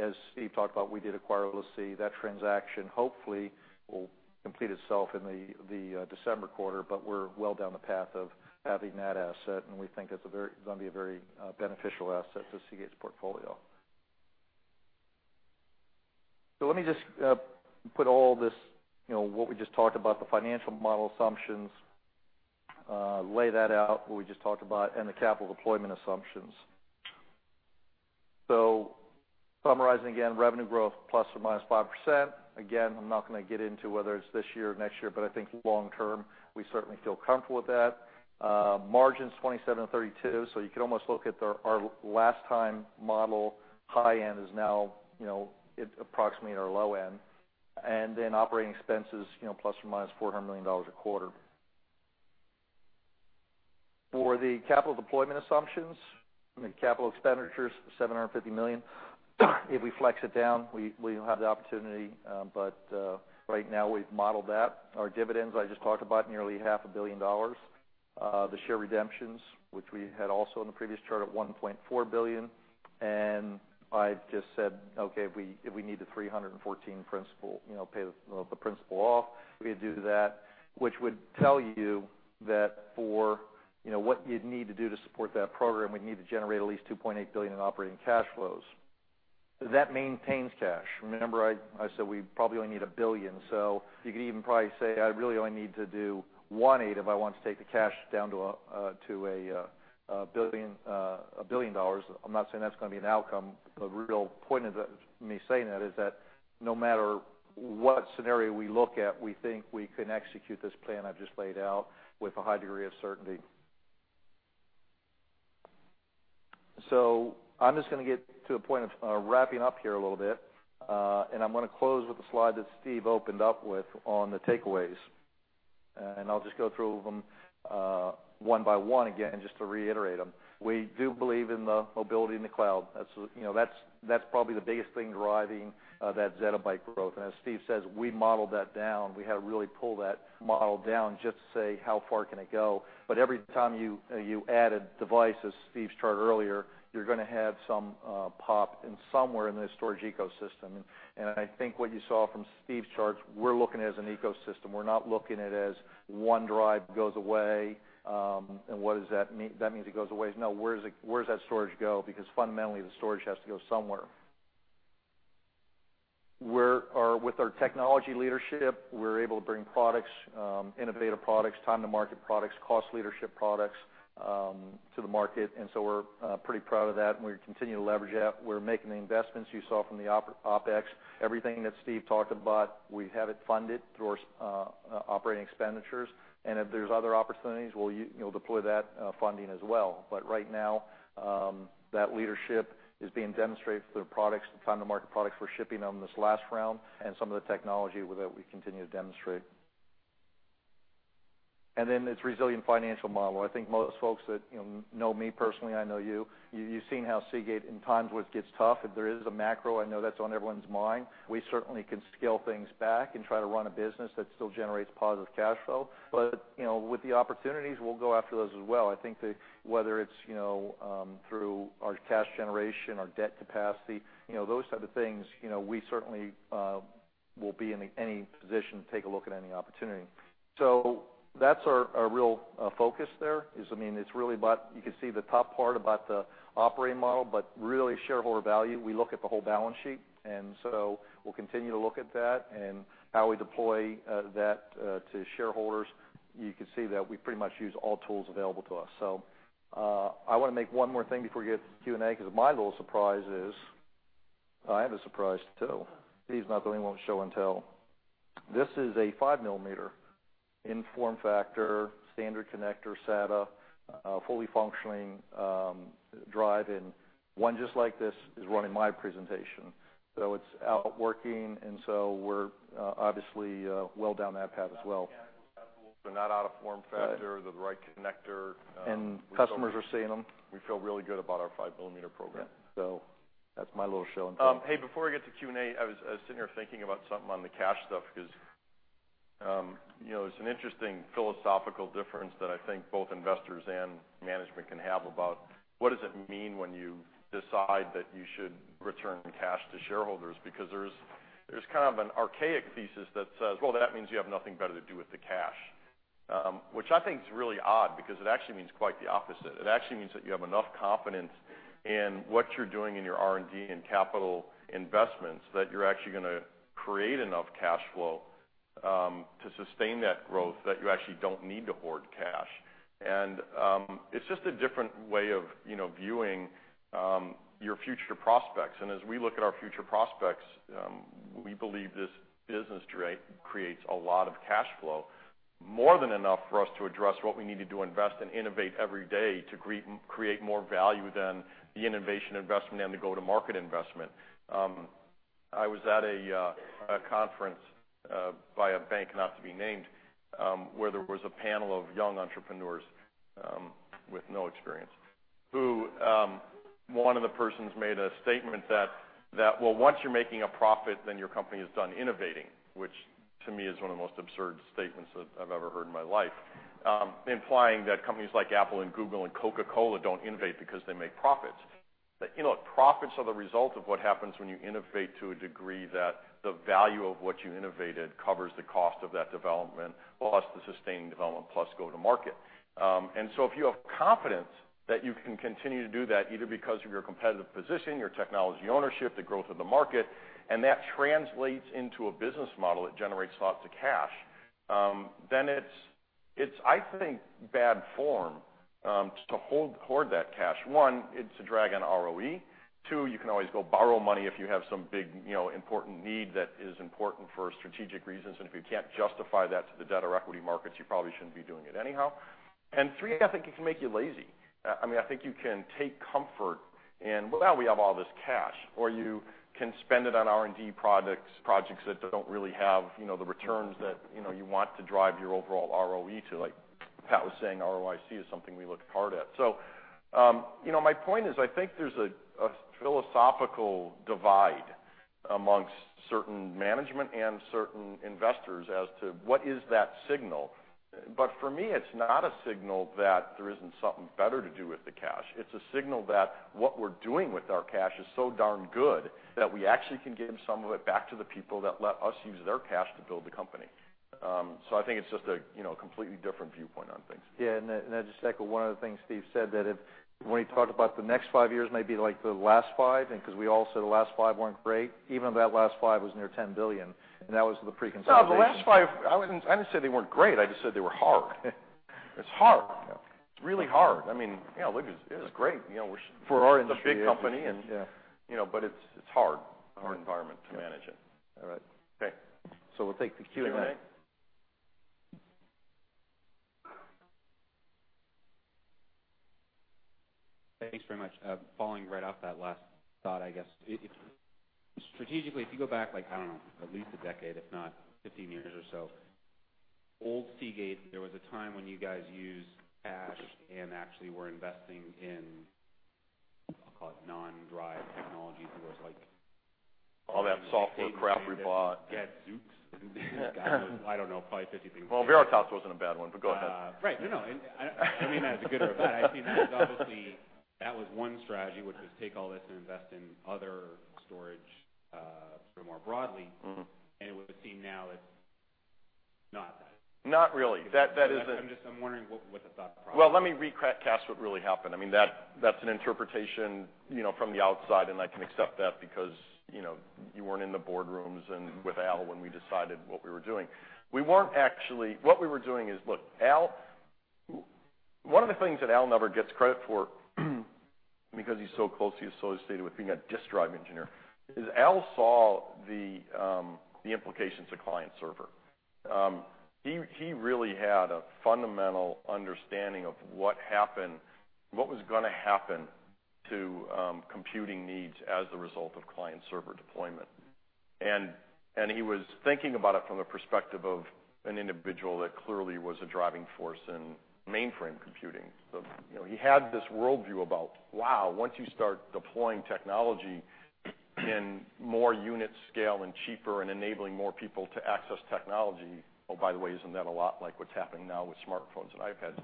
As Steve talked about, we did acquire LaCie. That transaction hopefully will complete itself in the December quarter, but we're well down the path of having that asset, and we think it's going to be a very beneficial asset to Seagate's portfolio. Let me just put all this, what we just talked about, the financial model assumptions, lay that out, what we just talked about, and the capital deployment assumptions. Summarizing again, revenue growth ±5%. Again, I'm not going to get into whether it's this year or next year, but I think long term, we certainly feel comfortable with that. Margins 27%-32%, you could almost look at our last time model high end is now approximately at our low end. Operating expenses, ±$400 million a quarter. For the capital deployment assumptions, I mean, capital expenditures, $750 million. If we flex it down, we will have the opportunity, but right now we've modeled that. Our dividends, I just talked about, nearly half a billion dollars. The share redemptions, which we had also in the previous chart at $1.4 billion. I just said, okay, if we need the $314 principal, pay the principal off, we could do that, which would tell you that for what you'd need to do to support that program, we'd need to generate at least $2.8 billion in operating cash flows. That maintains cash. Remember I said we probably only need $1 billion. You could even probably say I really only need to do $1.8 billion if I want to take the cash down to $1 billion. I'm not saying that's going to be an outcome. The real point of me saying that is that no matter what scenario we look at, we think we can execute this plan I've just laid out with a high degree of certainty. I'm just going to get to a point of wrapping up here a little bit, and I'm going to close with the slide that Steve opened up with on the takeaways. I'll just go through them one by one again, just to reiterate them. We do believe in the mobility in the cloud. That's probably the biggest thing driving that zettabyte growth. As Steve says, we modeled that down. We had to really pull that model down just to say how far can it go. Every time you add a device, as Steve charted earlier, you're going to have some pop in somewhere in the storage ecosystem. I think what you saw from Steve's charts, we're looking at it as an ecosystem. We're not looking at it as one drive goes away, and what does that mean? That means it goes away. No, where does that storage go? Because fundamentally, the storage has to go somewhere. With our technology leadership, we're able to bring innovative products, time-to-market products, cost leadership products to the market, we're pretty proud of that, and we continue to leverage that. We're making the investments you saw from the OpEx. Everything that Steve talked about, we have it funded through our operating expenditures. If there's other opportunities, we'll deploy that funding as well. Right now, that leadership is being demonstrated through the products, the time-to-market products we're shipping on this last round, and some of the technology that we continue to demonstrate. This resilient financial model. I think most folks that know me personally, I know you've seen how Seagate, in times when it gets tough, if there is a macro, I know that's on everyone's mind. We certainly can scale things back and try to run a business that still generates positive cash flow. With the opportunities, we'll go after those as well. I think that whether it's through our cash generation, our debt capacity, those type of things, we certainly will be in any position to take a look at any opportunity. That's our real focus there. You can see the top part about the operating model, but really shareholder value, we look at the whole balance sheet. We'll continue to look at that and how we deploy that to shareholders. You can see that we pretty much use all tools available to us. I want to make one more thing before we get to Q&A, because my little surprise is, I have a surprise, too. Steve's not the only one with show and tell. This is a five-millimeter in form factor, standard connector SATA, fully functioning drive, and one just like this is running my presentation. It's out working. We're obviously well down that path as well. Not out of form factor, the right connector. Customers are seeing them. We feel really good about our five-millimeter program. That's my little show and tell. Before we get to Q&A, I was sitting here thinking about something on the cash stuff, because it's an interesting philosophical difference that I think both investors and management can have about what does it mean when you decide that you should return cash to shareholders. There's kind of an archaic thesis that says, "Well, that means you have nothing better to do with the cash." I think is really odd, because it actually means quite the opposite. It actually means that you have enough confidence in what you're doing in your R&D and capital investments that you're actually going to create enough cash flow to sustain that growth that you actually don't need to hoard cash. It's just a different way of viewing your future prospects. As we look at our future prospects, we believe this business creates a lot of cash flow, more than enough for us to address what we need to do, invest and innovate every day to create more value than the innovation investment and the go-to-market investment. I was at a conference by a bank not to be named, where there was a panel of young entrepreneurs with no experience, who one of the persons made a statement that, well, once you're making a profit, your company is done innovating, which to me is one of the most absurd statements that I've ever heard in my life, implying that companies like Apple and Google and Coca-Cola don't innovate because they make profits. Profits are the result of what happens when you innovate to a degree that the value of what you innovated covers the cost of that development, plus the sustained development, plus go to market. If you have confidence that you can continue to do that, either because of your competitive position, your technology ownership, the growth of the market, and that translates into a business model that generates lots of cash then it's, I think, bad form to hoard that cash. One, it's a drag on ROE. Two, you can always go borrow money if you have some big, important need that is important for strategic reasons, and if you can't justify that to the debt or equity markets, you probably shouldn't be doing it anyhow. Three, I think it can make you lazy. I think you can take comfort in, well, now we have all this cash, or you can spend it on R&D projects that don't really have the returns that you want to drive your overall ROE to. Like Pat was saying, ROIC is something we look hard at. My point is, I think there's a philosophical divide amongst certain management and certain investors as to what is that signal. For me, it's not a signal that there isn't something better to do with the cash. It's a signal that what we're doing with our cash is so darn good that we actually can give some of it back to the people that let us use their cash to build the company. I think it's just a completely different viewpoint on things. Yeah, I'll just echo one of the things Steve said, that when he talked about the next five years may be like the last five. Because we all said the last five weren't great, even that last five was near $10 billion. That was the pre-consolidation. No, the last five, I didn't say they weren't great. I just said they were hard. It's hard. Yeah. It's really hard. Look, it was great. For R&D, it is. Yeah. it's a big company, but it's a hard environment to manage in. All right. Okay. We'll take the Q&A. Q&A. Thanks very much. Following right off that last thought, I guess, strategically, if you go back, like, I don't know, at least a decade, if not 15 years or so, old Seagate, there was a time when you guys used cash and actually were investing in, I'll call it non-drive technology. There was like- All that software crap we bought- You had Zoox and God knows, I don't know, probably 50 things. Well, Veritas wasn't a bad one, but go ahead. Right. No, no. I don't mean that as a good or a bad. I just mean that was obviously one strategy, which was take all this and invest in other storage sort of more broadly, and it would seem now that not that. Not really. I'm just wondering what the thought process was. Well, let me recast what really happened. That's an interpretation from the outside, and I can accept that because you weren't in the boardrooms and with Al when we decided what we were doing. What we were doing is, look, one of the things that Al never gets credit for because he's so closely associated with being a disk drive engineer, is Al saw the implications of client server. He really had a fundamental understanding of what was going to happen to computing needs as the result of client server deployment. He was thinking about it from the perspective of an individual that clearly was a driving force in mainframe computing. He had this worldview about, wow, once you start deploying technology in more unit scale and cheaper and enabling more people to access technology, oh, by the way, isn't that a lot like what's happening now with smartphones and iPads?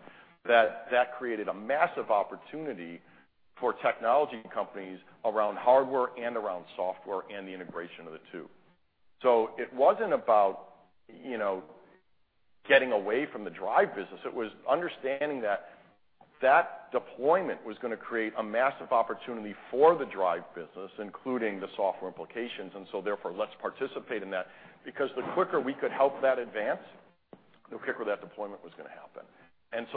That created a massive opportunity for technology companies around hardware and around software, and the integration of the two. It wasn't about getting away from the drive business, it was understanding that deployment was going to create a massive opportunity for the drive business, including the software implications. Therefore, let's participate in that because the quicker we could help that advance, the quicker that deployment was going to happen.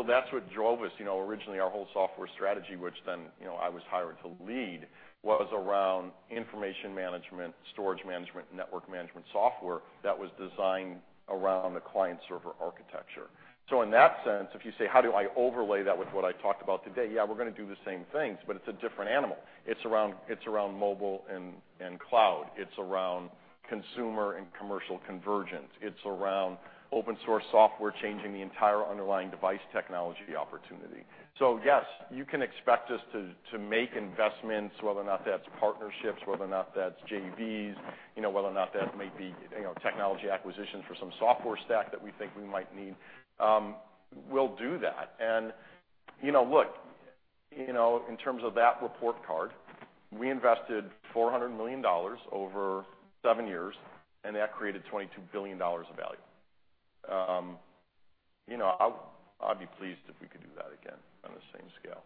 That's what drove us. Originally, our whole software strategy, which then I was hired to lead, was around information management, storage management, network management software that was designed around the client-server architecture. In that sense, if you say, how do I overlay that with what I talked about today? Yeah, we're going to do the same things, but it's a different animal. It's around mobile and cloud. It's around consumer and commercial convergence. It's around open-source software changing the entire underlying device technology opportunity. Yes, you can expect us to make investments, whether or not that's partnerships, whether or not that's JVs, whether or not that may be technology acquisitions for some software stack that we think we might need. We'll do that. Look, in terms of that report card, we invested $400 million over seven years, and that created $22 billion of value. I'd be pleased if we could do that again on the same scale.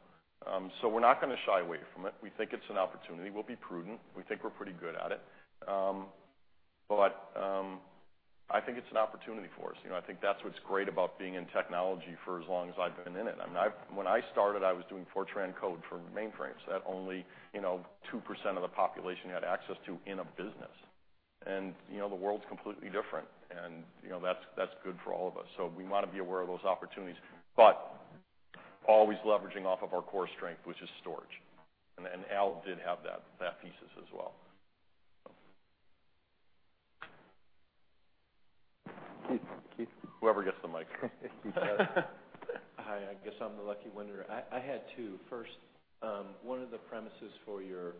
We're not going to shy away from it. We think it's an opportunity. We'll be prudent. We think we're pretty good at it. I think it's an opportunity for us. I think that's what's great about being in technology for as long as I've been in it. When I started, I was doing Fortran code for mainframes that only 2% of the population had access to in a business. The world's completely different, and that's good for all of us. We want to be aware of those opportunities, but always leveraging off of our core strength, which is storage. Al did have that thesis as well. Keith? Whoever gets the mic. Hi. I guess I'm the lucky winner. I had two. First, one of the premises for your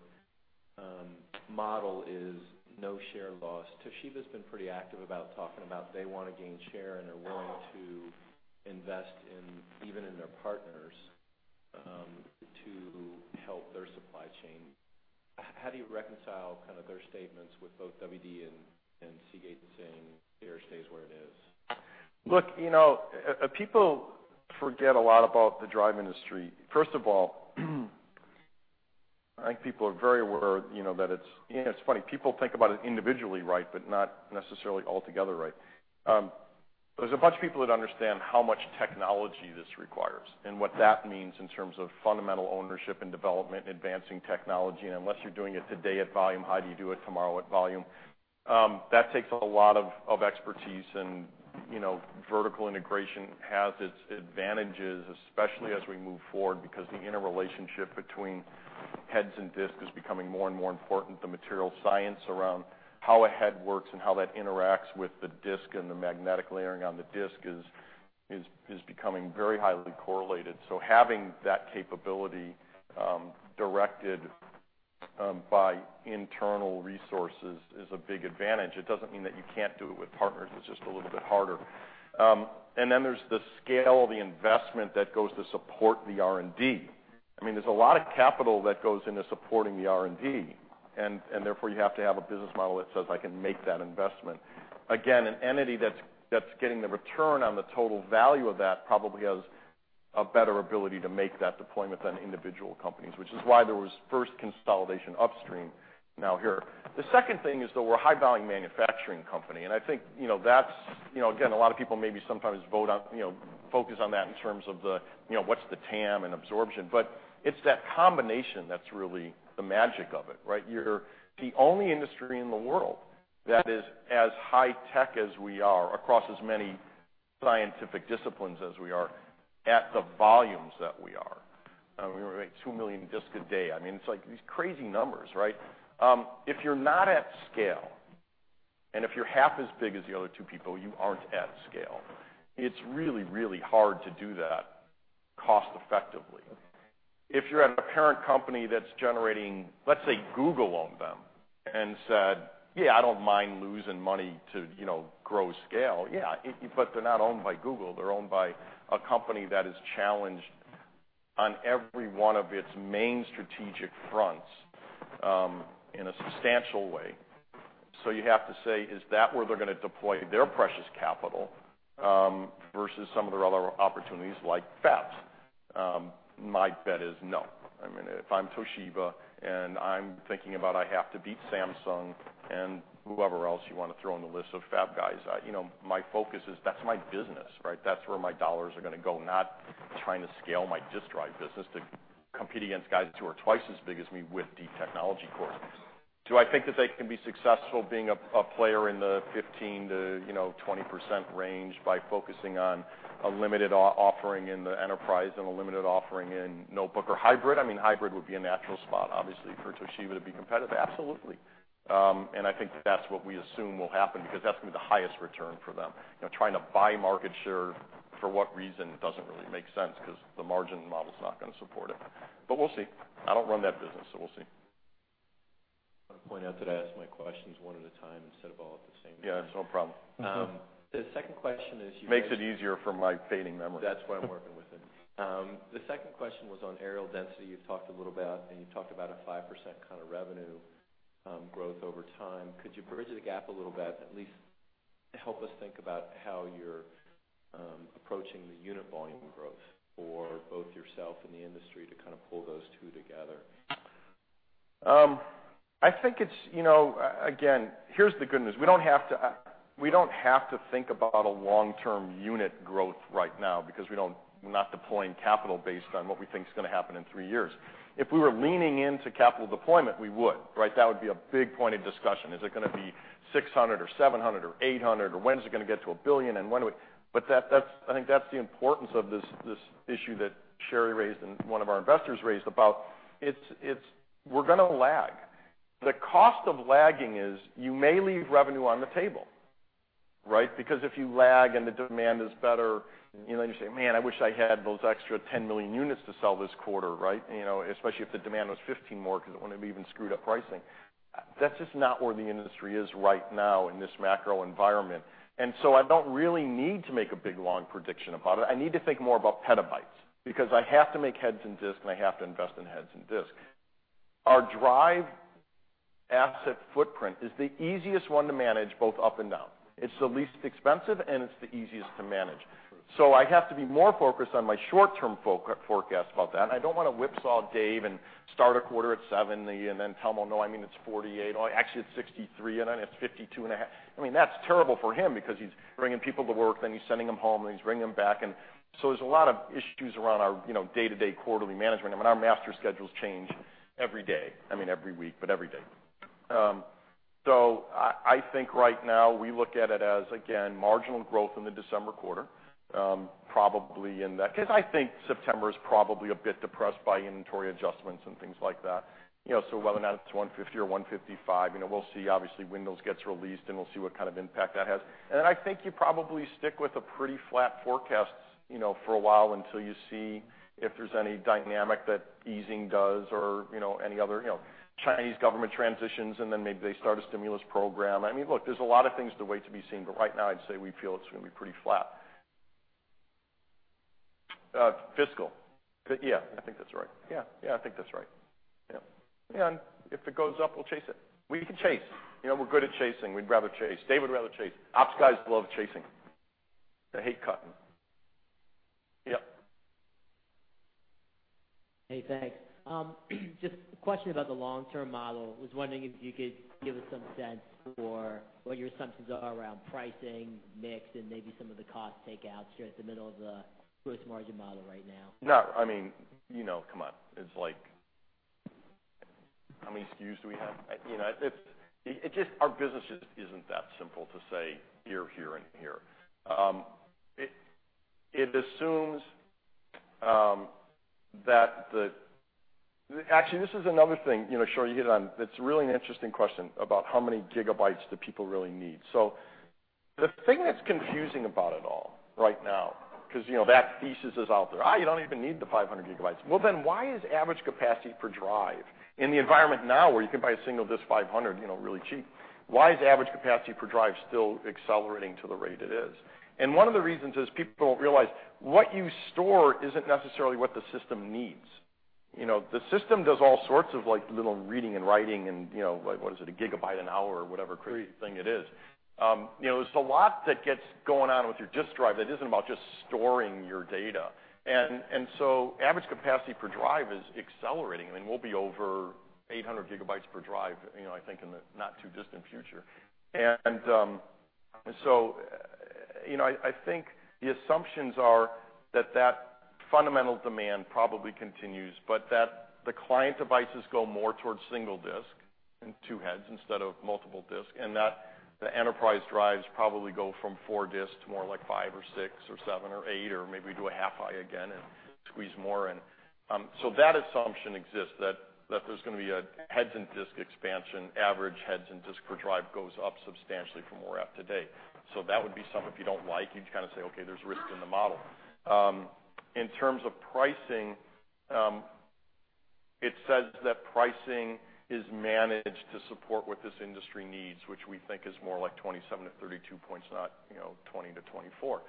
model is no share loss. Toshiba's been pretty active about talking about they want to gain share and are willing to invest even in their partners to help their supply chain. How do you reconcile their statements with both WD and Seagate saying their share stays where it is? Look, people forget a lot about the drive industry. First of all, I think people are very aware that it's funny. People think about it individually right, but not necessarily altogether right. There's a bunch of people that understand how much technology this requires and what that means in terms of fundamental ownership and development, advancing technology. Unless you're doing it today at volume, how do you do it tomorrow at volume? That takes a lot of expertise. Vertical integration has its advantages, especially as we move forward because the interrelationship between heads and disk is becoming more and more important. The material science around how a head works and how that interacts with the disk and the magnetic layering on the disk is becoming very highly correlated. Having that capability directed by internal resources is a big advantage. It doesn't mean that you can't do it with partners. It's just a little bit harder. There's the scale of the investment that goes to support the R&D. There's a lot of capital that goes into supporting the R&D, and therefore you have to have a business model that says, "I can make that investment." Again, an entity that's getting the return on the total value of that probably has a better ability to make that deployment than individual companies, which is why there was first consolidation upstream, now here. The second thing is that we're a high-volume manufacturing company, and I think that's, again, a lot of people maybe sometimes focus on that in terms of the, what's the TAM and absorption? It's that combination that's really the magic of it, right? You're the only industry in the world that is as high tech as we are across as many scientific disciplines as we are, at the volumes that we are. We make 2 million disks a day. It's like these crazy numbers, right? If you're not at scale, if you're half as big as the other two people, you aren't at scale. It's really, really hard to do that cost-effectively. If you're at a parent company that's generating, let's say Google owned them and said, "I don't mind losing money to grow scale." They're not owned by Google. They're owned by a company that is challenged on every one of its main strategic fronts in a substantial way. You have to say, is that where they're going to deploy their precious capital versus some of their other opportunities like fabs? My bet is no. If I'm Toshiba, and I'm thinking about I have to beat Samsung and whoever else you want to throw in the list of fab guys, my focus is that's my business, right? That's where my dollars are going to go, not trying to scale my disk drive business to compete against guys who are twice as big as me with deep technology cores. Do I think that they can be successful being a player in the 15%-20% range by focusing on a limited offering in the enterprise and a limited offering in notebook or hybrid? Hybrid would be a natural spot, obviously, for Toshiba to be competitive. Absolutely. I think that's what we assume will happen because that's going to be the highest return for them. Trying to buy market share, for what reason doesn't really make sense because the margin model's not going to support it. We'll see. I don't run that business, so we'll see. Point out that I ask my questions one at a time instead of all at the same time. Yeah, it's no problem. The second question is. Makes it easier for my fading memory. That's why I'm working with it. The second question was on areal density. You've talked a little about, and you've talked about a 5% kind of revenue growth over time. Could you bridge the gap a little bit, at least to help us think about how you're approaching the unit volume growth for both yourself and the industry to kind of pull those two together? Here's the good news. We don't have to think about a long-term unit growth right now because we're not deploying capital based on what we think is going to happen in three years. If we were leaning into capital deployment, we would, right? That would be a big point of discussion. Is it going to be 600 or 700 or 800 or when's it going to get to a billion and when are we I think that's the importance of this issue that Sherri raised and one of our investors raised about, we're going to lag. The cost of lagging is you may leave revenue on the table. Right? Because if you lag and the demand is better, then you say, "Man, I wish I had those extra 10 million units to sell this quarter," right? Especially if the demand was 15 more because it wouldn't be even screwed up pricing. That's just not where the industry is right now in this macro environment. I don't really need to make a big, long prediction about it. I need to think more about petabytes because I have to make heads and disk, and I have to invest in heads and disk. Our drive asset footprint is the easiest one to manage both up and down. It's the least expensive, and it's the easiest to manage. I have to be more focused on my short-term forecast about that. I don't want to whipsaw Dave and start a quarter at 70 and then tell him, "Well, no, I mean it's 48. Oh, actually it's 63, and then it's 52 and a half." I mean, that's terrible for him because he's bringing people to work, then he's sending them home, and he's bringing them back. There's a lot of issues around our day-to-day quarterly management. I mean, our master schedules change every day. I mean, every week, but every day. I think right now we look at it as, again, marginal growth in the December quarter, probably in that because I think September is probably a bit depressed by inventory adjustments and things like that. Whether or not it's 150 or 155, we'll see obviously Windows gets released, and we'll see what kind of impact that has. I think you probably stick with a pretty flat forecast for a while until you see if there's any dynamic that easing does or any other Chinese government transitions, and then maybe they start a stimulus program. I mean, look, there's a lot of things to wait to be seen. Right now, I'd say we feel it's going to be pretty flat. Fiscal. Yeah, I think that's right. Yeah. I think that's right. Yeah. If it goes up, we'll chase it. We can chase. We're good at chasing. We'd rather chase. Dave would rather chase. Ops guys love chasing. They hate cutting. Yep. Hey, thanks. Just a question about the long-term model. Was wondering if you could give us some sense for what your assumptions are around pricing, mix, and maybe some of the cost takeouts here at the middle of the gross margin model right now. No. I mean, come on. It's like, how many SKUs do we have? Our business just isn't that simple to say here, and here. Actually, this is another thing Sherri, you hit on that's really an interesting question about how many gigabytes do people really need. The thing that's confusing about it all right now, because that thesis is out there, "You don't even need the 500 gigabytes." Why is average capacity per drive in the environment now where you can buy a single disk 500 really cheap, why is average capacity per drive still accelerating to the rate it is? One of the reasons is people don't realize what you store isn't necessarily what the system needs. The system does all sorts of little reading and writing and, what is it, a gigabyte an hour or whatever crazy thing it is. There's a lot that gets going on with your disk drive that isn't about just storing your data. Average capacity per drive is accelerating. I mean, we'll be over 800 gigabytes per drive, I think, in the not-too-distant future. I think the assumptions are that that fundamental demand probably continues, but that the client devices go more towards single disk and two heads instead of multiple disk, and that the enterprise drives probably go from four disks to more like five or six or seven or eight, or maybe we do a half high again and squeeze more in. That assumption exists that there's going to be a heads and disk expansion, average heads and disk per drive goes up substantially from where we're at today. That would be something if you don't like, you'd kind of say, "Okay, there's risk in the model." In terms of pricing, it says that pricing is managed to support what this industry needs, which we think is more like 27-32 points, not 20-24 points.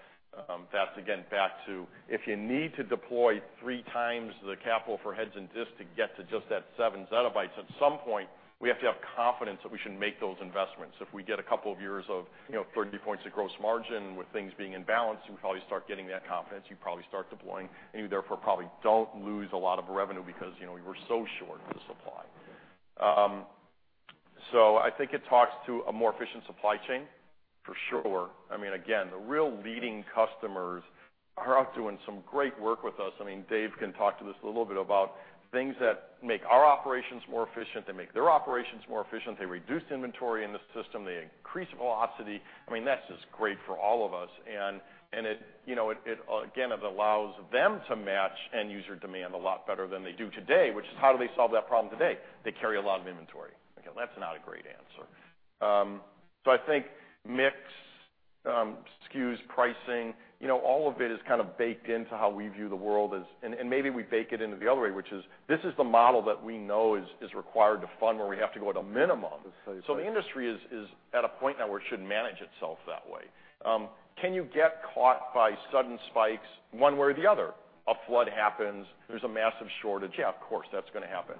That's again, back to if you need to deploy three times the capital for heads and disks to get to just that seven zettabytes, at some point, we have to have confidence that we should make those investments. If we get a couple of years of 30 points of gross margin with things being in balance, we probably start getting that confidence. You probably start deploying, and you therefore probably don't lose a lot of revenue because we were so short the supply. I think it talks to a more efficient supply chain for sure. I mean, again, the real leading customers are out doing some great work with us. I mean, Dave can talk to this a little bit about things that make our operations more efficient. They make their operations more efficient. They reduce inventory in the system. They increase velocity. I mean, that's just great for all of us, and again, it allows them to match end-user demand a lot better than they do today, which is how do they solve that problem today? They carry a lot of inventory. Okay, that's not a great answer. I think mix SKUs pricing. All of it is baked into how we view the world. Maybe we bake it into the other way, which is, this is the model that we know is required to fund where we have to go at a minimum. The industry is at a point now where it should manage itself that way. Can you get caught by sudden spikes one way or the other? A flood happens, there's a massive shortage. Yeah, of course, that's going to happen.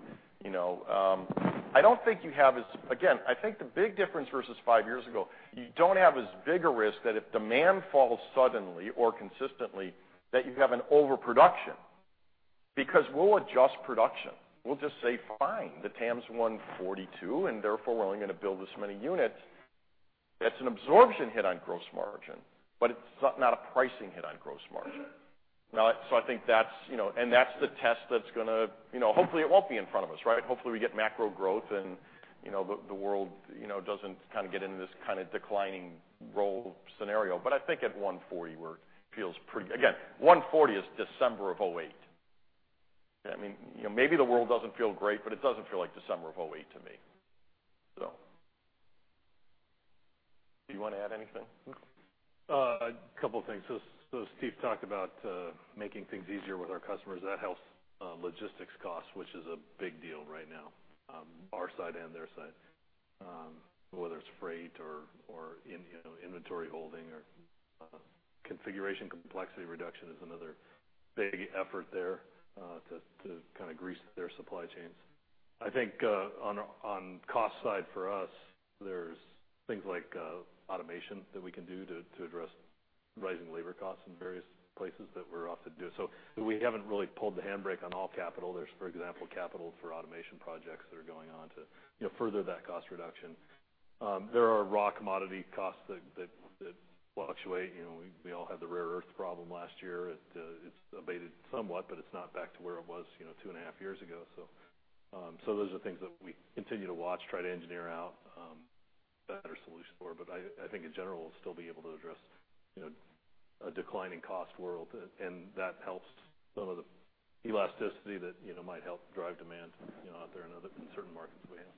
Again, I think the big difference versus five years ago, you don't have as big a risk that if demand falls suddenly or consistently, that you have an overproduction, because we'll adjust production. We'll just say, "Fine, the TAM's 142, therefore we're only going to build this many units." That's an absorption hit on gross margin, but it's not a pricing hit on gross margin. That's the test that's going to hopefully it won't be in front of us. Hopefully, we get macro growth and the world doesn't get into this declining role scenario. I think at 140, where it feels pretty again, 140 is December of 2008. Maybe the world doesn't feel great, but it doesn't feel like December of 2008 to me. Do you want to add anything? A couple of things. Steve talked about making things easier with our customers. That helps logistics costs, which is a big deal right now, our side and their side, whether it's freight or inventory holding or configuration complexity reduction is another big effort there to grease their supply chains. I think on cost side for us, there's things like automation that we can do to address rising labor costs in various places that we're often doing. We haven't really pulled the handbrake on all capital. There's, for example, capital for automation projects that are going on to further that cost reduction. There are raw commodity costs that fluctuate. We all had the rare earth problem last year. It's abated somewhat, but it's not back to where it was two and a half years ago. Those are things that we continue to watch, try to engineer out a better solution for, but I think in general, we'll still be able to address a declining cost world, and that helps some of the elasticity that might help drive demand out there in certain markets we have.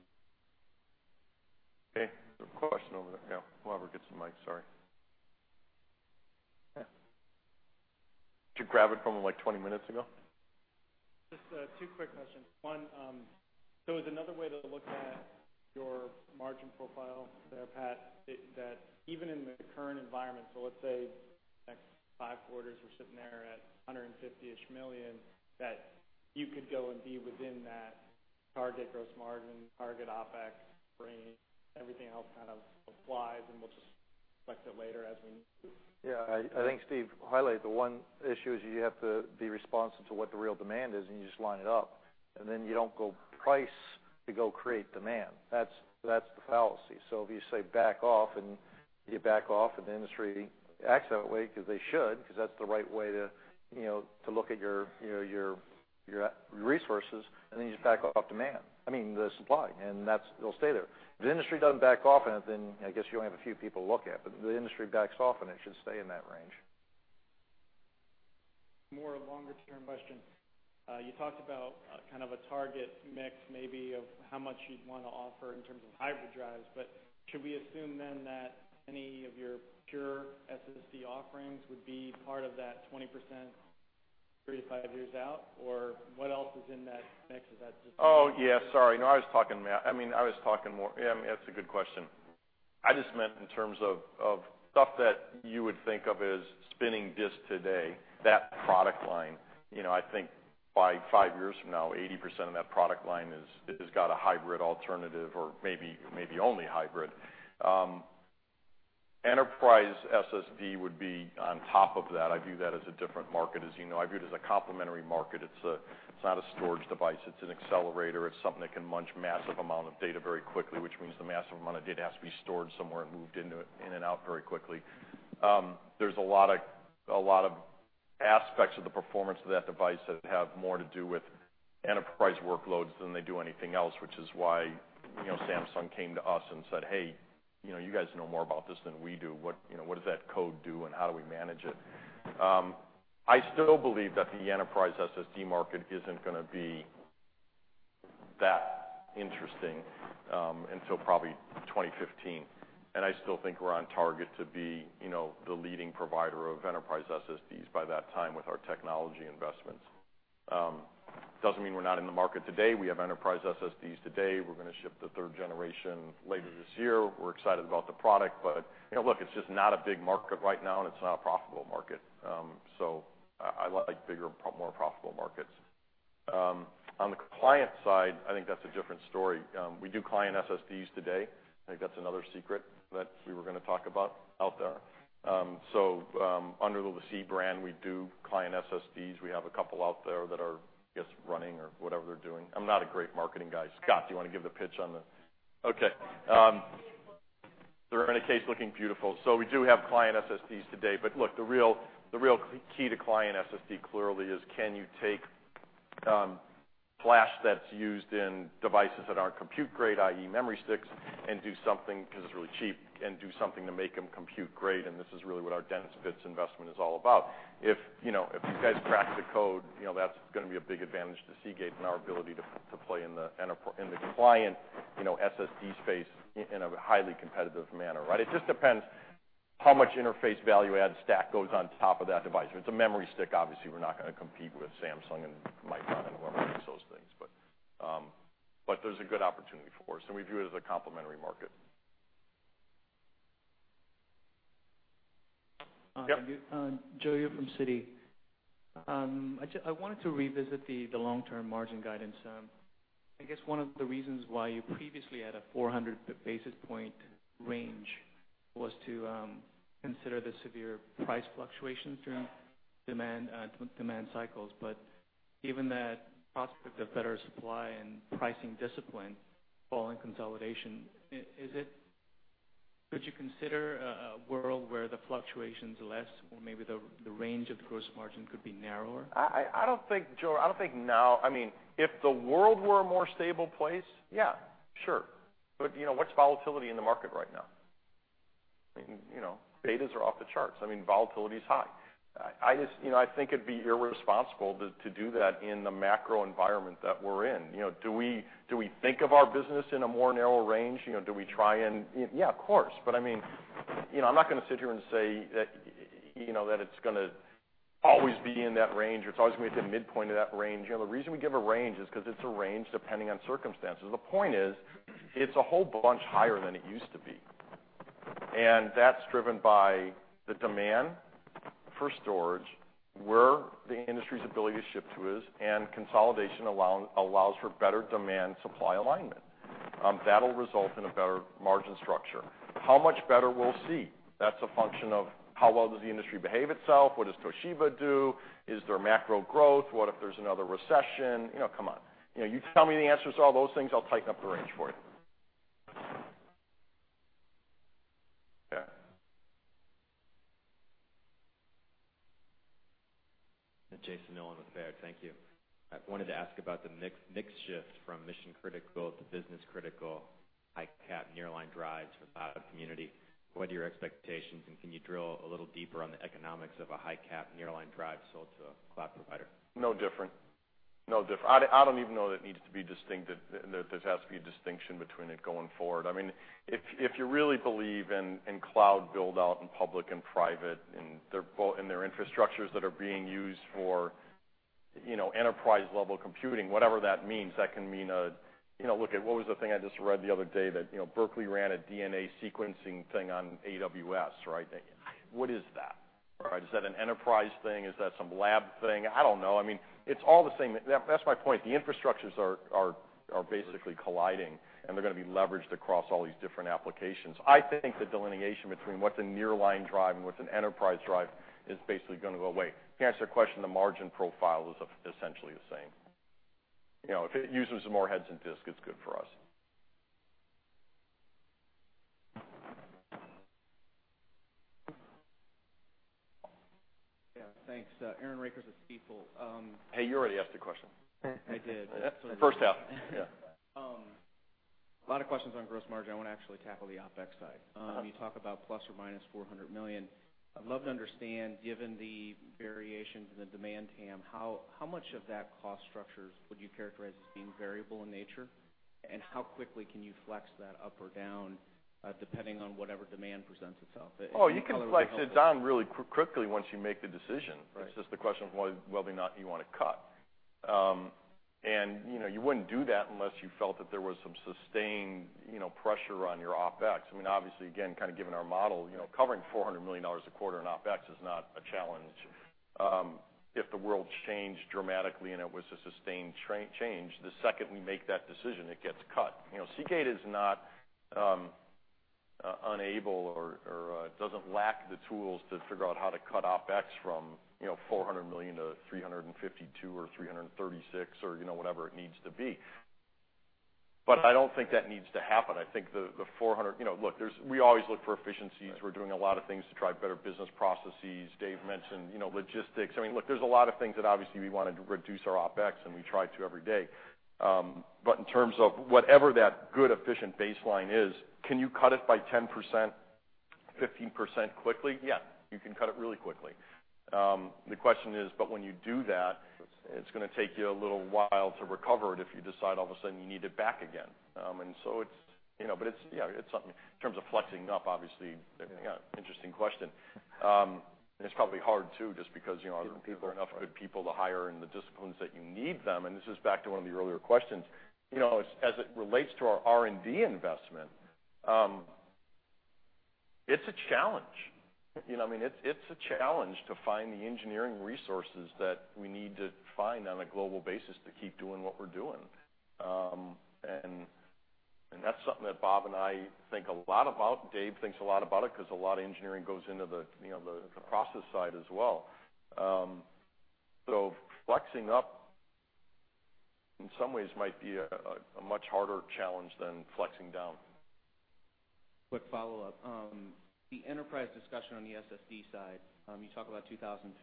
Okay. There's a question over there. Yeah. We'll have her get some mic, sorry. Yeah. Did you grab it from her like 20 minutes ago? Just two quick questions. One, is another way to look at your margin profile there, Pat, that even in the current environment, let's say next five quarters, we're sitting there at $150-ish million, that you could go and be within that target gross margin, target OpEx range, everything else applies, we'll just collect it later as we need to? Yeah, I think Steve highlighted the one issue is you have to be responsive to what the real demand is, you just line it up. Then you don't go price to go create demand. That's the fallacy. If you say back off, you back off, the industry acts that way because they should, because that's the right way to look at your resources, then you just back off demand, I mean, the supply, it'll stay there. If the industry doesn't back off on it, I guess you only have a few people to look at. If the industry backs off on it should stay in that range. More a longer-term question. You talked about a target mix maybe of how much you'd want to offer in terms of hybrid drives, should we assume then that any of your pure SSD offerings would be part of that 20% three to five years out, what else is in that mix? Is that just- Oh, yeah, sorry. No, I was talking. That's a good question. I just meant in terms of stuff that you would think of as spinning disk today, that product line. I think by 5 years from now, 80% of that product line has got a hybrid alternative or maybe only hybrid. Enterprise SSD would be on top of that. I view that as a different market, as you know. I view it as a complementary market. It's not a storage device. It's an accelerator. It's something that can munch massive amount of data very quickly, which means the massive amount of data has to be stored somewhere and moved in and out very quickly. There's a lot of aspects of the performance of that device that have more to do with enterprise workloads than they do anything else, which is why Samsung came to us and said, "Hey, you guys know more about this than we do. What does that code do, and how do we manage it?" I still believe that the enterprise SSD market isn't going to be that interesting until probably 2015. I still think we're on target to be the leading provider of enterprise SSDs by that time with our technology investments. Doesn't mean we're not in the market today. We have enterprise SSDs today. We're going to ship the third generation later this year. We're excited about the product, look, it's just not a big market right now, and it's not a profitable market. I like bigger, more profitable markets. On the client side, I think that's a different story. We do client SSDs today. I think that's another secret that we were going to talk about out there. Under the Seagate brand, we do client SSDs. We have a couple out there that are just running or whatever they're doing. I'm not a great marketing guy. Scott, do you want to give the pitch on the Okay. They're in a case looking beautiful. They're in a case looking beautiful. We do have client SSDs today, look, the real key to client SSD clearly is can you take flash that's used in devices that aren't compute-grade, i.e., memory sticks, and do something, because it's really cheap, and do something to make them compute-grade? This is really what our DensBits investment is all about. If you guys crack the code, that's going to be a big advantage to Seagate and our ability to play in the client SSD space in a highly competitive manner. It just depends how much interface value-add stack goes on top of that device? If it's a memory stick, obviously we're not going to compete with Samsung and Micron and whatever makes those things. There's a good opportunity for us, and we view it as a complementary market. Yep. Joe here, from Citi. I wanted to revisit the long-term margin guidance. I guess one of the reasons why you previously had a 400 basis point range was to consider the severe price fluctuations during demand cycles. Given that prospect of better supply and pricing discipline following consolidation, would you consider a world where the fluctuation is less or maybe the range of gross margin could be narrower? Joe, I don't think now. If the world were a more stable place, yeah, sure. What's volatility in the market right now? Betas are off the charts. Volatility is high. I think it'd be irresponsible to do that in the macro environment that we're in. Do we think of our business in a more narrow range? Do we try and Yeah, of course. I'm not going to sit here and say that it's going to always be in that range, or it's always going to be at the midpoint of that range. The reason we give a range is because it's a range depending on circumstances. The point is, it's a whole bunch higher than it used to be, and that's driven by the demand for storage, where the industry's ability to ship to is, and consolidation allows for better demand-supply alignment. That'll result in a better margin structure. How much better? We'll see. That's a function of how well does the industry behave itself? What does Toshiba do? Is there macro growth? What if there's another recession? Come on. You tell me the answers to all those things, I'll tighten up the range for you. Yeah. Jayson Noland with Baird. Thank you. I wanted to ask about the mix shift from mission-critical to business-critical high-cap nearline drives for the cloud community. What are your expectations, and can you drill a little deeper on the economics of a high-cap nearline drive sold to a cloud provider? No different. I don't even know that there has to be a distinction between it going forward. If you really believe in cloud build-out in public and private, and their infrastructures that are being used for enterprise-level computing, whatever that means. That can mean a what was the thing I just read the other day that Berkeley ran a DNA sequencing thing on AWS, right? What is that? Is that an enterprise thing? Is that some lab thing? I don't know. It's all the same. That's my point. The infrastructures are basically colliding, and they're going to be leveraged across all these different applications. I think the delineation between what's a nearline drive and what's an enterprise drive is basically going to go away. To answer your question, the margin profile is essentially the same. If it uses more heads and disk, it's good for us. Yeah, thanks. Aaron Rakers with Stifel. Hey, you already asked a question. I did. First half. Yeah. A lot of questions on gross margin. I want to actually tackle the OpEx side. Okay. You talk about ±$400 million. I'd love to understand, given the variations in the demand TAM, how much of that cost structures would you characterize as being variable in nature, and how quickly can you flex that up or down, depending on whatever demand presents itself? Any color would help. You can flex it down really quickly once you make the decision. Right. It's just the question of whether or not you want to cut. You wouldn't do that unless you felt that there was some sustained pressure on your OpEx. Obviously, again, given our model, covering $400 million a quarter in OpEx is not a challenge. If the world's changed dramatically and it was a sustained change, the second we make that decision, it gets cut. Seagate is not unable or doesn't lack the tools to figure out how to cut OpEx from $400 million to $352 million or $336 million or whatever it needs to be. I don't think that needs to happen. Look, we always look for efficiencies. Right. We're doing a lot of things to drive better business processes. Dave mentioned logistics. Look, there's a lot of things that obviously we want to reduce our OpEx, and we try to every day. In terms of whatever that good efficient baseline is, can you cut it by 10%, 15% quickly? Yeah, you can cut it really quickly. The question is, but when you do that. Sure It's going to take you a little while to recover it if you decide all of a sudden you need it back again. In terms of flexing up, obviously, interesting question. It's probably hard too, just because. Getting people There aren't enough good people to hire in the disciplines that you need them. This is back to one of the earlier questions. As it relates to our R&D investment, it's a challenge. It's a challenge to find the engineering resources that we need to find on a global basis to keep doing what we're doing. That's something that Bob and I think a lot about. Dave thinks a lot about it because a lot of engineering goes into the process side as well. Flexing up, in some ways, might be a much harder challenge than flexing down. Quick follow-up. The enterprise discussion on the SSD side, you talk about 2015.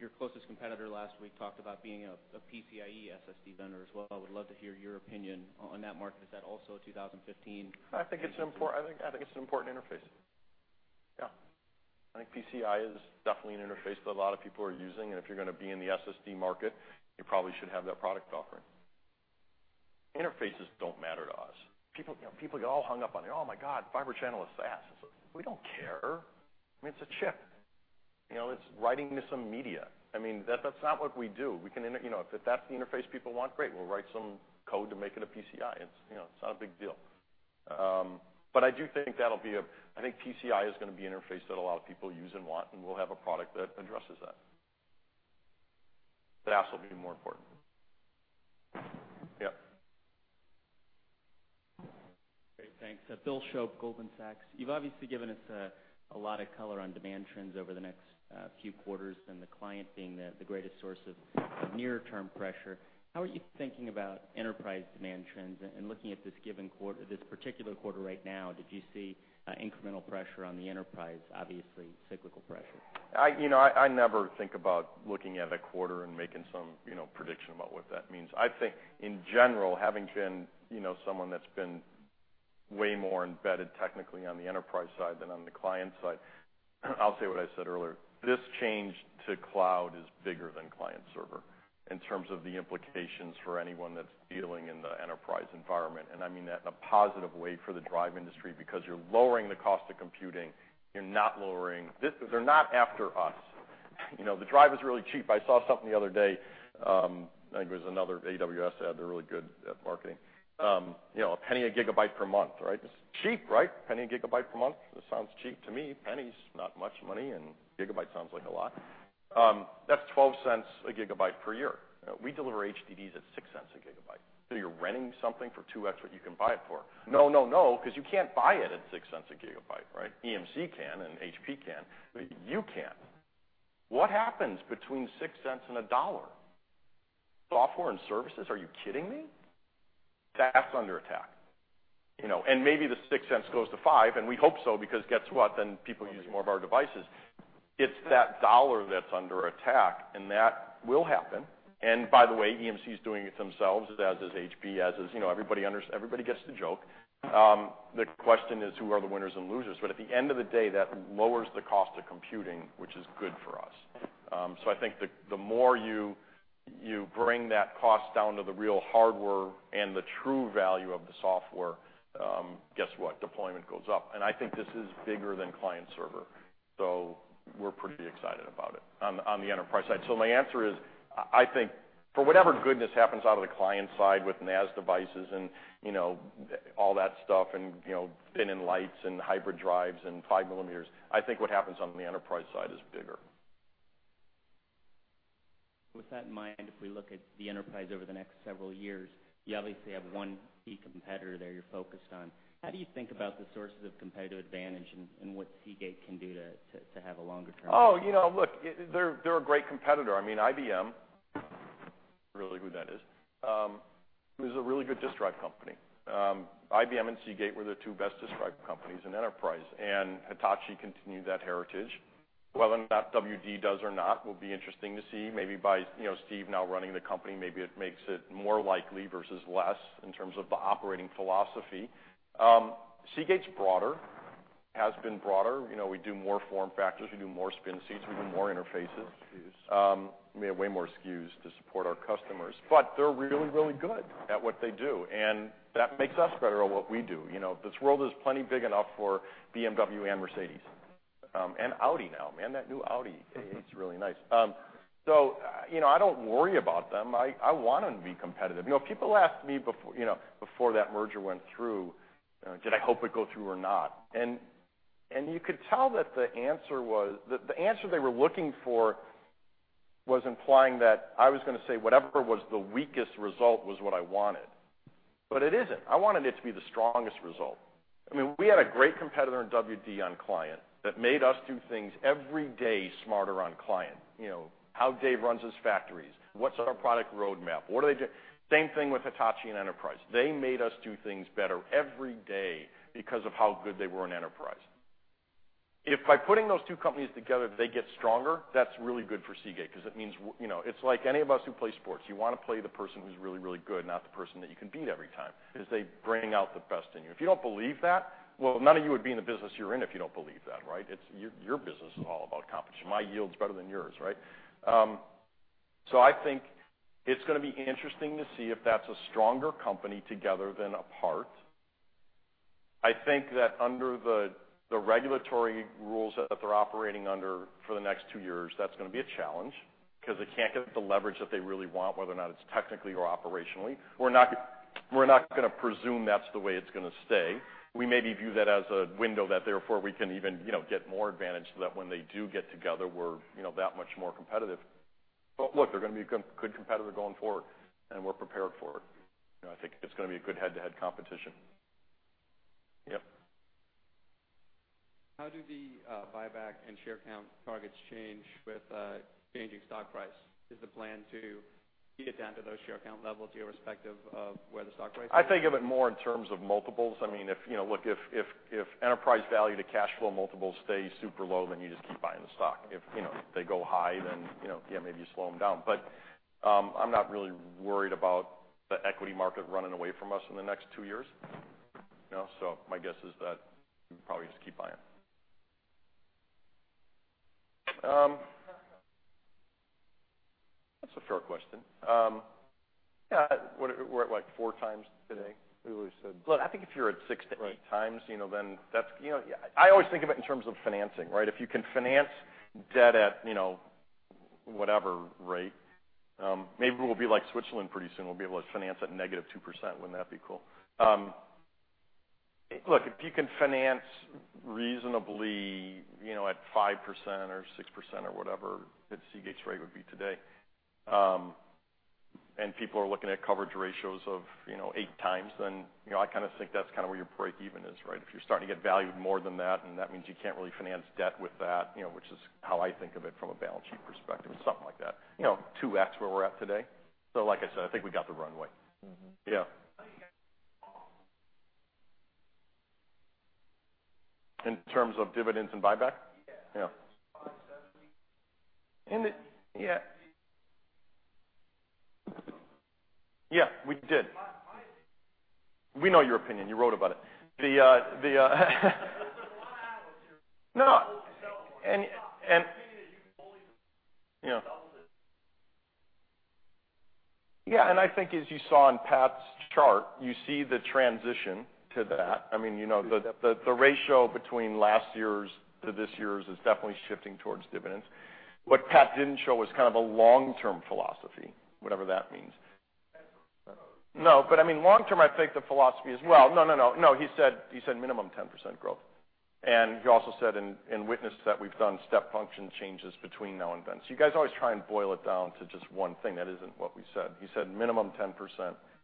Your closest competitor last week talked about being a PCIe SSD vendor as well. I would love to hear your opinion on that market. Is that also a 2015- I think it's an important interface. I think PCI is definitely an interface that a lot of people are using, and if you're going to be in the SSD market, you probably should have that product offering. Interfaces don't matter to us. People get all hung up on, "Oh my God, fiber channel is fast." We don't care. It's a chip. It's writing to some media. That's not what we do. If that's the interface people want, great, we'll write some code to make it a PCI. It's not a big deal. I do think PCI is going to be an interface that a lot of people use and want, and we'll have a product that addresses that. Apps will be more important. Yep. Great. Thanks. Bill Shope, Goldman Sachs. You've obviously given us a lot of color on demand trends over the next few quarters, and the client being the greatest source of near-term pressure. How are you thinking about enterprise demand trends? Looking at this particular quarter right now, did you see incremental pressure on the enterprise, obviously cyclical pressure? I never think about looking at a quarter and making some prediction about what that means. I think, in general, having been someone that's been way more embedded technically on the enterprise side than on the client side, I'll say what I said earlier. This change to cloud is bigger than client server in terms of the implications for anyone that's dealing in the enterprise environment, I mean that in a positive way for the drive industry, because you're lowering the cost of computing. They're not after us. The drive is really cheap. I saw something the other day, I think it was another AWS ad, they're really good at marketing. $0.01 a gigabyte per month. It's cheap. $0.01 a gigabyte per month, this sounds cheap to me. Penny's not much money, and a gigabyte sounds like a lot. That's $0.12 a gigabyte per year. We deliver HDDs at $0.06 a gigabyte. You're renting something for 2X what you can buy it for. No, because you can't buy it at $0.06 a gigabyte. EMC can, HP can, but you can't. What happens between $0.06 and $1? Software and services. Are you kidding me? That's under attack. Maybe the $0.06 goes to $0.05, we hope so, because guess what? People use more of our devices. It's that $1 that's under attack, that will happen, by the way, EMC's doing it themselves, as is HP. Everybody gets the joke. The question is, who are the winners and losers? At the end of the day, that lowers the cost of computing, which is good for us. I think the more you bring that cost down to the real hardware and the true value of the software, guess what? Deployment goes up, I think this is bigger than client server. We're pretty excited about it on the enterprise side. My answer is, I think for whatever good that happens out of the client side with NAS devices and all that stuff and thin and lights and hybrid drives and five millimeters, I think what happens on the enterprise side is bigger. With that in mind, if we look at the enterprise over the next several years, you obviously have one key competitor there you're focused on. How do you think about the sources of competitive advantage and what Seagate can do to have a longer-term advantage? Look, they're a great competitor. IBM, really who that is a really good disk drive company. IBM and Seagate were the two best disk drive companies in enterprise, Hitachi continued that heritage. Whether or not WD does or not will be interesting to see. Steve now running the company, maybe it makes it more likely versus less in terms of the operating philosophy. Seagate's broader, has been broader. We do more form factors. We do more spin speeds. We do more interfaces. More SKUs. We have way more SKUs to support our customers, they're really, really good at what they do, that makes us better at what we do. This world is plenty big enough for BMW and Mercedes. Audi now. Man, that new Audi A8's really nice. I don't worry about them. I want them to be competitive. People asked me before that merger went through, did I hope it'd go through or not? You could tell that the answer they were looking for was implying that I was going to say whatever was the weakest result was what I wanted. It isn't. I wanted it to be the strongest result. We had a great competitor in WD on client that made us do things every day smarter on client. How Dave runs his factories, what's our product roadmap? What do they do? Same thing with Hitachi and Enterprise. They made us do things better every day because of how good they were in enterprise. If by putting those two companies together, they get stronger, that's really good for Seagate because it's like any of us who play sports. You want to play the person who's really, really good, not the person that you can beat every time, because they bring out the best in you. If you don't believe that, well, none of you would be in the business you're in if you don't believe that. Your business is all about competition. My yield's better than yours. I think it's going to be interesting to see if that's a stronger company together than apart. I think that under the regulatory rules that they're operating under for the next two years, that's going to be a challenge, because they can't get the leverage that they really want, whether or not it's technically or operationally. We're not going to presume that's the way it's going to stay. We maybe view that as a window that therefore we can even get more advantage so that when they do get together, we're that much more competitive. Look, they're going to be a good competitor going forward, and we're prepared for it. I think it's going to be a good head-to-head competition. Yep. How do the buyback and share count targets change with changing stock price? Is the plan to get down to those share count levels irrespective of where the stock price is? I think of it more in terms of multiples. If enterprise value to cash flow multiples stays super low, you just keep buying the stock. If they go high, maybe you slow them down. I'm not really worried about the equity market running away from us in the next two years. My guess is that we probably just keep buying. That's a fair question. Yeah. We're at like four times today? Look, I think if you're at six to eight times, that's I always think of it in terms of financing, right? If you can finance debt at whatever rate, maybe we'll be like Switzerland pretty soon. We'll be able to finance at -2%. Wouldn't that be cool? Look, if you can finance reasonably at 5% or 6% or whatever that Seagate's rate would be today, people are looking at coverage ratios of eight times, I think that's where your breakeven is, right? If you're starting to get valued more than that means you can't really finance debt with that, which is how I think of it from a balance sheet perspective, something like that, 2x where we're at today. Like I said, I think we got the runway. Yeah. In terms of dividends and buyback? Yeah. Yeah. Yeah. Yeah, we did. We know your opinion. You wrote about it. No. Yeah. Yeah, I think as you saw on Pat's chart, you see the transition to that. The ratio between last year's to this year's is definitely shifting towards dividends. What Pat didn't show was a long-term philosophy, whatever that means. No, I mean, long term, I think the philosophy is Well, no, he said minimum 10% growth. He also said, and witnessed that we've done step function changes between now and then. You guys always try and boil it down to just one thing. That isn't what we said. He said minimum 10%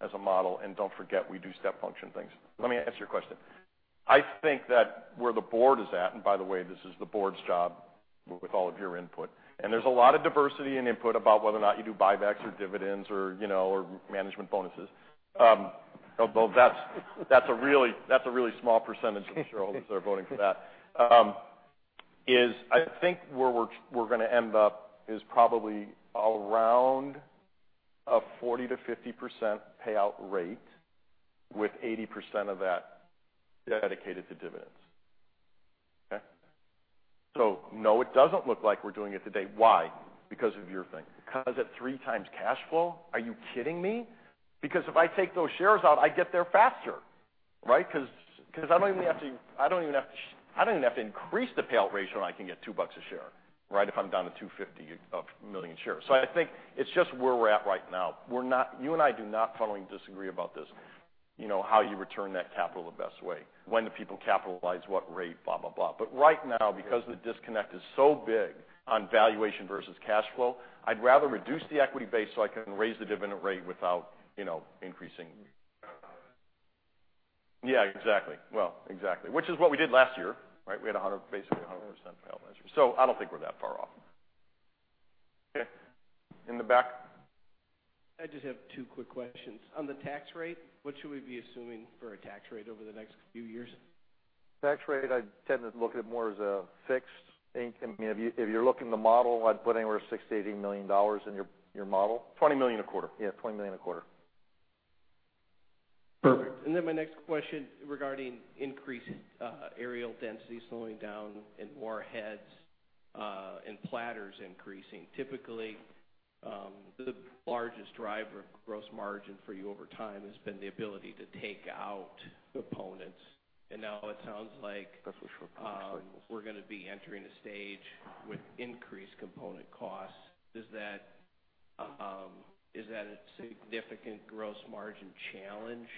as a model, and don't forget, we do step function things. Let me answer your question. I think that where the board is at, and by the way, this is the board's job with all of your input, and there's a lot of diversity in input about whether or not you do buybacks or dividends or management bonuses. Although that's a really small percentage of the shareholders that are voting for that. I think where we're going to end up is probably around a 40%-50% payout rate with 80% of that dedicated to dividends. Okay? No, it doesn't look like we're doing it today. Why? Because of your thing. Because at three times cash flow, are you kidding me? Because if I take those shares out, I get there faster, right? Because I don't even have to increase the payout ratio, and I can get $2 a share, right, if I'm down to 250 million shares. I think it's just where we're at right now. You and I do not fundamentally disagree about this, how you return that capital the best way, when the people capitalize what rate, blah, blah. Right now, because the disconnect is so big on valuation versus cash flow, I'd rather reduce the equity base so I can raise the dividend rate without increasing. Yeah, exactly. Well, exactly. Which is what we did last year, right? We had basically 100% payout last year. I don't think we're that far off. Okay. In the back. I just have two quick questions. On the tax rate, what should we be assuming for a tax rate over the next few years? Tax rate, I'd tend to look at it more as a fixed. If you're looking at the model, I'd put anywhere $6 million-$18 million in your model. $20 million a quarter. Yeah, $20 million a quarter. Perfect. My next question regarding increase areal density slowing down and more heads and platters increasing. Typically, the largest driver of gross margin for you over time has been the ability to take out components. Now it sounds like we're going to be entering a stage with increased component costs. Is that a significant gross margin challenge,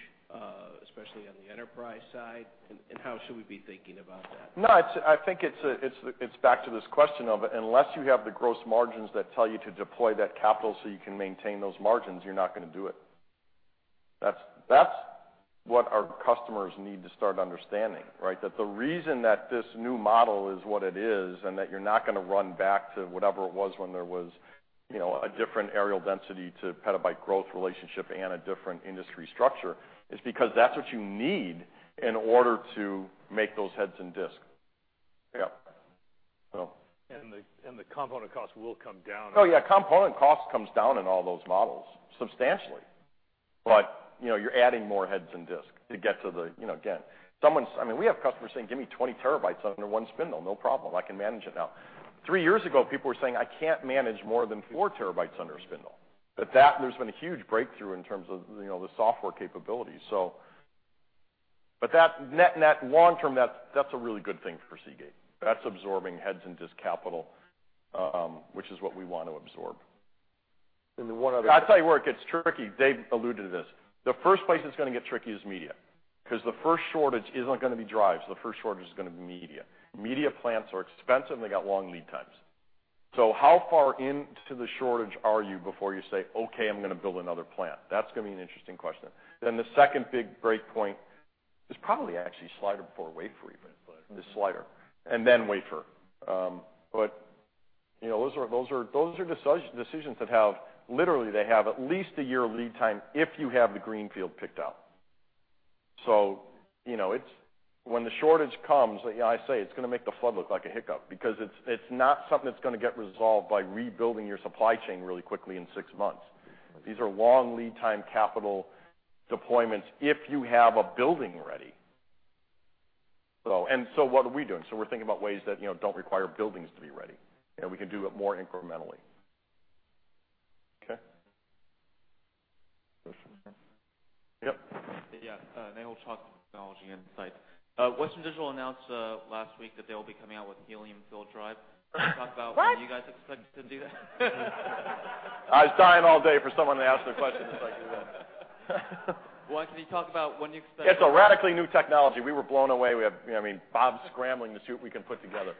especially on the enterprise side? How should we be thinking about that? I think it's back to this question of, unless you have the gross margins that tell you to deploy that capital so you can maintain those margins, you're not going to do it. That's what our customers need to start understanding, right? That the reason that this new model is what it is, and that you're not going to run back to whatever it was when there was a different areal density to petabyte growth relationship and a different industry structure, is because that's what you need in order to make those heads and disk. Yeah. The component cost will come down. Oh, yeah. Component cost comes down in all those models substantially. You're adding more heads and disk to get to the Again, we have customers saying, "Give me 20 terabytes under one spindle." No problem. I can manage it now. Three years ago, people were saying, "I can't manage more than four terabytes under a spindle." There's been a huge breakthrough in terms of the software capability. Long-term, that's a really good thing for Seagate. That's absorbing heads and disk capital, which is what we want to absorb. I tell you where it gets tricky. Dave alluded to this. The first place it's going to get tricky is media, because the first shortage isn't going to be drives. The first shortage is going to be media. Media plants are expensive, and they got long lead times. How far into the shortage are you before you say, "Okay, I'm going to build another plant"? That's going to be an interesting question. The second big break point is probably actually slider before wafer even. Slider. The slider, and then wafer. Those are decisions that have, literally they have at least a year of lead time if you have the green field picked out. When the shortage comes, I say it's going to make the flood look like a hiccup because it's not something that's going to get resolved by rebuilding your supply chain really quickly in six months. These are long lead time capital deployments if you have a building ready. What are we doing? We're thinking about ways that don't require buildings to be ready, and we can do it more incrementally. Okay. Questions? Yep. Yeah. Nehal Chokshi, Technology Insights. Western Digital announced last week that they will be coming out with helium-filled drive. What? Can you talk about when you guys expect to do that? I was dying all day for someone to ask that question. Well, can you talk about when you expect It's a radically new technology. We were blown away. Bob's scrambling to see what we can put together.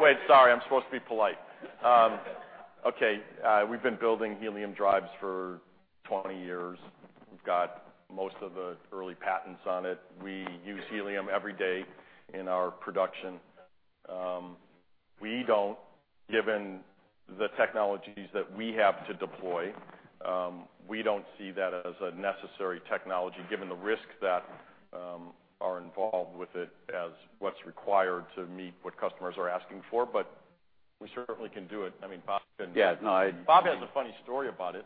Wait, sorry. I'm supposed to be polite. Okay. We've been building helium drives for 20 years. We've got most of the early patents on it. We use helium every day in our production. Given the technologies that we have to deploy, we don't see that as a necessary technology, given the risks that are involved with it as what's required to meet what customers are asking for, but we certainly can do it. Bob has a funny story about it.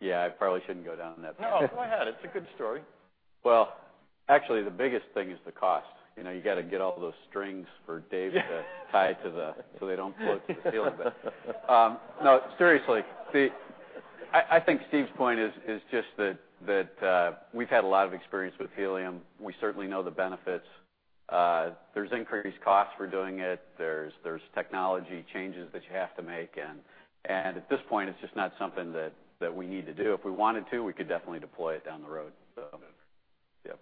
Yeah, I probably shouldn't go down that path. No, go ahead. It's a good story. Well, actually, the biggest thing is the cost. You've got to get all those strings for Dave to tie, so they don't float to the ceiling. No, seriously. I think Steve's point is just that we've had a lot of experience with helium. We certainly know the benefits. There's increased costs for doing it. There's technology changes that you have to make, and at this point, it's just not something that we need to do. If we wanted to, we could definitely deploy it down the road. Okay. Yep.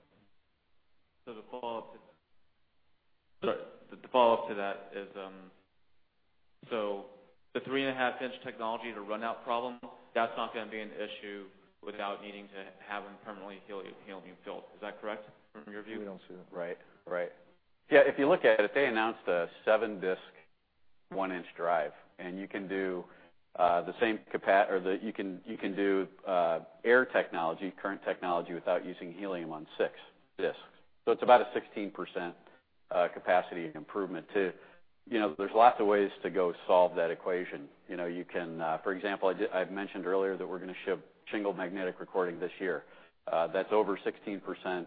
The follow-up to that is, so the 3.5-inch technology, the runout problem, that's not going to be an issue without needing to have them permanently helium-filled. Is that correct from your view? We don't see that. Right. If you look at it, they announced a 7-disc, 1-inch drive, and you can do air technology, current technology, without using helium on 6 discs. It's about a 16% capacity improvement. There's lots of ways to go solve that equation. For example, I mentioned earlier that we're going to ship Shingled Magnetic Recording this year. That's over 16%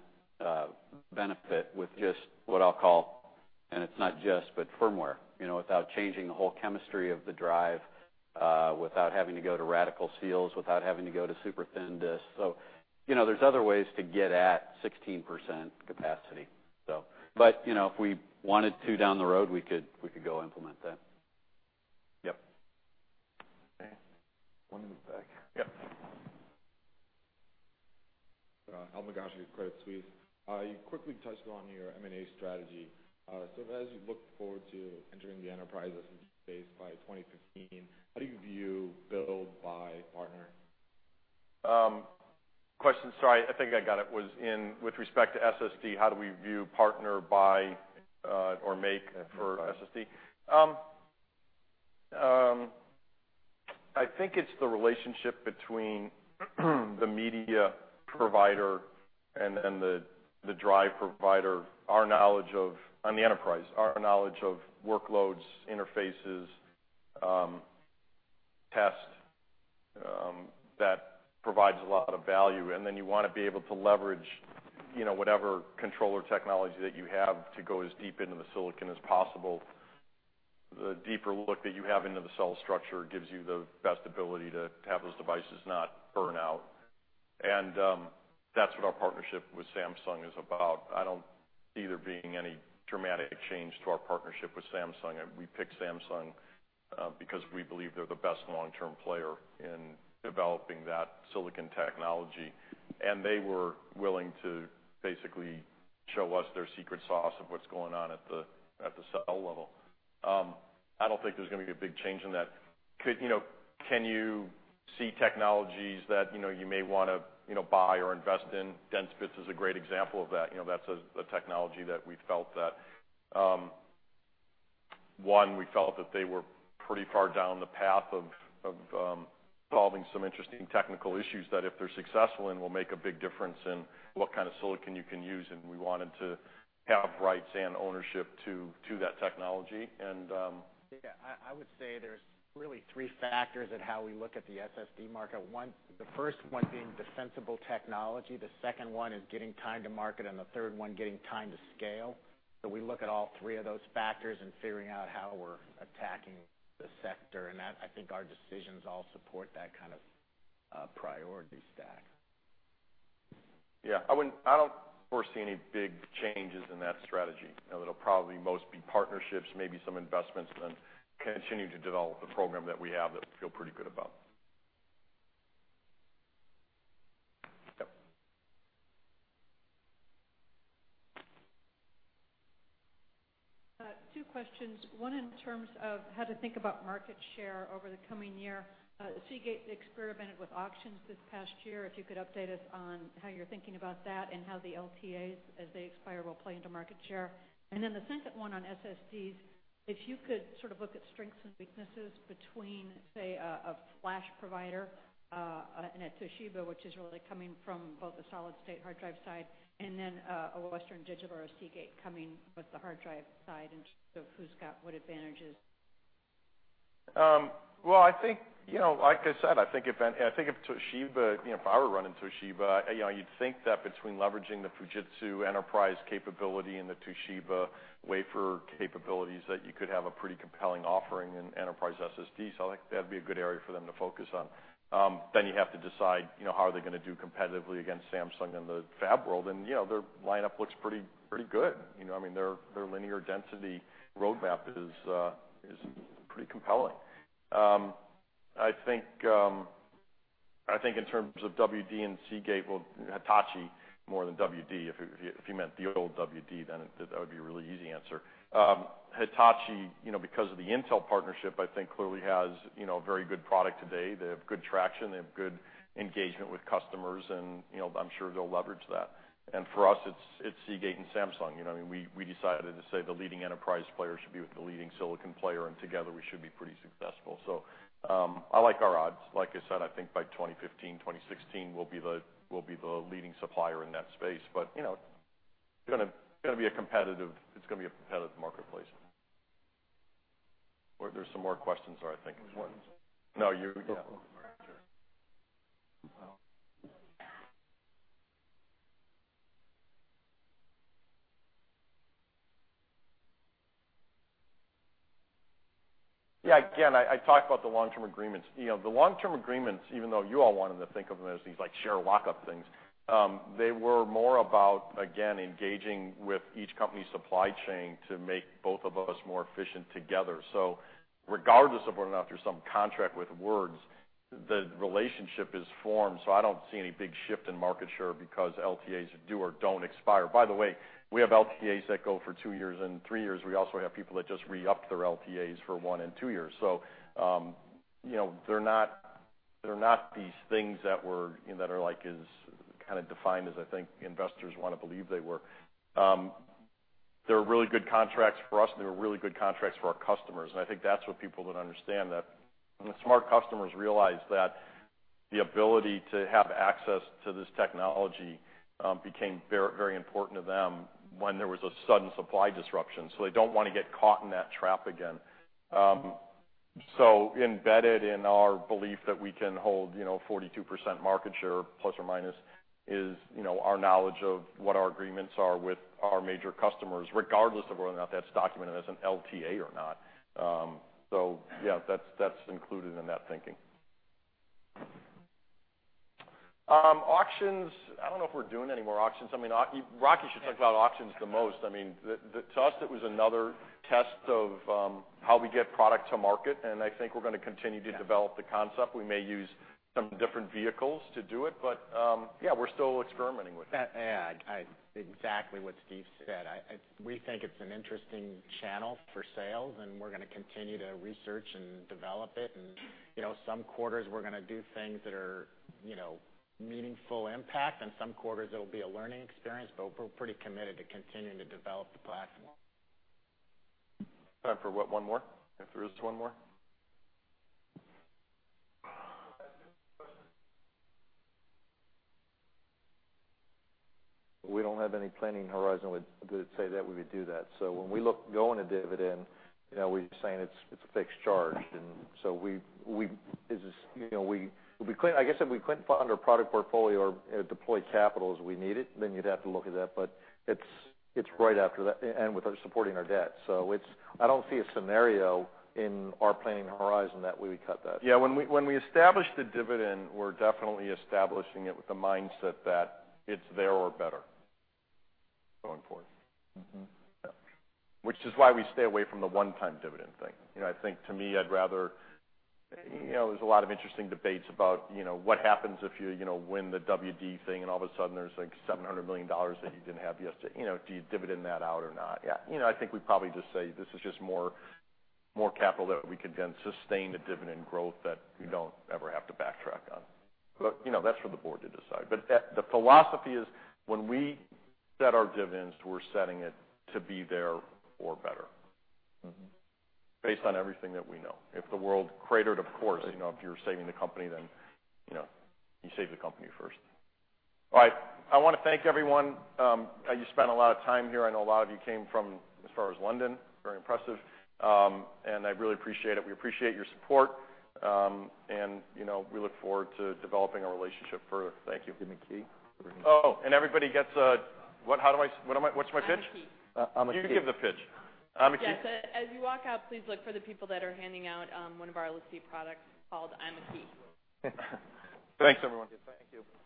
benefit with just what I'll call, and it's not just but firmware, without changing the whole chemistry of the drive, without having to go to radical seals, without having to go to super thin discs. There's other ways to get at 16% capacity. If we wanted to down the road, we could go implement that. Yep. Okay. One in the back. Yep. Kulbinder Garcha, Credit Suisse. You quickly touched on your M&A strategy. As you look forward to entering the enterprise SSD space by 2015, how do you view build, buy, partner? Sorry, I think I got it, was with respect to SSD, how do we view partner, buy, or make for SSD? I think it's the relationship between the media provider and then the drive provider on the enterprise, our knowledge of workloads, interfaces, test, that provides a lot of value. You want to be able to leverage whatever controller technology that you have to go as deep into the silicon as possible. The deeper look that you have into the cell structure gives you the best ability to have those devices not burn out, and that's what our partnership with Samsung is about. I don't see there being any dramatic change to our partnership with Samsung. We picked Samsung because we believe they're the best long-term player in developing that silicon technology, and they were willing to basically show us their secret sauce of what's going on at the cell level. I don't think there's going to be a big change in that. Can you see technologies that you may want to buy or invest in? DensBits is a great example of that. That's a technology that, one, we felt that they were pretty far down the path of solving some interesting technical issues that if they're successful in, will make a big difference in what kind of silicon you can use, and we wanted to have rights and ownership to that technology. Yeah, I would say there's really three factors in how we look at the SSD market. The first one being the sensible technology, the second one is getting time to market, and the third one, getting time to scale. We look at all three of those factors in figuring out how we're attacking the sector, and I think our decisions all support that kind of priority stack. Yeah. I don't foresee any big changes in that strategy. It'll probably mostly be partnerships, maybe some investments, and then continue to develop the program that we have that we feel pretty good about. Yep. Two questions. One in terms of how to think about market share over the coming year. Seagate experimented with auctions this past year. If you could update us on how you're thinking about that and how the LTAs, as they expire, will play into market share. The second one on SSDs, if you could look at strengths and weaknesses between, say, a flash provider and at Toshiba, which is really coming from both the solid-state hard drive side, and a Western Digital or a Seagate coming with the hard drive side in terms of who's got what advantages. Well, like I said, if I were running Toshiba, you'd think that between leveraging the Fujitsu enterprise capability and the Toshiba wafer capabilities, that you could have a pretty compelling offering in enterprise SSD. I think that'd be a good area for them to focus on. You have to decide how they're going to do competitively against Samsung and the fab world, their lineup looks pretty good. Their linear density roadmap is pretty compelling. I think in terms of WD and Seagate, well, Hitachi more than WD. If you meant the old WD, then that would be a really easy answer. Hitachi, because of the Intel partnership, I think clearly has a very good product today. They have good traction, they have good engagement with customers, I'm sure they'll leverage that. For us, it's Seagate and Samsung. We decided to say the leading enterprise player should be with the leading silicon player, and together we should be pretty successful. I like our odds. Like I said, I think by 2015, 2016, we'll be the leading supplier in that space. It's going to be a competitive marketplace. There's some more questions there, I think. No, you. Yeah. Again, I talked about the Long-Term Agreements. The Long-Term Agreements, even though you all wanted to think of them as these share lockup things, they were more about, again, engaging with each company's supply chain to make both of us more efficient together. Regardless of whether or not there's some contract with words, the relationship is formed. I don't see any big shift in market share because LTAs do or don't expire. By the way, we have LTAs that go for two years and three years. We also have people that just re-up their LTAs for one and two years. They're not these things that are defined as I think investors want to believe they were. They're really good contracts for us, and they were really good contracts for our customers, and I think that's what people don't understand, that smart customers realized that the ability to have access to this technology became very important to them when there was a sudden supply disruption. They don't want to get caught in that trap again. Embedded in our belief that we can hold 42% market share, plus or minus, is our knowledge of what our agreements are with our major customers, regardless of whether or not that's documented as an LTA or not. Yeah, that's included in that thinking. Auctions, I don't know if we're doing any more auctions. Rocky should talk about auctions the most. To us, it was another test of how we get product to market, and I think we're going to continue to develop the concept. We may use some different vehicles to do it. Yeah, we're still experimenting with it. Yeah. Exactly what Steve said. We think it's an interesting channel for sales, and we're going to continue to research and develop it. Some quarters we're going to do things that are meaningful impact, and some quarters it'll be a learning experience, but we're pretty committed to continuing to develop the platform. Time for what, one more? If there is one more. I have a different question. We don't have any planning horizon that would say that we would do that. When we look going to dividend, we're saying it's a fixed charge. I guess if we couldn't fund our product portfolio or deploy capital as we need it, then you'd have to look at that. It's right after that, and with us supporting our debt. I don't see a scenario in our planning horizon that we would cut that. Yeah. When we established the dividend, we're definitely establishing it with the mindset that it's there or better going forward. Which is why we stay away from the one-time dividend thing. I think to me, there's a lot of interesting debates about what happens if you win the WD thing, and all of a sudden there's $700 million that you didn't have yesterday. Do you dividend that out or not? I think we probably just say this is just more capital that we could then sustain the dividend growth that we don't ever have to backtrack on. That's for the board to decide. The philosophy is when we set our dividends, we're setting it to be there or better. Based on everything that we know. If the world cratered, of course, if you're saving the company, then you save the company first. All right. I want to thank everyone. You spent a lot of time here. I know a lot of you came from as far as London, very impressive, and I really appreciate it. We appreciate your support, and we look forward to developing our relationship further. Thank you. Give them a key? Oh, everybody gets What's my pitch? iamaKey. iamaKey. You give the pitch. iamaKey? Yes. As you walk out, please look for the people that are handing out one of our latest key products called iamaKey. Thanks, everyone. Thank you.